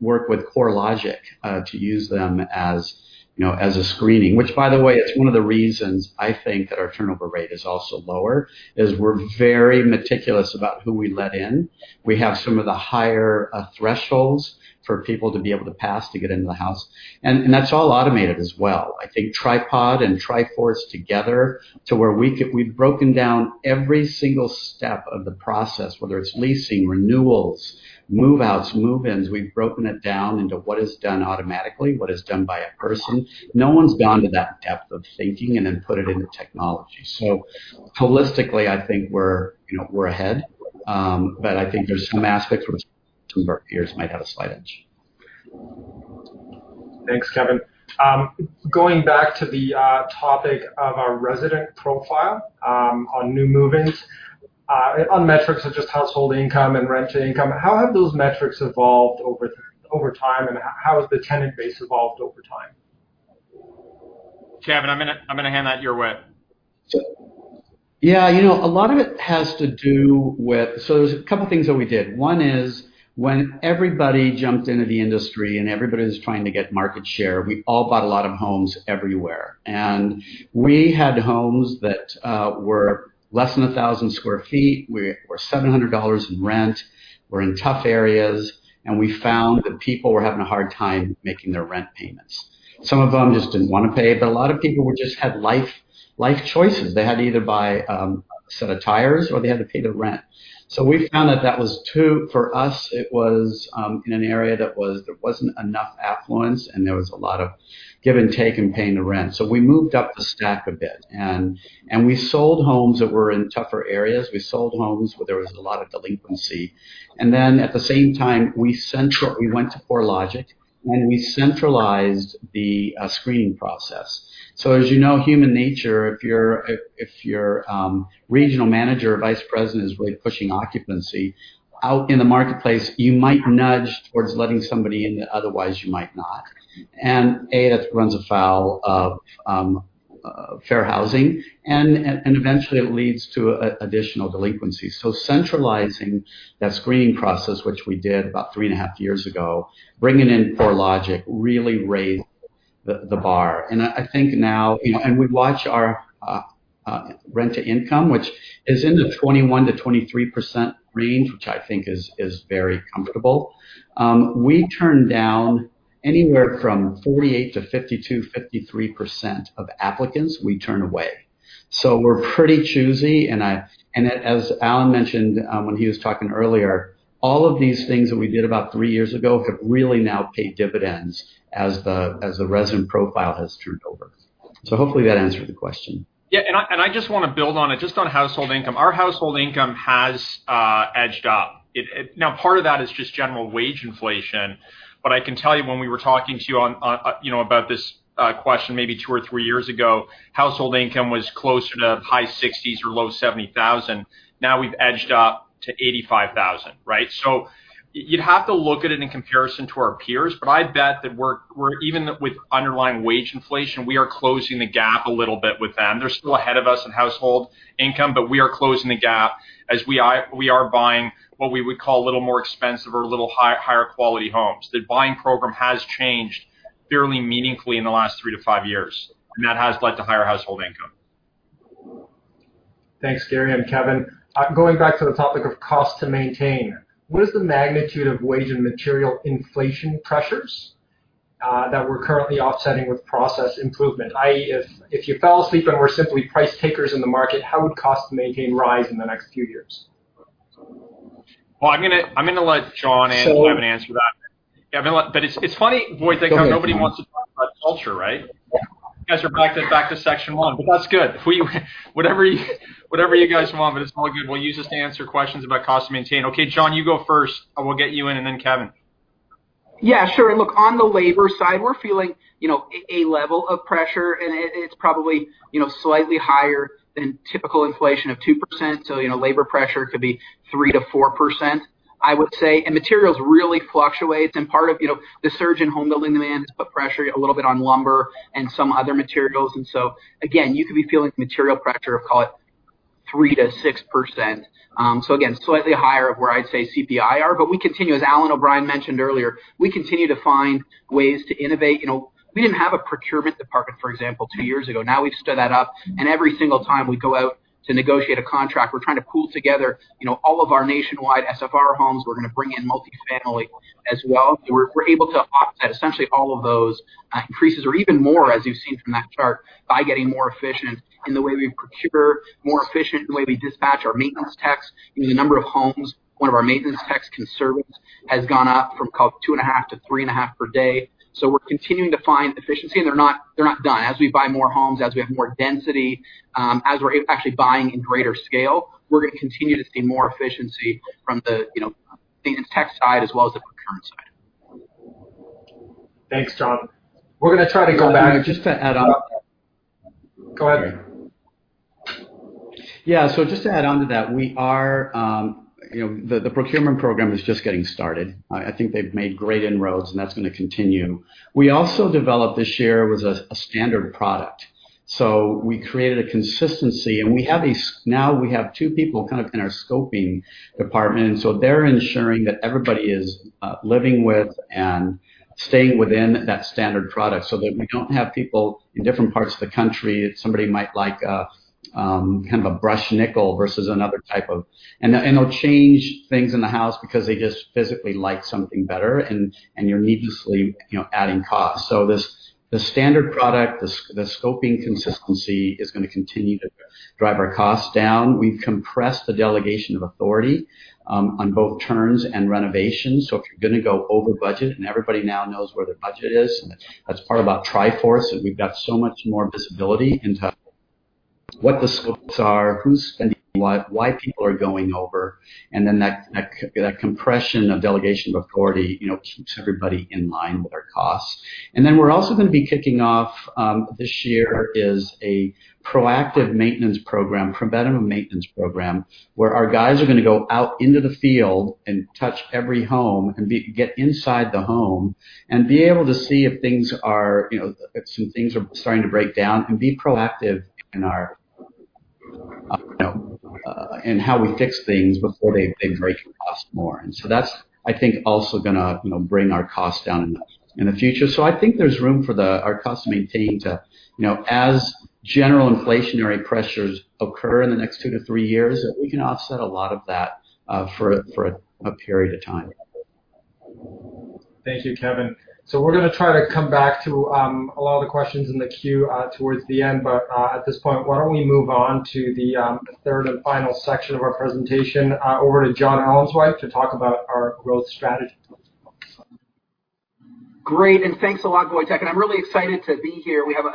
work with CoreLogic to use them as a screening. Which by the way, it's one of the reasons I think that our turnover rate is also lower, is we're very meticulous about who we let in. We have some of the higher thresholds for people to be able to pass to get into the house, and that's all automated as well. I think Tripod and TriForce together to where we've broken down every single step of the process, whether it's leasing, renewals, move-outs, move-ins. We've broken it down into what is done automatically, what is done by a person. No one's gone to that depth of thinking and then put it into technology. Holistically, I think we're ahead. I think there's some aspects where some of our peers might have a slight edge. Thanks, Kevin. Going back to the topic of our resident profile on new move-ins on metrics such as household income and rent to income, how have those metrics evolved over time and how has the tenant base evolved over time? Kevin, I'm going to hand that your way. Yeah. A lot of it has to do with there's a couple things that we did. One is when everybody jumped into the industry and everybody was trying to get market share, we all bought a lot of homes everywhere. We had homes that were less than 1,000 sq ft, were $700 in rent, were in tough areas, and we found that people were having a hard time making their rent payments. Some of them just didn't want to pay it, but a lot of people just had life choices. They had to either buy a set of tires or they had to pay the rent. We found that for us, it was in an area that there wasn't enough affluence and there was a lot of give and take in paying the rent. We moved up the stack a bit, and we sold homes that were in tougher areas. We sold homes where there was a lot of delinquency. Then at the same time, we went to CoreLogic and we centralized the screening process. As you know, human nature, if your regional manager or vice president is really pushing occupancy out in the marketplace, you might nudge towards letting somebody in that otherwise you might not. A, that runs afoul of fair housing and eventually it leads to additional delinquencies. Centralizing that screening process, which we did about three and a half years ago, bringing in CoreLogic really raised the bar. We watch our rent to income, which is in the 21%-23% range, which I think is very comfortable. We turn down anywhere from 48%-52%, 53% of applicants, we turn away. We're pretty choosy, and as Alan mentioned when he was talking earlier, all of these things that we did about three years ago have really now paid dividends as the resident profile has turned over. Hopefully that answered the question. Yeah, I just want to build on it, just on household income. Our household income has edged up. Now part of that is just general wage inflation. I can tell you when we were talking to you about this question maybe two or three years ago, household income was closer to high 60s or low $70,000. Now we've edged up to $85,000, right? You'd have to look at it in comparison to our peers, but I'd bet that even with underlying wage inflation, we are closing the gap a little bit with them. They're still ahead of us in household income, but we are closing the gap as we are buying what we would call a little more expensive or a little higher quality homes. The buying program has changed fairly meaningfully in the last three to five years, and that has led to higher household income. Thanks, Gary and Kevin. Going back to the topic of cost to maintain, what is the magnitude of wage and material inflation pressures that we're currently offsetting with process improvement? I.e., if you fell asleep and were simply price takers in the market, how would cost to maintain rise in the next few years? Well, I'm going to let Jon and Kevin answer that. Kevin, it's funny. Go ahead. How nobody wants to talk about culture, right? Yeah. You guys are back to section one. That's good. Whatever you guys want. It's all good. We'll use this to answer questions about cost to maintain. Okay, Jon, you go first, and we'll get you in and then Kevin. Yeah, sure. Look, on the labor side, we're feeling a level of pressure, it's probably slightly higher than typical inflation of 2%. Labor pressure could be 3%-4%, I would say. Materials really fluctuates. Part of the surge in homebuilding demand has put pressure a little bit on lumber and some other materials. Again, you could be feeling material pressure of, call it, 3%-6%. Again, slightly higher of where I'd say CPI are. We continue, as Alan O'Brien mentioned earlier, we continue to find ways to innovate. We didn't have a procurement department, for example, two years ago. Now we've stood that up, and every single time we go out to negotiate a contract, we're trying to pool together all of our nationwide SFR homes. We're going to bring in multifamily as well. We're able to offset essentially all of those increases or even more, as you've seen from that chart, by getting more efficient in the way we procure, more efficient in the way we dispatch our maintenance techs in the number of homes. One of our maintenance techs can service has gone up from, call it, two and a half to three and a half per day. We're continuing to find efficiency, and they're not done. As we buy more homes, as we have more density, as we're actually buying in greater scale, we're going to continue to see more efficiency from the tech side as well as the procurement side. Thanks, Jon. Woj, just to add on. Go ahead. Just to add on to that, the procurement program is just getting started. I think they've made great inroads, that's going to continue. We also developed this year was a standard product. We created a consistency, now we have two people kind of in our scoping department, they're ensuring that everybody is living with and staying within that standard product so that we don't have people in different parts of the country. If somebody might like a kind of a brushed nickel, they'll change things in the house because they just physically like something better, you're needlessly adding cost. The standard product, the scoping consistency is going to continue to drive our costs down. We've compressed the delegation of authority on both turns and renovations. If you're going to go over budget, and everybody now knows where their budget is, and that's part of our TriForce, is we've got so much more visibility into what the scopes are, who's spending what, why people are going over. That compression of delegation of authority keeps everybody in line with our costs. We're also going to be kicking off, this year, is a proactive maintenance program, preventative maintenance program, where our guys are going to go out into the field and touch every home and get inside the home and be able to see if some things are starting to break down and be proactive in how we fix things before they break and cost more. That's, I think, also going to bring our costs down in the future. I think there's room for our cost to maintain as general inflationary pressures occur in the next two to three years, that we can offset a lot of that for a period of time. Thank you, Kevin. We're going to try to come back to a lot of the questions in the queue towards the end. At this point, why don't we move on to the third and final section of our presentation. Over to Jonathan Ellenzweig to talk about our growth strategy. Great, thanks a lot, Wojtek, and I'm really excited to be here. We have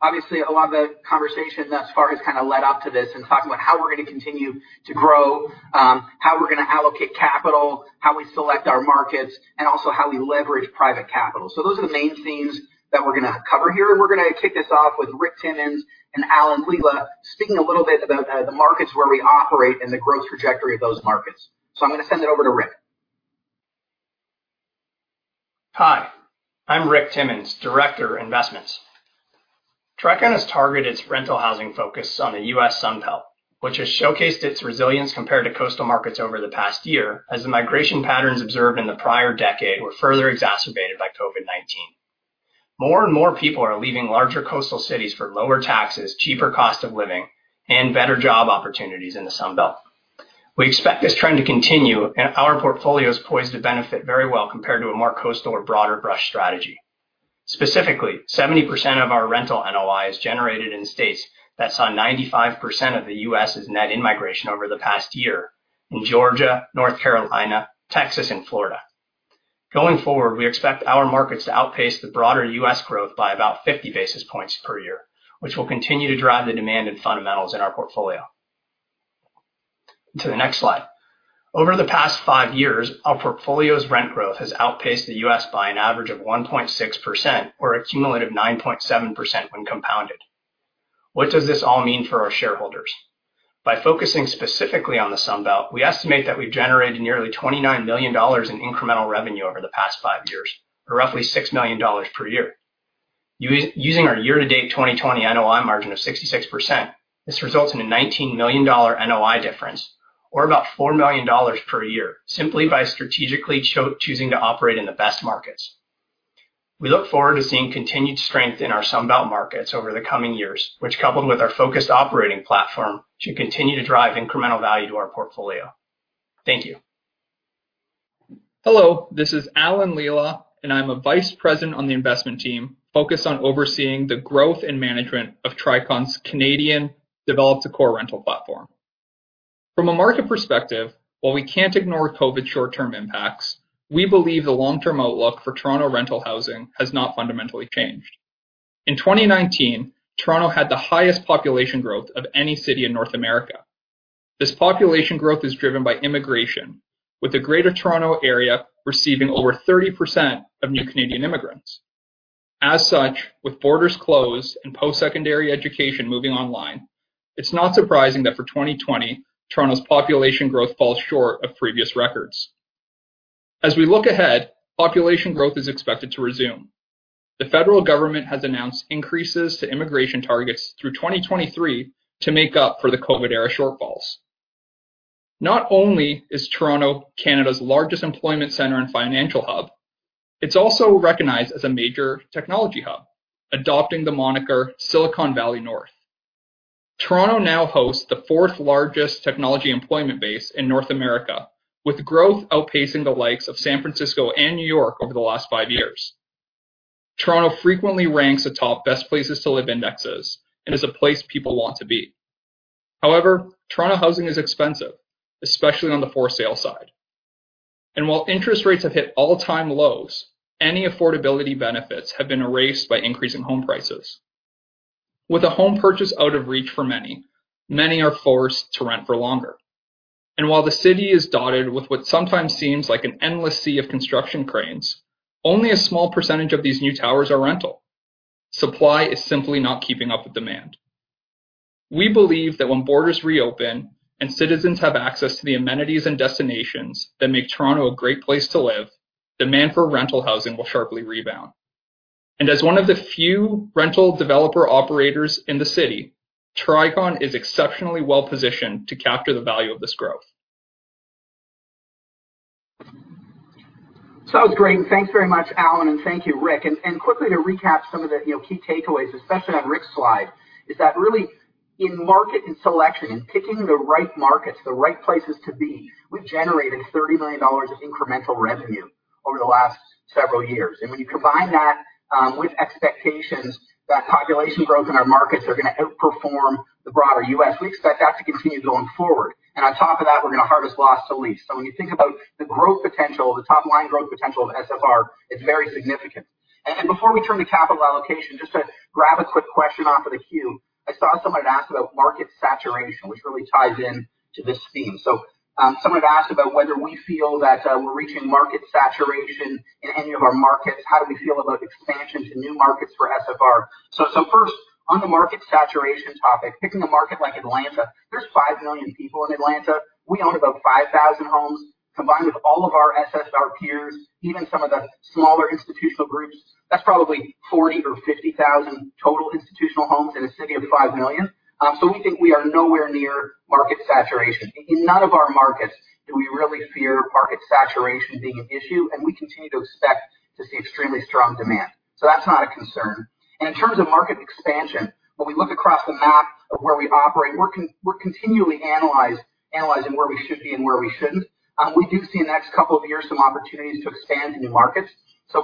obviously a lot of the conversation thus far has kind of led up to this and talking about how we're going to continue to grow, how we're going to allocate capital, how we select our markets, and also how we leverage private capital. Those are the main themes that we're going to cover here, and we're going to kick this off with Rick Timmins and Alan Leela speaking a little bit about the markets where we operate and the growth trajectory of those markets. I'm going to send it over to Rick. Hi, I'm Rick Timmins, Director of Investments. Tricon has targeted its rental housing focus on the U.S. Sun Belt, which has showcased its resilience compared to coastal markets over the past year, as the migration patterns observed in the prior decade were further exacerbated by COVID-19. More and more people are leaving larger coastal cities for lower taxes, cheaper cost of living, and better job opportunities in the Sun Belt. We expect this trend to continue, and our portfolio is poised to benefit very well compared to a more coastal or broader brush strategy. Specifically, 70% of our rental NOI is generated in states that saw 95% of the U.S.'s net in-migration over the past year in Georgia, North Carolina, Texas, and Florida. Going forward, we expect our markets to outpace the broader U.S. growth by about 50 basis points per year, which will continue to drive the demand and fundamentals in our portfolio. To the next slide. Over the past five years, our portfolio's rent growth has outpaced the U.S. by an average of 1.6%, or a cumulative 9.7% when compounded. What does this all mean for our shareholders? By focusing specifically on the Sun Belt, we estimate that we've generated nearly $29 million in incremental revenue over the past five years, or roughly $6 million per year. Using our year-to-date 2020 NOI margin of 66%, this results in a $19 million NOI difference, or about $4 million per year, simply by strategically choosing to operate in the best markets. We look forward to seeing continued strength in our Sun Belt markets over the coming years, which, coupled with our focused operating platform, should continue to drive incremental value to our portfolio. Thank you. Hello, this is Alan Leela. I'm a Vice President on the Investment team, focused on overseeing the growth and management of Tricon's Canadian develop-to-core rental platform. From a market perspective, while we can't ignore COVID short-term impacts, we believe the long-term outlook for Toronto rental housing has not fundamentally changed. In 2019, Toronto had the highest population growth of any city in North America. This population growth is driven by immigration, with the greater Toronto area receiving over 30% of new Canadian immigrants. As such, with borders closed and post-secondary education moving online, it's not surprising that for 2020, Toronto's population growth falls short of previous records. As we look ahead, population growth is expected to resume. The federal government has announced increases to immigration targets through 2023 to make up for the COVID-era shortfalls. Not only is Toronto, Canada's largest employment center and financial hub, it's also recognized as a major technology hub, adopting the moniker Silicon Valley North. Toronto now hosts the fourth largest technology employment base in North America, with growth outpacing the likes of San Francisco and New York over the last five years. Toronto frequently ranks atop Best Places to Live indexes and is a place people want to be. However, Toronto housing is expensive, especially on the for sale side. While interest rates have hit all-time lows, any affordability benefits have been erased by increasing home prices. With a home purchase out of reach for many, many are forced to rent for longer. While the city is dotted with what sometimes seems like an endless sea of construction cranes, only a small percentage of these new towers are rental. Supply is simply not keeping up with demand. We believe that when borders reopen and citizens have access to the amenities and destinations that make Toronto a great place to live, demand for rental housing will sharply rebound. As one of the few rental developer operators in the city, Tricon is exceptionally well positioned to capture the value of this growth. That was great, and thanks very much, Alan, and thank you, Rick. Quickly to recap some of the key takeaways, especially on Rick's slide, is that really in market and selection and picking the right markets, the right places to be, we've generated $30 million of incremental revenue over the last several years. When you combine that with expectations that population growth in our markets are going to outperform the broader U.S., we expect that to continue going forward. On top of that, we're going to harvest loss to lease. When you think about the growth potential, the top-line growth potential of SFR, it's very significant. Before we turn to capital allocation, just to grab a quick question off of the queue, I saw someone had asked about market saturation, which really ties into this theme. Someone had asked about whether we feel that we're reaching market saturation in any of our markets. How do we feel about expansion to new markets for SFR? First, on the market saturation topic, picking a market like Atlanta, there's 5 million people in Atlanta. We own about 5,000 homes. Combined with all of our SFR peers, even some of the smaller institutional groups, that's probably 40,000 or 50,000 total institutional homes in a city of 5 million. We think we are nowhere near market saturation. In none of our markets do we really fear market saturation being an issue, and we continue to expect to see extremely strong demand. That's not a concern. In terms of market expansion, when we look across the map of where we operate, we're continually analyzing where we should be and where we shouldn't. We do see in the next couple of years some opportunities to expand to new markets.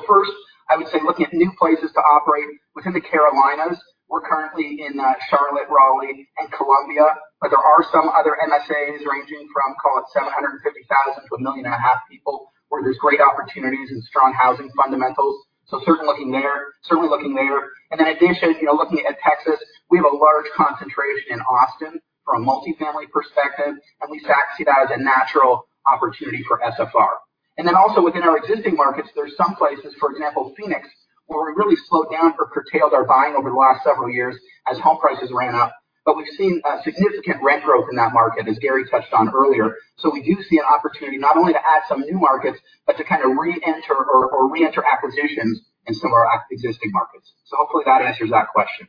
First, I would say looking at new places to operate within the Carolinas. We're currently in Charlotte, Raleigh, and Columbia, but there are some other MSAs ranging from, call it 750,000-1.5 million people, where there's great opportunities and strong housing fundamentals. Certainly looking there. In addition, looking at Texas. We have a large concentration in Austin from a multifamily perspective, and we see that as a natural opportunity for SFR. Then also within our existing markets, there's some places, for example, Phoenix, where we really slowed down or curtailed our buying over the last several years as home prices ran up, but we've seen significant rent growth in that market, as Gary touched on earlier. We do see an opportunity not only to add some new markets, but to kind of reenter acquisitions in some of our existing markets. Hopefully that answers that question.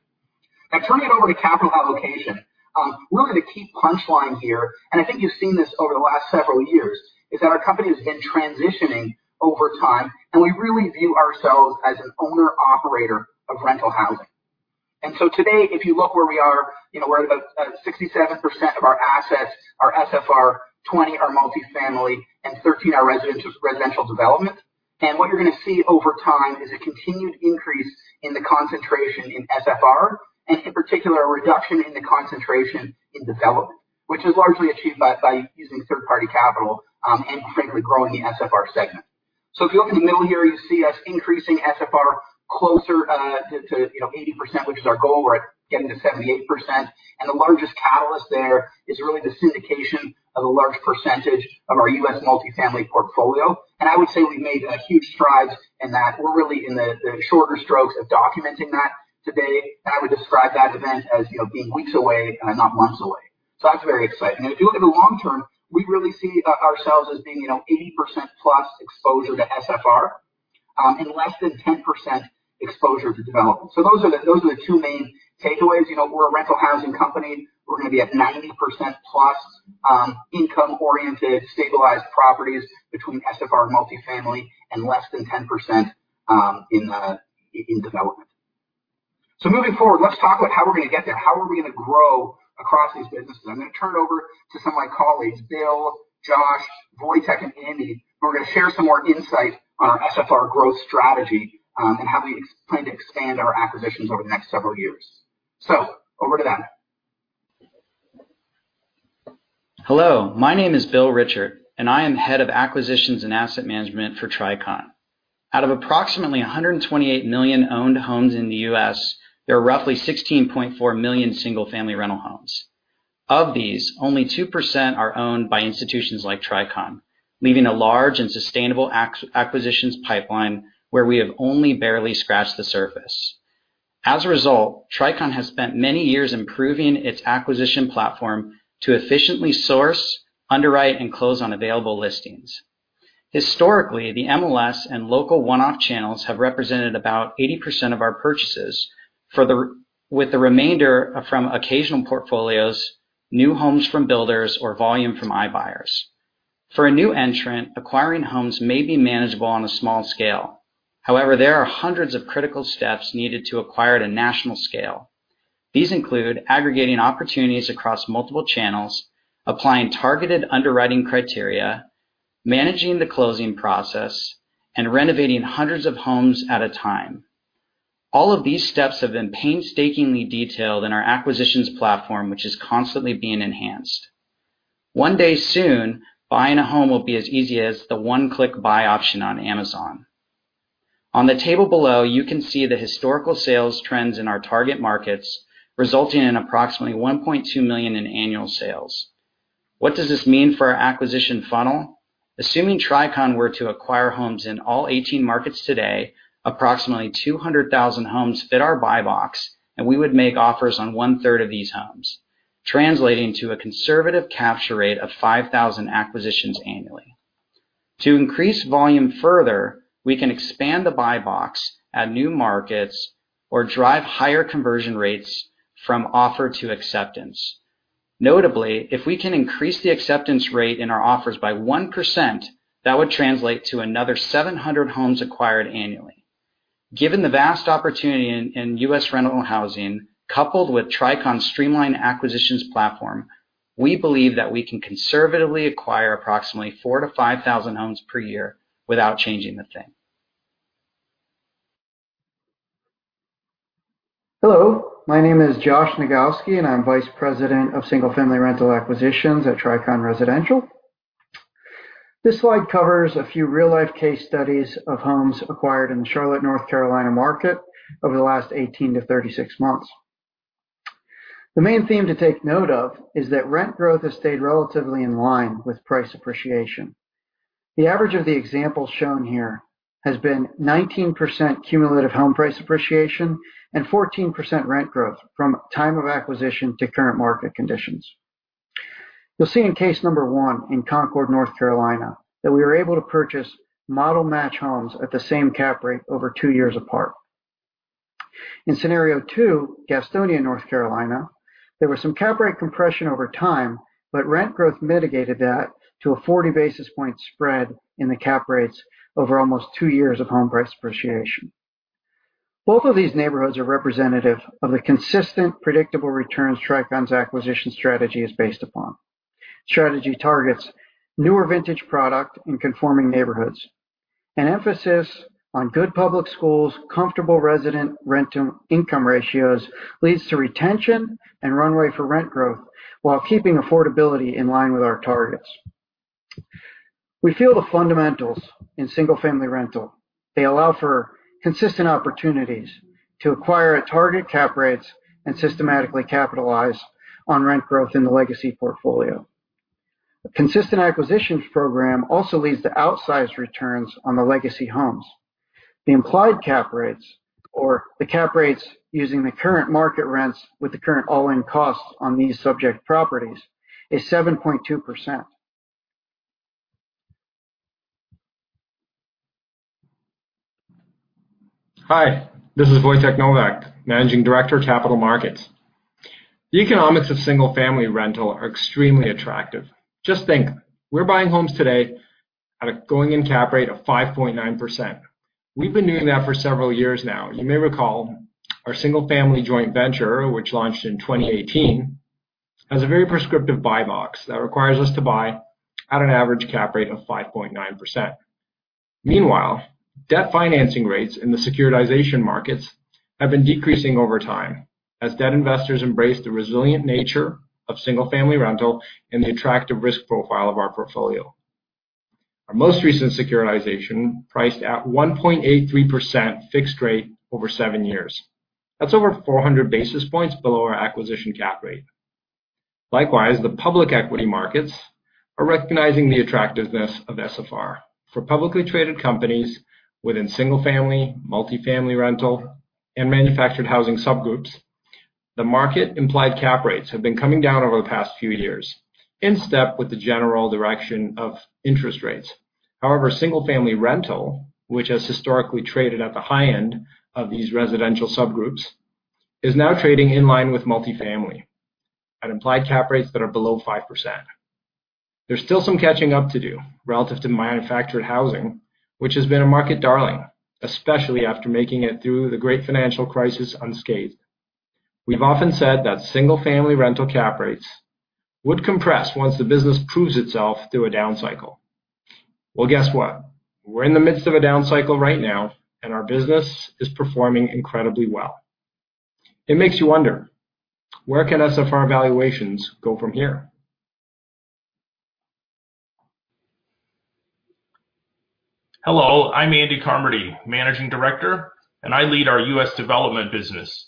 Turning it over to capital allocation. Really the key punchline here, I think you've seen this over the last several years, is that our company has been transitioning over time, we really view ourselves as an owner/operator of rental housing. Today, if you look where we are, we're at about 67% of our assets are SFR, 20 are multifamily, and 13 are residential development. What you're going to see over time is a continued increase in the concentration in SFR, and in particular, a reduction in the concentration in development, which is largely achieved by using third-party capital and frankly, growing the SFR segment. If you look in the middle here, you see us increasing SFR closer to 80%, which is our goal. We're getting to 78%. The largest catalyst there is really the syndication of a large percentage of our U.S. multifamily portfolio. I would say we've made huge strides in that. We're really in the shorter strokes of documenting that today, and I would describe that event as being weeks away, not months away. That's very exciting. If you look at the long term, we really see ourselves as being 80%+ exposure to SFR, and less than 10% exposure to development. Those are the two main takeaways. We're a rental housing company. We're going to be at 90%+ income-oriented, stabilized properties between SFR multifamily and less than 10% in development. Moving forward, let's talk about how we're going to get there, how are we going to grow across these businesses. I'm going to turn it over to some of my colleagues, Bill, Josh, Wojtek, and Andy, who are going to share some more insight on our SFR growth strategy, and how we plan to expand our acquisitions over the next several years. Over to them. Hello. My name is Bill Richard, and I am Head of Acquisitions and Asset Management for Tricon. Out of approximately 128 million owned homes in the U.S., there are roughly 16.4 million single-family rental homes. Of these, only 2% are owned by institutions like Tricon, leaving a large and sustainable acquisitions pipeline where we have only barely scratched the surface. As a result, Tricon has spent many years improving its acquisition platform to efficiently source, underwrite, and close on available listings. Historically, the MLS and local one-off channels have represented about 80% of our purchases with the remainder from occasional portfolios, new homes from builders, or volume from iBuyers. For a new entrant, acquiring homes may be manageable on a small scale. However, there are hundreds of critical steps needed to acquire at a national scale. These include aggregating opportunities across multiple channels, applying targeted underwriting criteria, managing the closing process, and renovating hundreds of homes at a time. All of these steps have been painstakingly detailed in our acquisitions platform, which is constantly being enhanced. One day soon, buying a home will be as easy as the one-click buy option on Amazon. On the table below, you can see the historical sales trends in our target markets, resulting in approximately $1.2 million in annual sales. What does this mean for our acquisition funnel? Assuming Tricon were to acquire homes in all 18 markets today, approximately 200,000 homes fit our buy box, and we would make offers on one-third of these homes, translating to a conservative capture rate of 5,000 acquisitions annually. To increase volume further, we can expand the buy box, add new markets, or drive higher conversion rates from offer to acceptance. Notably, if we can increase the acceptance rate in our offers by 1%, that would translate to another 700 homes acquired annually. Given the vast opportunity in U.S. rental housing, coupled with Tricon's streamlined acquisitions platform, we believe that we can conservatively acquire approximately 4,000-5,000 homes per year without changing a thing. Hello. My name is Josh Nogowski. I'm Vice President of Single-Family Rental Acquisitions at Tricon Residential. This slide covers a few real-life case studies of homes acquired in the Charlotte, North Carolina market over the last 18-36 months. The main theme to take note of is that rent growth has stayed relatively in line with price appreciation. The average of the examples shown here has been 19% cumulative home price appreciation and 14% rent growth from time of acquisition to current market conditions. You'll see in case number one in Concord, North Carolina, that we were able to purchase model match homes at the same cap rate over two years apart. In scenario two, Gastonia, North Carolina, there was some cap rate compression over time, but rent growth mitigated that to a 40 basis point spread in the cap rates over almost two years of home price appreciation. Both of these neighborhoods are representative of the consistent, predictable returns Tricon's acquisition strategy is based upon. Strategy targets newer vintage product in conforming neighborhoods. An emphasis on good public schools, comfortable resident rent income ratios leads to retention and runway for rent growth while keeping affordability in line with our targets. We feel the fundamentals in single-family rental. They allow for consistent opportunities to acquire at target cap rates and systematically capitalize on rent growth in the legacy portfolio. A consistent acquisitions program also leads to outsized returns on the legacy homes. The implied cap rates or the cap rates using the current market rents with the current all-in costs on these subject properties is 7.2%. Hi. This is Wojtek Nowak, Managing Director of Capital Markets. The economics of single-family rental are extremely attractive. Just think, we're buying homes today at a going-in cap rate of 5.9%. We've been doing that for several years now. You may recall our single-family joint venture, which launched in 2018, has a very prescriptive buy box that requires us to buy at an average cap rate of 5.9%. Meanwhile, debt financing rates in the securitization markets have been decreasing over time as debt investors embrace the resilient nature of single-family rental and the attractive risk profile of our portfolio. Our most recent securitization priced at 1.83% fixed rate over seven years. That's over 400 basis points below our acquisition cap rate. Likewise, the public equity markets are recognizing the attractiveness of SFR. For publicly traded companies within single-family, multifamily rental, and manufactured housing subgroups, the market implied cap rates have been coming down over the past few years in step with the general direction of interest rates. Single-family rental, which has historically traded at the high end of these residential subgroups, is now trading in line with multifamily at implied cap rates that are below 5%. There's still some catching up to do relative to manufactured housing, which has been a market darling, especially after making it through the great financial crisis unscathed. We've often said that single-family rental cap rates would compress once the business proves itself through a down cycle. Well, guess what. We're in the midst of a down cycle right now, our business is performing incredibly well. It makes you wonder, where can SFR valuations go from here? Hello, I'm Andy Carmody, Managing Director, and I lead our U.S. development business.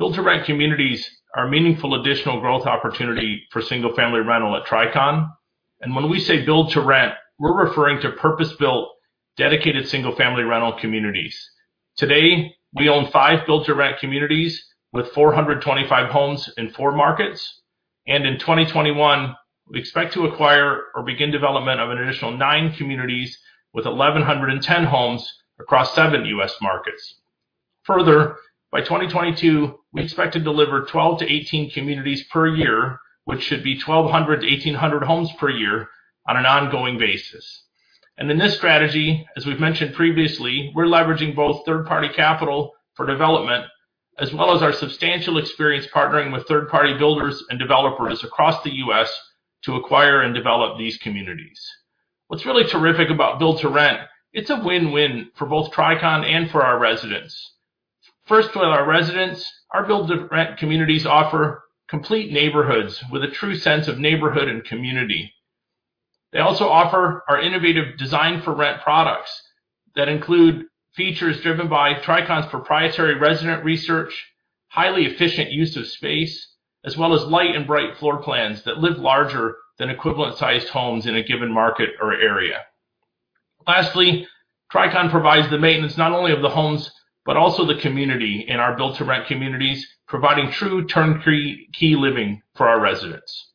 Build-to-rent communities are a meaningful additional growth opportunity for single-family rental at Tricon. When we say build-to-rent, we're referring to purpose-built, dedicated single-family rental communities. Today, we own five build-to-rent communities with 425 homes in four markets. In 2021, we expect to acquire or begin development of an additional nine communities with 1,110 homes across seven U.S. markets. Further, by 2022, we expect to deliver 12-18 communities per year, which should be 1,200-1,800 homes per year on an ongoing basis. In this strategy, as we've mentioned previously, we're leveraging both third-party capital for development as well as our substantial experience partnering with third-party builders and developers across the U.S. to acquire and develop these communities. What's really terrific about build-to-rent, it's a win-win for both Tricon and for our residents. First of all, our residents. Our build-to-rent communities offer complete neighborhoods with a true sense of neighborhood and community. They also offer our innovative design for rent products that include features driven by Tricon's proprietary resident research, highly efficient use of space, as well as light and bright floor plans that live larger than equivalent-sized homes in a given market or area. Lastly, Tricon provides the maintenance not only of the homes but also the community in our build-to-rent communities, providing true turnkey living for our residents.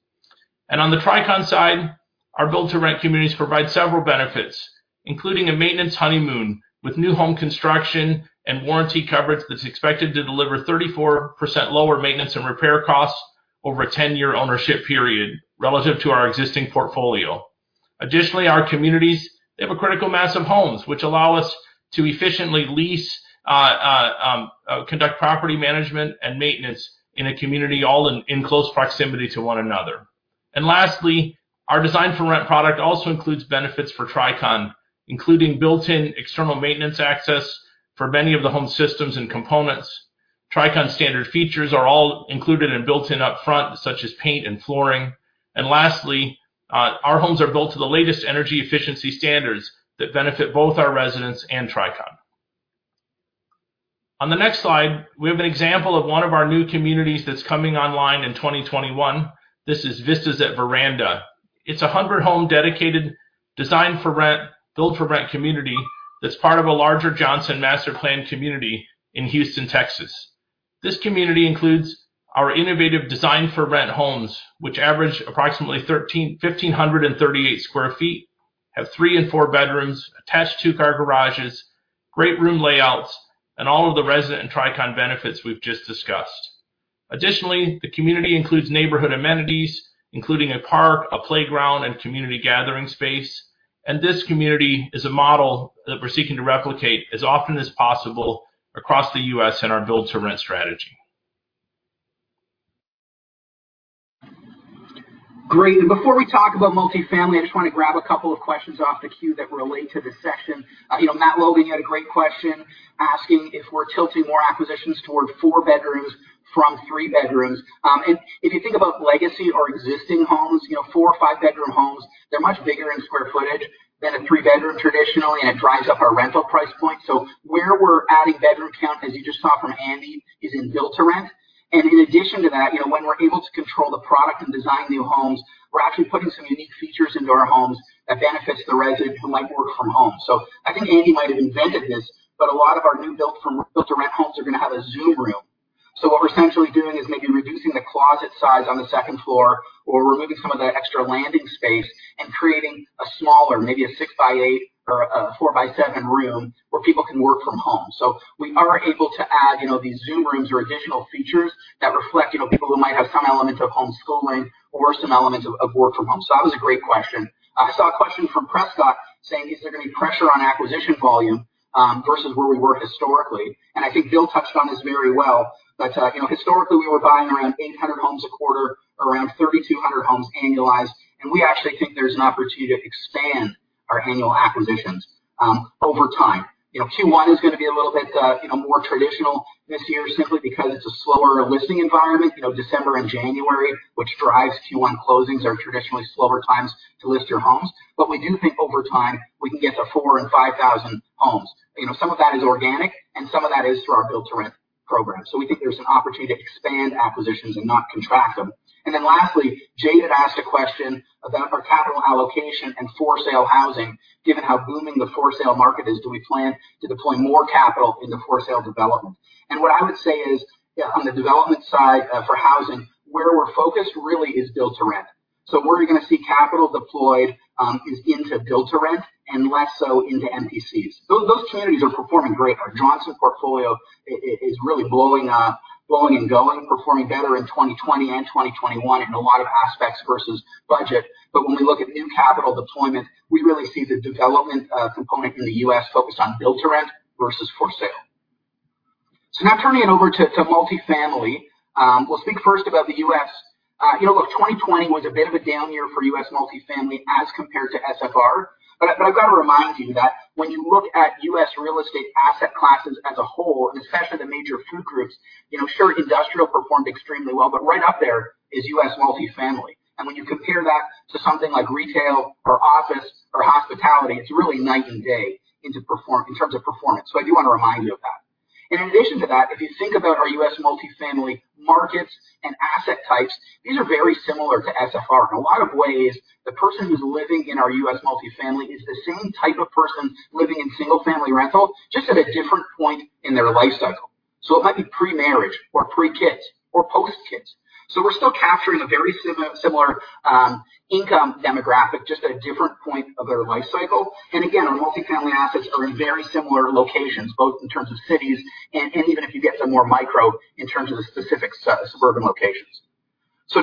On the Tricon side, our build-to-rent communities provide several benefits, including a maintenance honeymoon with new home construction and warranty coverage that's expected to deliver 34% lower maintenance and repair costs over a 10-year ownership period relative to our existing portfolio. Our communities, they have a critical mass of homes, which allow us to efficiently lease, conduct property management, and maintenance in a community all in close proximity to one another. Lastly, our design for rent product also includes benefits for Tricon, including built-in external maintenance access for many of the home systems and components. Tricon standard features are all included and built-in upfront, such as paint and flooring. Lastly, our homes are built to the latest energy efficiency standards that benefit both our residents and Tricon. On the next slide, we have an example of one of our new communities that's coming online in 2021. This is Vistas at Veranda. It's a 100-home dedicated design for rent, build-to-rent community that's part of a larger Johnson master planned community in Houston, Texas. This community includes our innovative design for rent homes, which average approximately 1,538 sq ft, have three and four bedrooms, attached two-car garages, great room layouts, and all of the resident and Tricon benefits we've just discussed. Additionally, the community includes neighborhood amenities, including a park, a playground, and community gathering space. This community is a model that we're seeking to replicate as often as possible across the U.S. in our build-to-rent strategy. Great. Before we talk about multifamily, I just want to grab a couple of questions off the queue that relate to this section. Matt Logan had a great question asking if we're tilting more acquisitions toward four bedrooms from three bedrooms. If you think about legacy or existing homes, four or five-bedroom homes, they're much bigger in square footage than a three-bedroom traditionally, and it drives up our rental price point. Where we're adding bedroom count, as you just saw from Andy, is in build-to-rent. In addition to that, when we're able to control the product and design new homes, we're actually putting some unique features into our homes that benefits the resident who might work from home. I think Andy might have invented this, but a lot of our new build-to-rent homes are going to have a Zoom room. What we're essentially doing is maybe reducing the closet size on the second floor or removing some of that extra landing space and creating a smaller, maybe a six by eight or a four by seven room where people can work from home. We are able to add these Zoom rooms or additional features that reflect people who might have some element of homeschooling or some element of work from home. That was a great question. I saw a question from Prescott saying, is there going to be pressure on acquisition volume versus where we were historically? I think Bill touched on this very well. Historically, we were buying around 800 homes a quarter, around 3,200 homes annualized, and we actually think there's an opportunity to expand. Our annual acquisitions over time. Q1 is going to be a little bit more traditional this year simply because it's a slower listing environment. December and January, which drives Q1 closings, are traditionally slower times to list your homes. We do think over time, we can get to 4,000 and 5,000 homes. Some of that is organic, and some of that is through our build-to-rent program. We think there's an opportunity to expand acquisitions and not contract them. Lastly, Jay had asked a question about our capital allocation and for-sale housing. Given how booming the for-sale market is, do we plan to deploy more capital into for-sale development? What I would say is, on the development side for housing, where we're focused really is build-to-rent. Where you're going to see capital deployed is into build-to-rent and less so into MPCs. Those communities are performing great. Our Johnson portfolio is really blowing up, blowing and going, performing better in 2020 and 2021 in a lot of aspects versus budget. When we look at new capital deployment, we really see the development component in the U.S. focused on build-to-rent versus for sale. Now turning it over to multifamily. We'll speak first about the U.S. Look, 2020 was a bit of a down year for U.S. multifamily as compared to SFR. I've got to remind you that when you look at U.S. real estate asset classes as a whole, and especially the major food groups, sure, industrial performed extremely well, but right up there is U.S. multifamily. When you compare that to something like retail or office or hospitality, it's really night and day in terms of performance. I do want to remind you of that. In addition to that, if you think about our U.S. multifamily markets and asset types, these are very similar to SFR. In a lot of ways, the person who's living in our U.S. multifamily is the same type of person living in single-family rental, just at a different point in their life cycle. It might be pre-marriage or pre-kids or post-kids. We're still capturing a very similar income demographic, just at a different point of their life cycle. Again, our multifamily assets are in very similar locations, both in terms of cities and even if you get some more micro in terms of the specific suburban locations.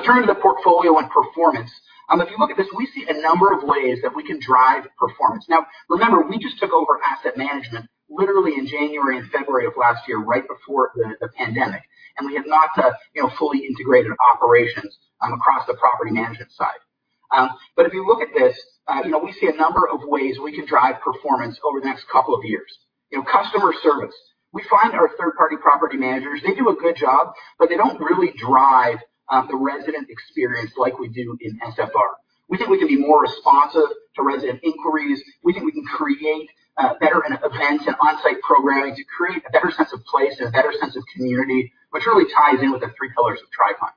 Turning to the portfolio and performance. If you look at this, we see a number of ways that we can drive performance. Remember, we just took over asset management literally in January and February of last year, right before the pandemic, and we have not fully integrated operations across the property management side. If you look at this, we see a number of ways we can drive performance over the next couple of years. In customer service, we find our third-party property managers, they do a good job, but they don't really drive the resident experience like we do in SFR. We think we can be more responsive to resident inquiries. We think we can create better events and onsite programming to create a better sense of place and a better sense of community, which really ties in with the three pillars of Tricon.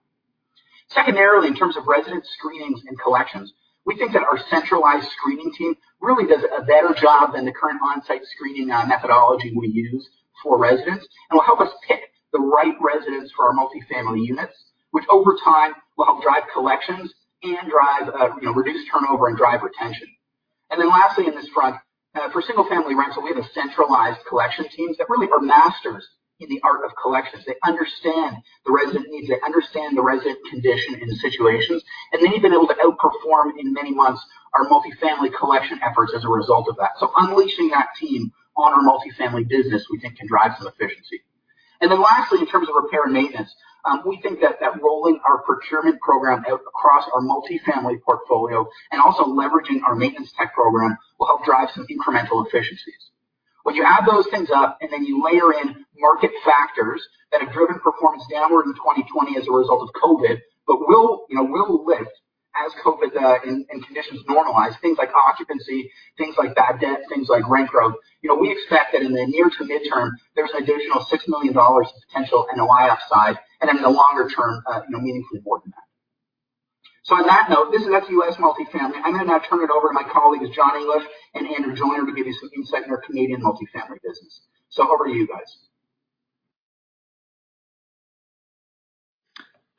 Secondarily, in terms of resident screenings and collections, we think that our centralized screening team really does a better job than the current onsite screening methodology we use for residents and will help us pick the right residents for our multifamily units, which over time will help drive collections and reduce turnover and drive retention. Lastly in this front, for single-family rental, we have a centralized collection teams that really are masters in the art of collections. They understand the resident needs, they understand the resident condition and situations, and they've been able to outperform in many months our multifamily collection efforts as a result of that. Unleashing that team on our multifamily business we think can drive some efficiency. Lastly, in terms of repair and maintenance, we think that rolling our procurement program out across our multifamily portfolio and also leveraging our maintenance tech program will help drive some incremental efficiencies. When you add those things up and then you layer in market factors that have driven performance downward in 2020 as a result of COVID, but will lift as COVID and conditions normalize, things like occupancy, things like bad debt, things like rent growth. We expect that in the near to midterm, there's an additional $6 million of potential NOI upside, and in the longer term, meaningfully more than that. On that note, this is U.S. multifamily. I'm going to now turn it over to my colleagues, John English and Andrew Joyner, to give you some insight in our Canadian multifamily business. Over to you guys.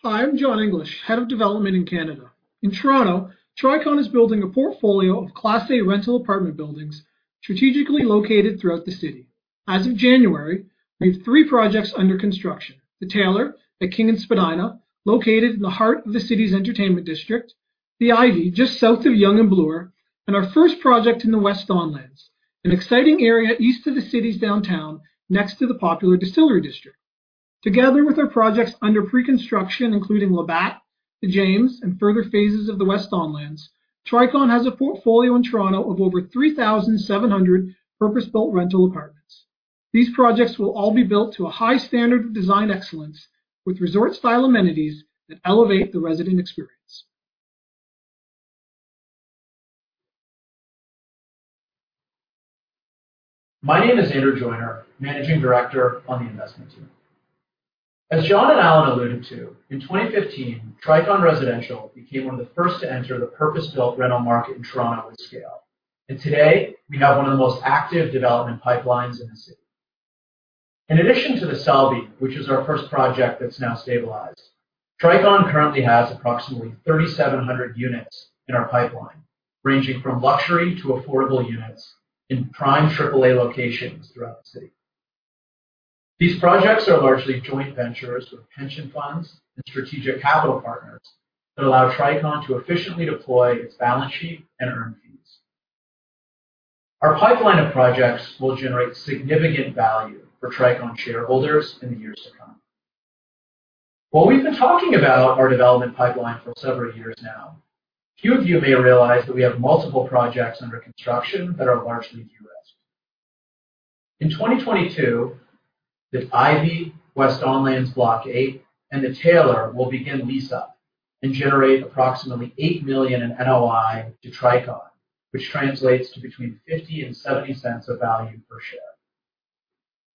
Hi, I'm John English, Head of Development in Canada. In Toronto, Tricon is building a portfolio of Class A rental apartment buildings strategically located throughout the city. As of January, we have three projects under construction: The Taylor at King and Spadina, located in the heart of the city's entertainment district, The Ivy, just south of Yonge and Bloor, and our first project in the West Don Lands, an exciting area east of the city's downtown, next to the popular Distillery District. Together with our projects under pre-construction, including Labatt, The James, and further phases of the West Don Lands, Tricon has a portfolio in Toronto of over 3,700 purpose-built rental apartments. These projects will all be built to a high standard of design excellence with resort-style amenities that elevate the resident experience. My name is Andrew Joyner, Managing Director on the investment team. As John and Alan alluded to, in 2015, Tricon Residential became one of the first to enter the purpose-built rental market in Toronto at scale. Today, we have one of the most active development pipelines in the city. In addition to The Selby, which is our first project that's now stabilized, Tricon currently has approximately 3,700 units in our pipeline, ranging from luxury to affordable units in prime AAA locations throughout the city. These projects are largely joint ventures with pension funds and strategic capital partners that allow Tricon to efficiently deploy its balance sheet and earn fees. Our pipeline of projects will generate significant value for Tricon shareholders in the years to come. Well, we've been talking about our development pipeline for several years now. Few of you may realize that we have multiple projects under construction that are largely U.S. In 2022, The Ivy, West Don Lands Block 8, and The Taylor will begin lease up and generate approximately $8 million in NOI to Tricon, which translates to between $0.50 and $0.70 of value per share.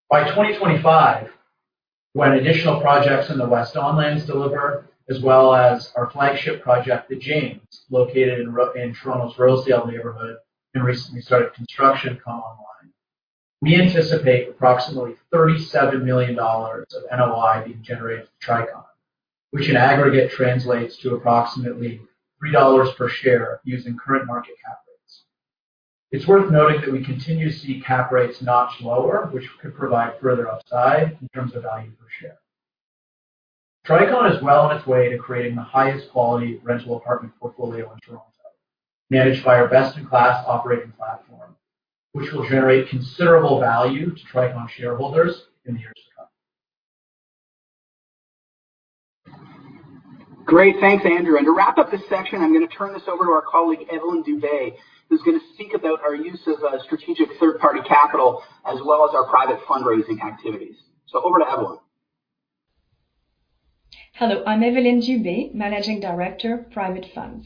By 2025, when additional projects in the West Don Lands deliver, as well as our flagship project, The James, located in Toronto's Rosedale neighbourhood and recently started construction, come online. We anticipate approximately $37 million of NOI being generated for Tricon, which in aggregate translates to approximately $3 per share using current market cap rates. It's worth noting that we continue to see cap rates notch lower, which could provide further upside in terms of value per share. Tricon is well on its way to creating the highest quality rental apartment portfolio in Toronto, managed by our best-in-class operating platform, which will generate considerable value to Tricon shareholders in the years to come. Great. Thanks, Andrew. To wrap up this section, I'm going to turn this over to our colleague, Evelyne Dubé, who's going to speak about our use of strategic third-party capital as well as our private fundraising activities. Over to Evelyne. Hello, I'm Evelyne Dubé, Managing Director, Private Funds.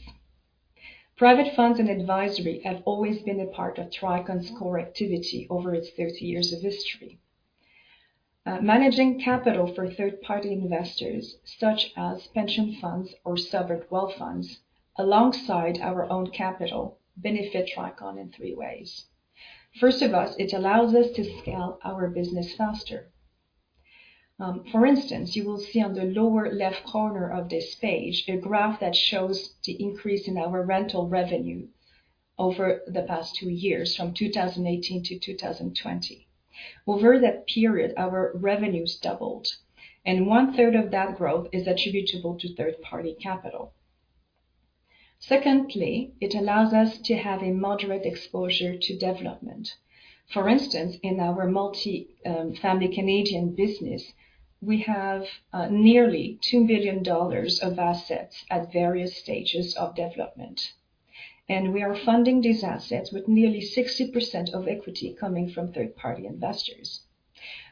Private funds and advisory have always been a part of Tricon's core activity over its 30 years of history. Managing capital for third-party investors, such as pension funds or sovereign wealth funds, alongside our own capital, benefit Tricon in three ways. First of all, it allows us to scale our business faster. For instance, you will see on the lower left corner of this page a graph that shows the increase in our rental revenue over the past two years, from 2018 to 2020. Over that period, our revenues doubled, and one-third of that growth is attributable to third-party capital. Secondly, it allows us to have a moderate exposure to development. For instance, in our multifamily Canadian business, we have nearly $2 billion of assets at various stages of development, and we are funding these assets with nearly 60% of equity coming from third-party investors.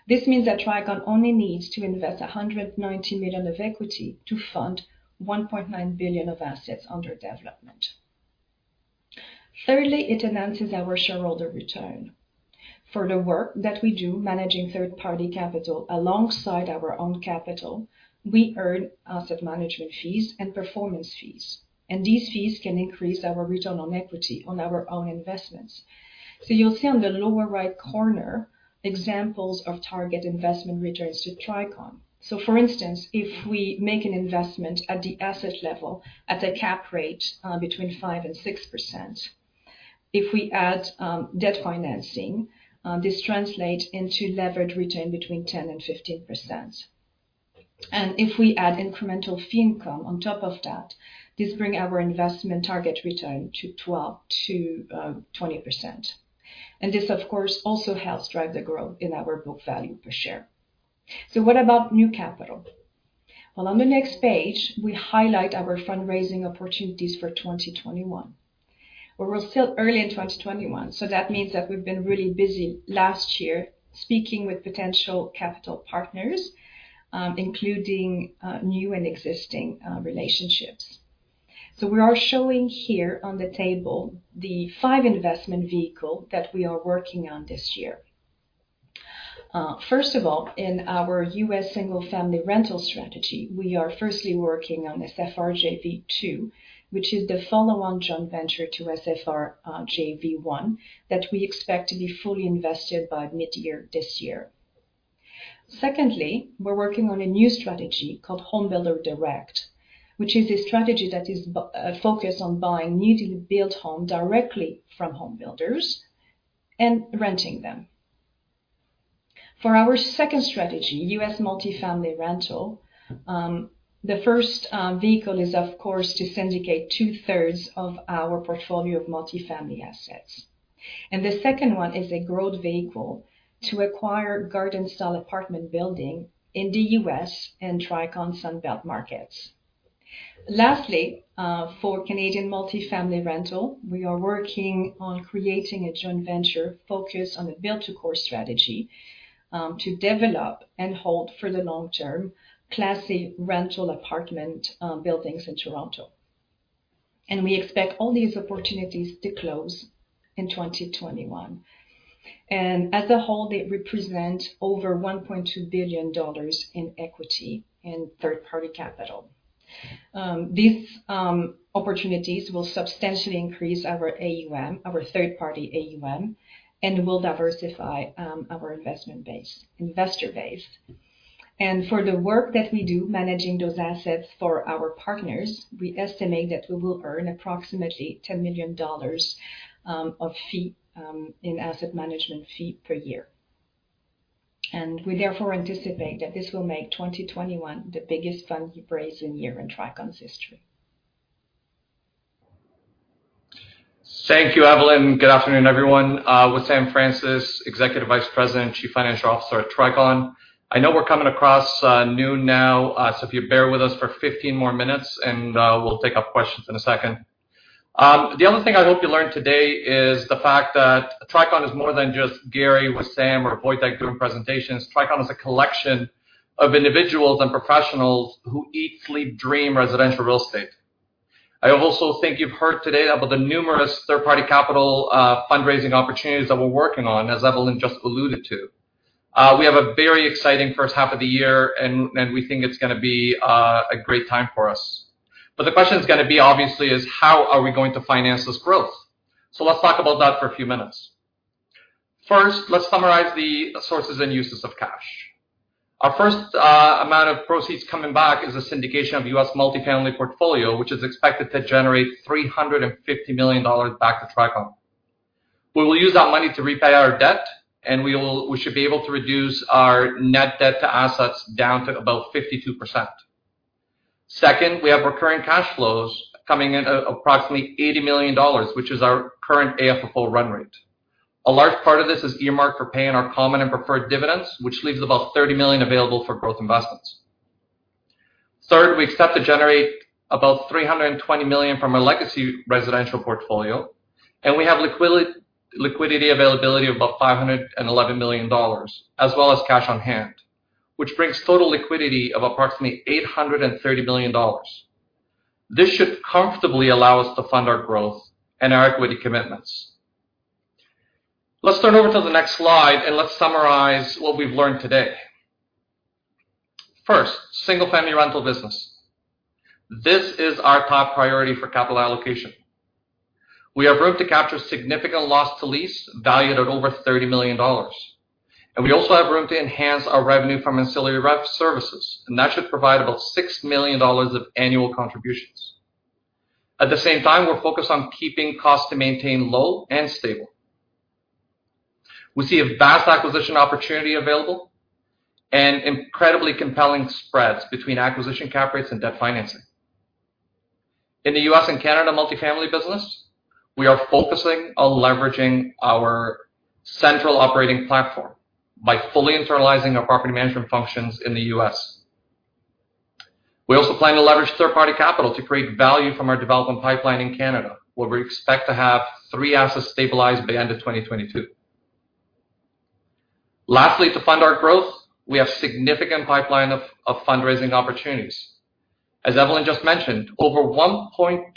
This means that Tricon only needs to invest $190 million of equity to fund $1.9 billion of assets under development. Thirdly, it enhances our shareholder return. For the work that we do managing third-party capital alongside our own capital, we earn asset management fees and performance fees. These fees can increase our return on equity on our own investments. You'll see on the lower right corner, examples of target investment returns to Tricon. For instance, if we make an investment at the asset level at a cap rate between 5% and 6%, if we add debt financing, this translate into leverage return between 10% and 15%. If we add incremental fee income on top of that, this bring our investment target return to 12%-20%. This, of course, also helps drive the growth in our book value per share. What about new capital? Well, on the next page, we highlight our fundraising opportunities for 2021. Well, we're still early in 2021, that means that we've been really busy last year speaking with potential capital partners, including new and existing relationships. We are showing here on the table the five investment vehicle that we are working on this year. First of all, in our U.S. single-family rental strategy, we are firstly working on SFR JV-2, which is the follow-on joint venture to SFR JV-1 that we expect to be fully invested by mid-year this year. Secondly, we're working on a new strategy called Homebuilder Direct, which is a strategy that is focused on buying newly built home directly from home builders and renting them. For our second strategy, U.S. multifamily rental, the first vehicle is, of course, to syndicate two-thirds of our portfolio of multifamily assets. The second one is a growth vehicle to acquire garden-style apartment building in the U.S. and Tricon Sun Belt markets. Lastly, for Canadian multifamily rental, we are working on creating a joint venture focused on a build-to-core strategy to develop and hold for the long term classy rental apartment buildings in Toronto. We expect all these opportunities to close in 2021. As a whole, they represent over $1.2 billion in equity in third-party capital. These opportunities will substantially increase our AUM, our third-party AUM, and will diversify our investor base. For the work that we do managing those assets for our partners, we estimate that we will earn approximately $10 million in asset management fee per year. We therefore anticipate that this will make 2021 the biggest fundraising year in Tricon's history. Thank you, Evelyne. Good afternoon, everyone. Wissam Francis, Executive Vice President and Chief Financial Officer at Tricon. I know we're coming across noon now. If you bear with us for 15 more minutes and we'll take up questions in a second. The other thing I hope you learned today is the fact that Tricon is more than just Gary, Wissam, or Wojtek doing presentations. Tricon is a collection of individuals and professionals who eat, sleep, dream residential real estate. I also think you've heard today about the numerous third-party capital fundraising opportunities that we're working on, as Evelyne just alluded to. We have a very exciting first half of the year, we think it's going to be a great time for us. The question is going to be obviously is how are we going to finance this growth? Let's talk about that for a few minutes. First, let's summarize the sources and uses of cash. Our first amount of proceeds coming back is the syndication of U.S. multifamily portfolio, which is expected to generate $350 million back to Tricon. We will use that money to repay our debt, and we should be able to reduce our net debt to assets down to about 52%. Second, we have recurring cash flows coming in approximately $80 million, which is our current AFFO run rate. A large part of this is earmarked for paying our common and preferred dividends, which leaves about $30 million available for growth investments. Third, we expect to generate about $320 million from our legacy residential portfolio, and we have liquidity availability of about $511 million, as well as cash on hand, which brings total liquidity of approximately $830 million. This should comfortably allow us to fund our growth and our equity commitments. Let's turn over to the next slide and let's summarize what we've learned today. First, single-family rental business. This is our top priority for capital allocation. We have room to capture significant loss to lease valued at over $30 million. We also have room to enhance our revenue from ancillary rev services, and that should provide about $6 million of annual contributions. At the same time, we're focused on keeping costs to maintain low and stable. We see a vast acquisition opportunity available and incredibly compelling spreads between acquisition cap rates and debt financing. In the U.S. and Canada multifamily business, we are focusing on leveraging our central operating platform by fully internalizing our property management functions in the U.S. We also plan to leverage third-party capital to create value from our development pipeline in Canada, where we expect to have three assets stabilized by the end of 2022. Lastly, to fund our growth, we have significant pipeline of fundraising opportunities. As Evelyne just mentioned, over $1.2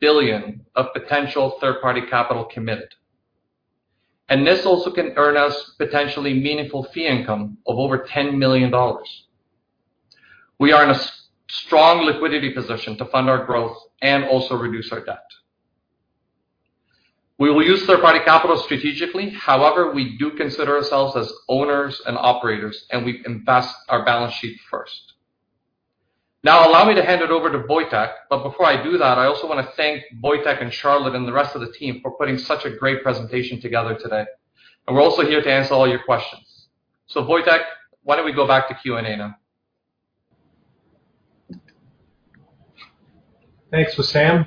billion of potential third-party capital committed. This also can earn us potentially meaningful fee income of over $10 million. We are in a strong liquidity position to fund our growth and also reduce our debt. We will use third-party capital strategically. However, we do consider ourselves as owners and operators, and we invest our balance sheet first. Now allow me to hand it over to Wojtek, but before I do that, I also want to thank Wojtek and Charlotte and the rest of the team for putting such a great presentation together today. We're also here to answer all your questions. Wojtek, why don't we go back to Q&A now? Thanks, Wissam.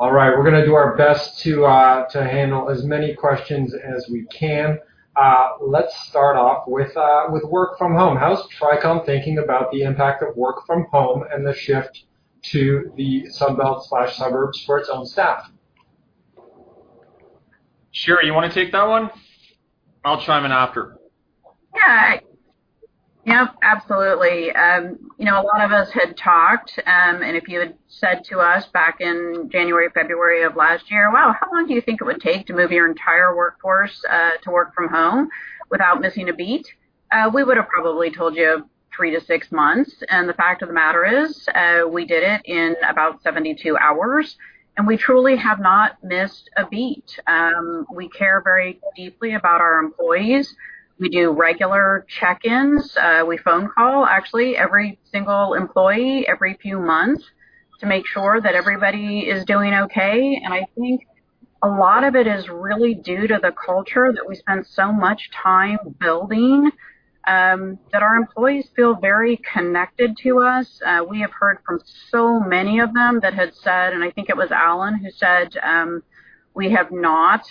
All right. We're going to do our best to handle as many questions as we can. Let's start off with work from home. How is Tricon thinking about the impact of work from home and the shift to the Sun Belt/suburbs for its own staff? Sherrie, you want to take that one? I'll chime in after. Yeah. Absolutely. A lot of us had talked, if you had said to us back in January, February of last year, "Wow, how long do you think it would take to move your entire workforce to work from home without missing a beat?" We would have probably told you three to six months. The fact of the matter is, we did it in about 72 hours, and we truly have not missed a beat. We care very deeply about our employees. We do regular check-ins. We phone call actually every single employee every few months to make sure that everybody is doing okay. I think a lot of it is really due to the culture that we spent so much time building that our employees feel very connected to us. We have heard from so many of them that had said, I think it was Alan who said we have not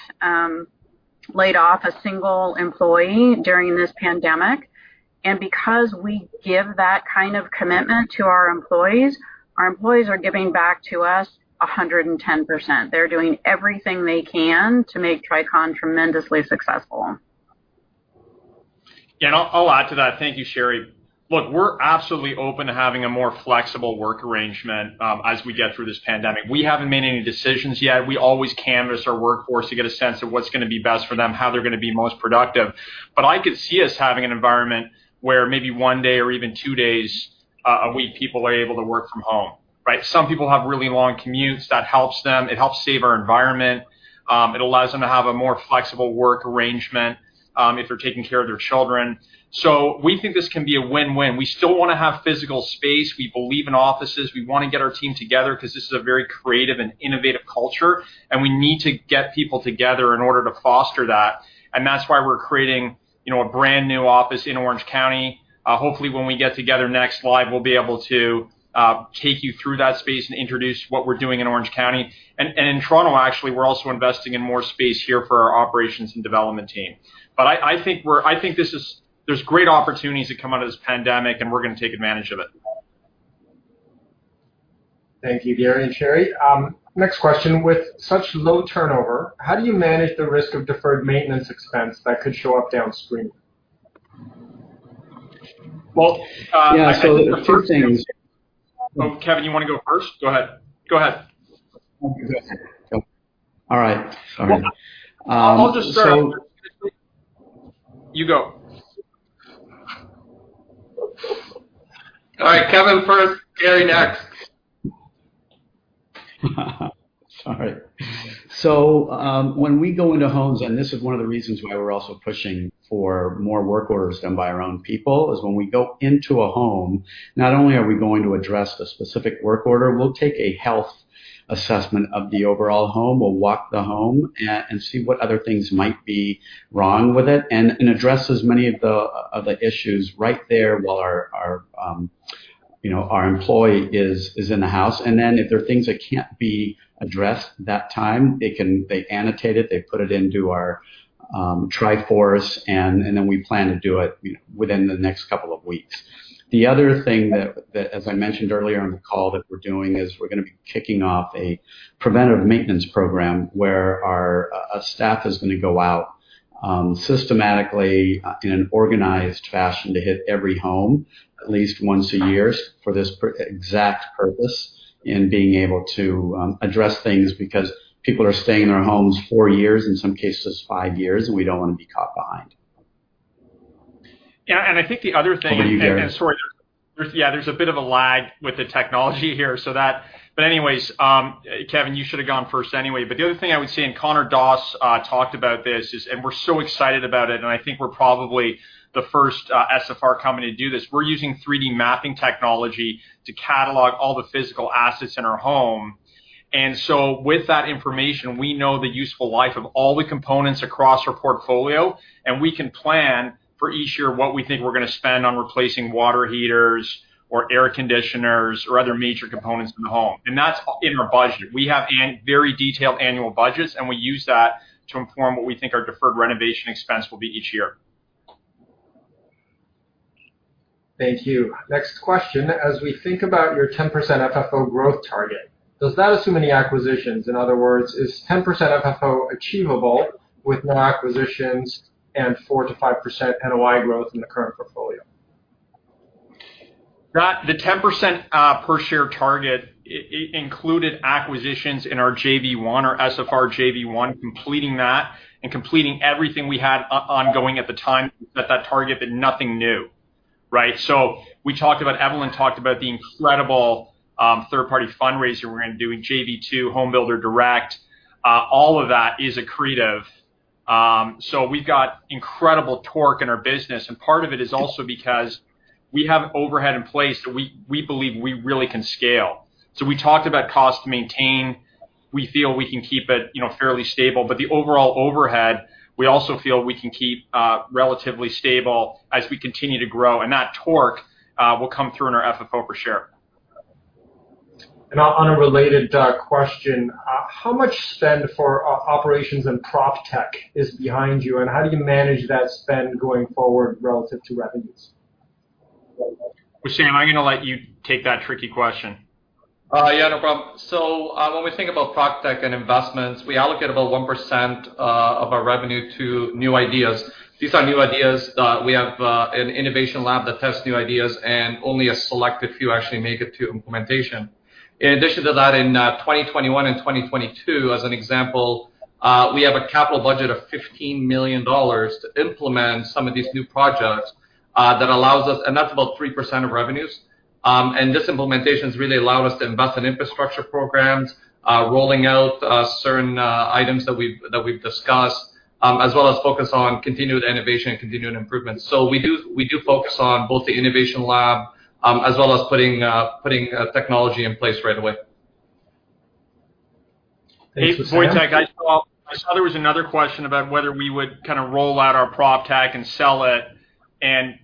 laid off a single employee during this pandemic. Because we give that kind of commitment to our employees, our employees are giving back to us 110%. They're doing everything they can to make Tricon tremendously successful. Yeah, I'll add to that. Thank you, Sherrie. Look, we're absolutely open to having a more flexible work arrangement as we get through this pandemic. We haven't made any decisions yet. We always canvas our workforce to get a sense of what's going to be best for them, how they're going to be most productive. I could see us having an environment where maybe one day or even two days a week, people are able to work from home. Right? Some people have really long commutes. That helps them. It helps save our environment. It allows them to have a more flexible work arrangement if they're taking care of their children. We think this can be a win-win. We still want to have physical space. We believe in offices. We want to get our team together because this is a very creative and innovative culture, and we need to get people together in order to foster that. That's why we're creating a brand new office in Orange County. Hopefully when we get together next live, we'll be able to take you through that space and introduce what we're doing in Orange County. In Toronto actually, we're also investing in more space here for our operations and development team. I think there's great opportunities to come out of this pandemic, and we're going to take advantage of it. Thank you, Gary and Sherrie. Next question, with such low turnover, how do you manage the risk of deferred maintenance expense that could show up downstream? Well, I think. Yeah. Oh, Kevin, you want to go first? Go ahead. Go ahead. All right. Sorry. I'll just start. You go. All right. Kevin first, Gary next. Sorry. When we go into homes, and this is one of the reasons why we're also pushing for more work orders done by our own people, is when we go into a home, not only are we going to address the specific work order, we'll take a health assessment of the overall home. We'll walk the home and see what other things might be wrong with it and address as many of the issues right there while our employee is in the house. If there are things that can't be addressed that time, they annotate it, they put it into our TriForce, and then we plan to do it within the next couple of weeks. The other thing that, as I mentioned earlier on the call, that we're doing is we're going to be kicking off a preventative maintenance program where our staff is going to go out systematically in an organized fashion to hit every home at least once a year for this exact purpose in being able to address things because people are staying in their homes four years, in some cases five years. We don't want to be caught behind. Yeah, I think the other thing. Over to you, Gary. Sorry, yeah, there's a bit of a lag with the technology here. Kevin, you should've gone first anyway. The other thing I would say, and Connor Doss talked about this is, and we're so excited about it and I think we're probably the first SFR company to do this. We're using 3D mapping technology to catalog all the physical assets in our home. With that information, we know the useful life of all the components across our portfolio, and we can plan for each year what we think we're going to spend on replacing water heaters or air conditioners or other major components in the home. That's in our budget. We have very detailed annual budgets, and we use that to inform what we think our deferred renovation expense will be each year. Thank you. Next question, as we think about your 10% FFO growth target, does that assume any acquisitions? In other words, is 10% FFO achievable with no acquisitions and 4%-5% NOI growth in the current portfolio? The 10% per share target included acquisitions in our JV-1 or SFR JV-1, completing that and completing everything we had ongoing at the time. We set that target, nothing new. Right? Evelyne talked about the incredible third-party fundraising we're going to do in JV 2, Homebuilder Direct. All of that is accretive. We've got incredible torque in our business and part of it is also because we have overhead in place that we believe we really can scale. We talked about cost to maintain. We feel we can keep it fairly stable. The overall overhead, we also feel we can keep relatively stable as we continue to grow. That torque will come through in our FFO per share. On a related question, how much spend for operations and proptech is behind you, and how do you manage that spend going forward relative to revenues? Wissam, I'm going to let you take that tricky question. Yeah, no problem. When we think about proptech and investments, we allocate about 1% of our revenue to new ideas. These are new ideas that we have an innovation lab that tests new ideas and only a select few actually make it to implementation. In addition to that, in 2021 and 2022 as an example, we have a capital budget of $15 million to implement some of these new projects. That's about 3% of revenues. This implementation's really allowed us to invest in infrastructure programs, rolling out certain items that we've discussed, as well as focus on continued innovation and continued improvements. We do focus on both the innovation lab as well as putting technology in place right away. Thanks, Wissam. Wojtek, I saw there was another question about whether we would roll out our proptech and sell it, and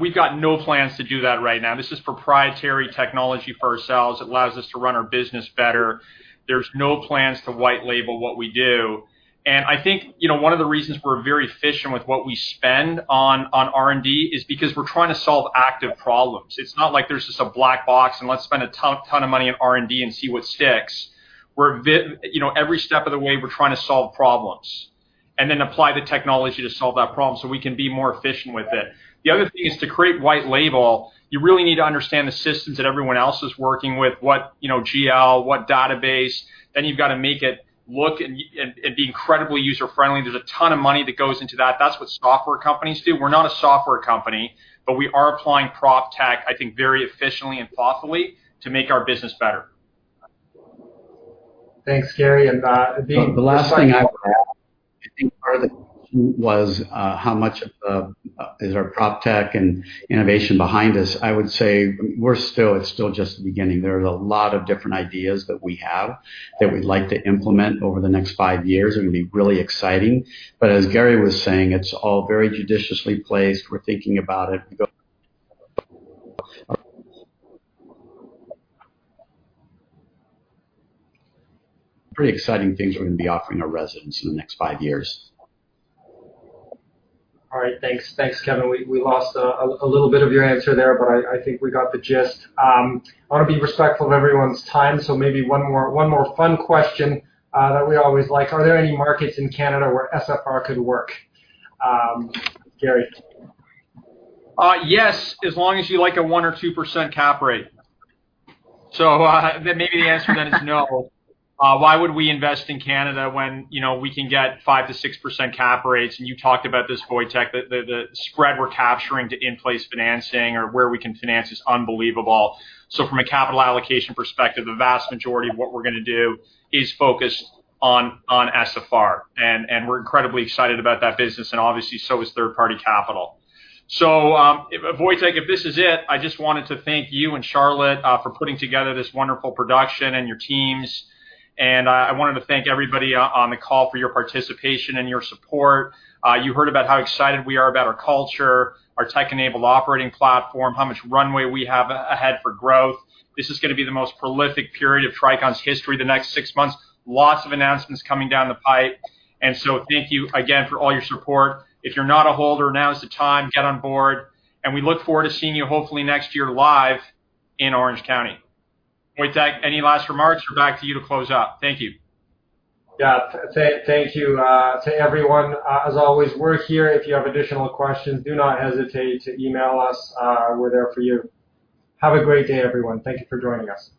we've got no plans to do that right now. This is proprietary technology for ourselves. It allows us to run our business better. There's no plans to white label what we do. I think one of the reasons we're very efficient with what we spend on R&D is because we're trying to solve active problems. It's not like there's just a black box and let's spend a ton of money on R&D and see what sticks. Every step of the way we're trying to solve problems and then apply the technology to solve that problem so we can be more efficient with it. The other thing is to create white label, you really need to understand the systems that everyone else is working with, what GL, what database. You've got to make it look and be incredibly user-friendly. There's a ton of money that goes into that. That's what software companies do. We're not a software company, but we are applying proptech, I think very efficiently and thoughtfully to make our business better. Thanks, Gary. The last thing I would add, I think part of the question was how much is our proptech and innovation behind us? I would say it's still just the beginning. There are a lot of different ideas that we have that we'd like to implement over the next five years, and it'll be really exciting. As Gary was saying, it's all very judiciously placed. We're thinking about it. Pretty exciting things we're going to be offering our residents in the next five years. All right. Thanks, Kevin. We lost a little bit of your answer there, but I think we got the gist. I want to be respectful of everyone's time, so maybe one more fun question that we always like. Are there any markets in Canada where SFR could work? Gary. Yes, as long as you like a 1% or 2% cap rate. Maybe the answer then is no. Why would we invest in Canada when we can get 5%-6% cap rates? You talked about this, Wojtek, the spread we're capturing to in-place financing or where we can finance is unbelievable. From a capital allocation perspective, the vast majority of what we're going to do is focused on SFR, and we're incredibly excited about that business, and obviously, so is third-party capital. Wojtek, if this is it, I just wanted to thank you and Charlotte for putting together this wonderful production and your teams, and I wanted to thank everybody on the call for your participation and your support. You heard about how excited we are about our culture, our tech-enabled operating platform, how much runway we have ahead for growth. This is going to be the most prolific period of Tricon's history, the next six months. Lots of announcements coming down the pipe. Thank you again for all your support. If you're not a holder, now's the time, get on board, and we look forward to seeing you hopefully next year live in Orange County. Wojtek, any last remarks? We're back to you to close out. Thank you. Thank you to everyone. As always, we're here. If you have additional questions, do not hesitate to email us. We're there for you. Have a great day, everyone. Thank you for joining us.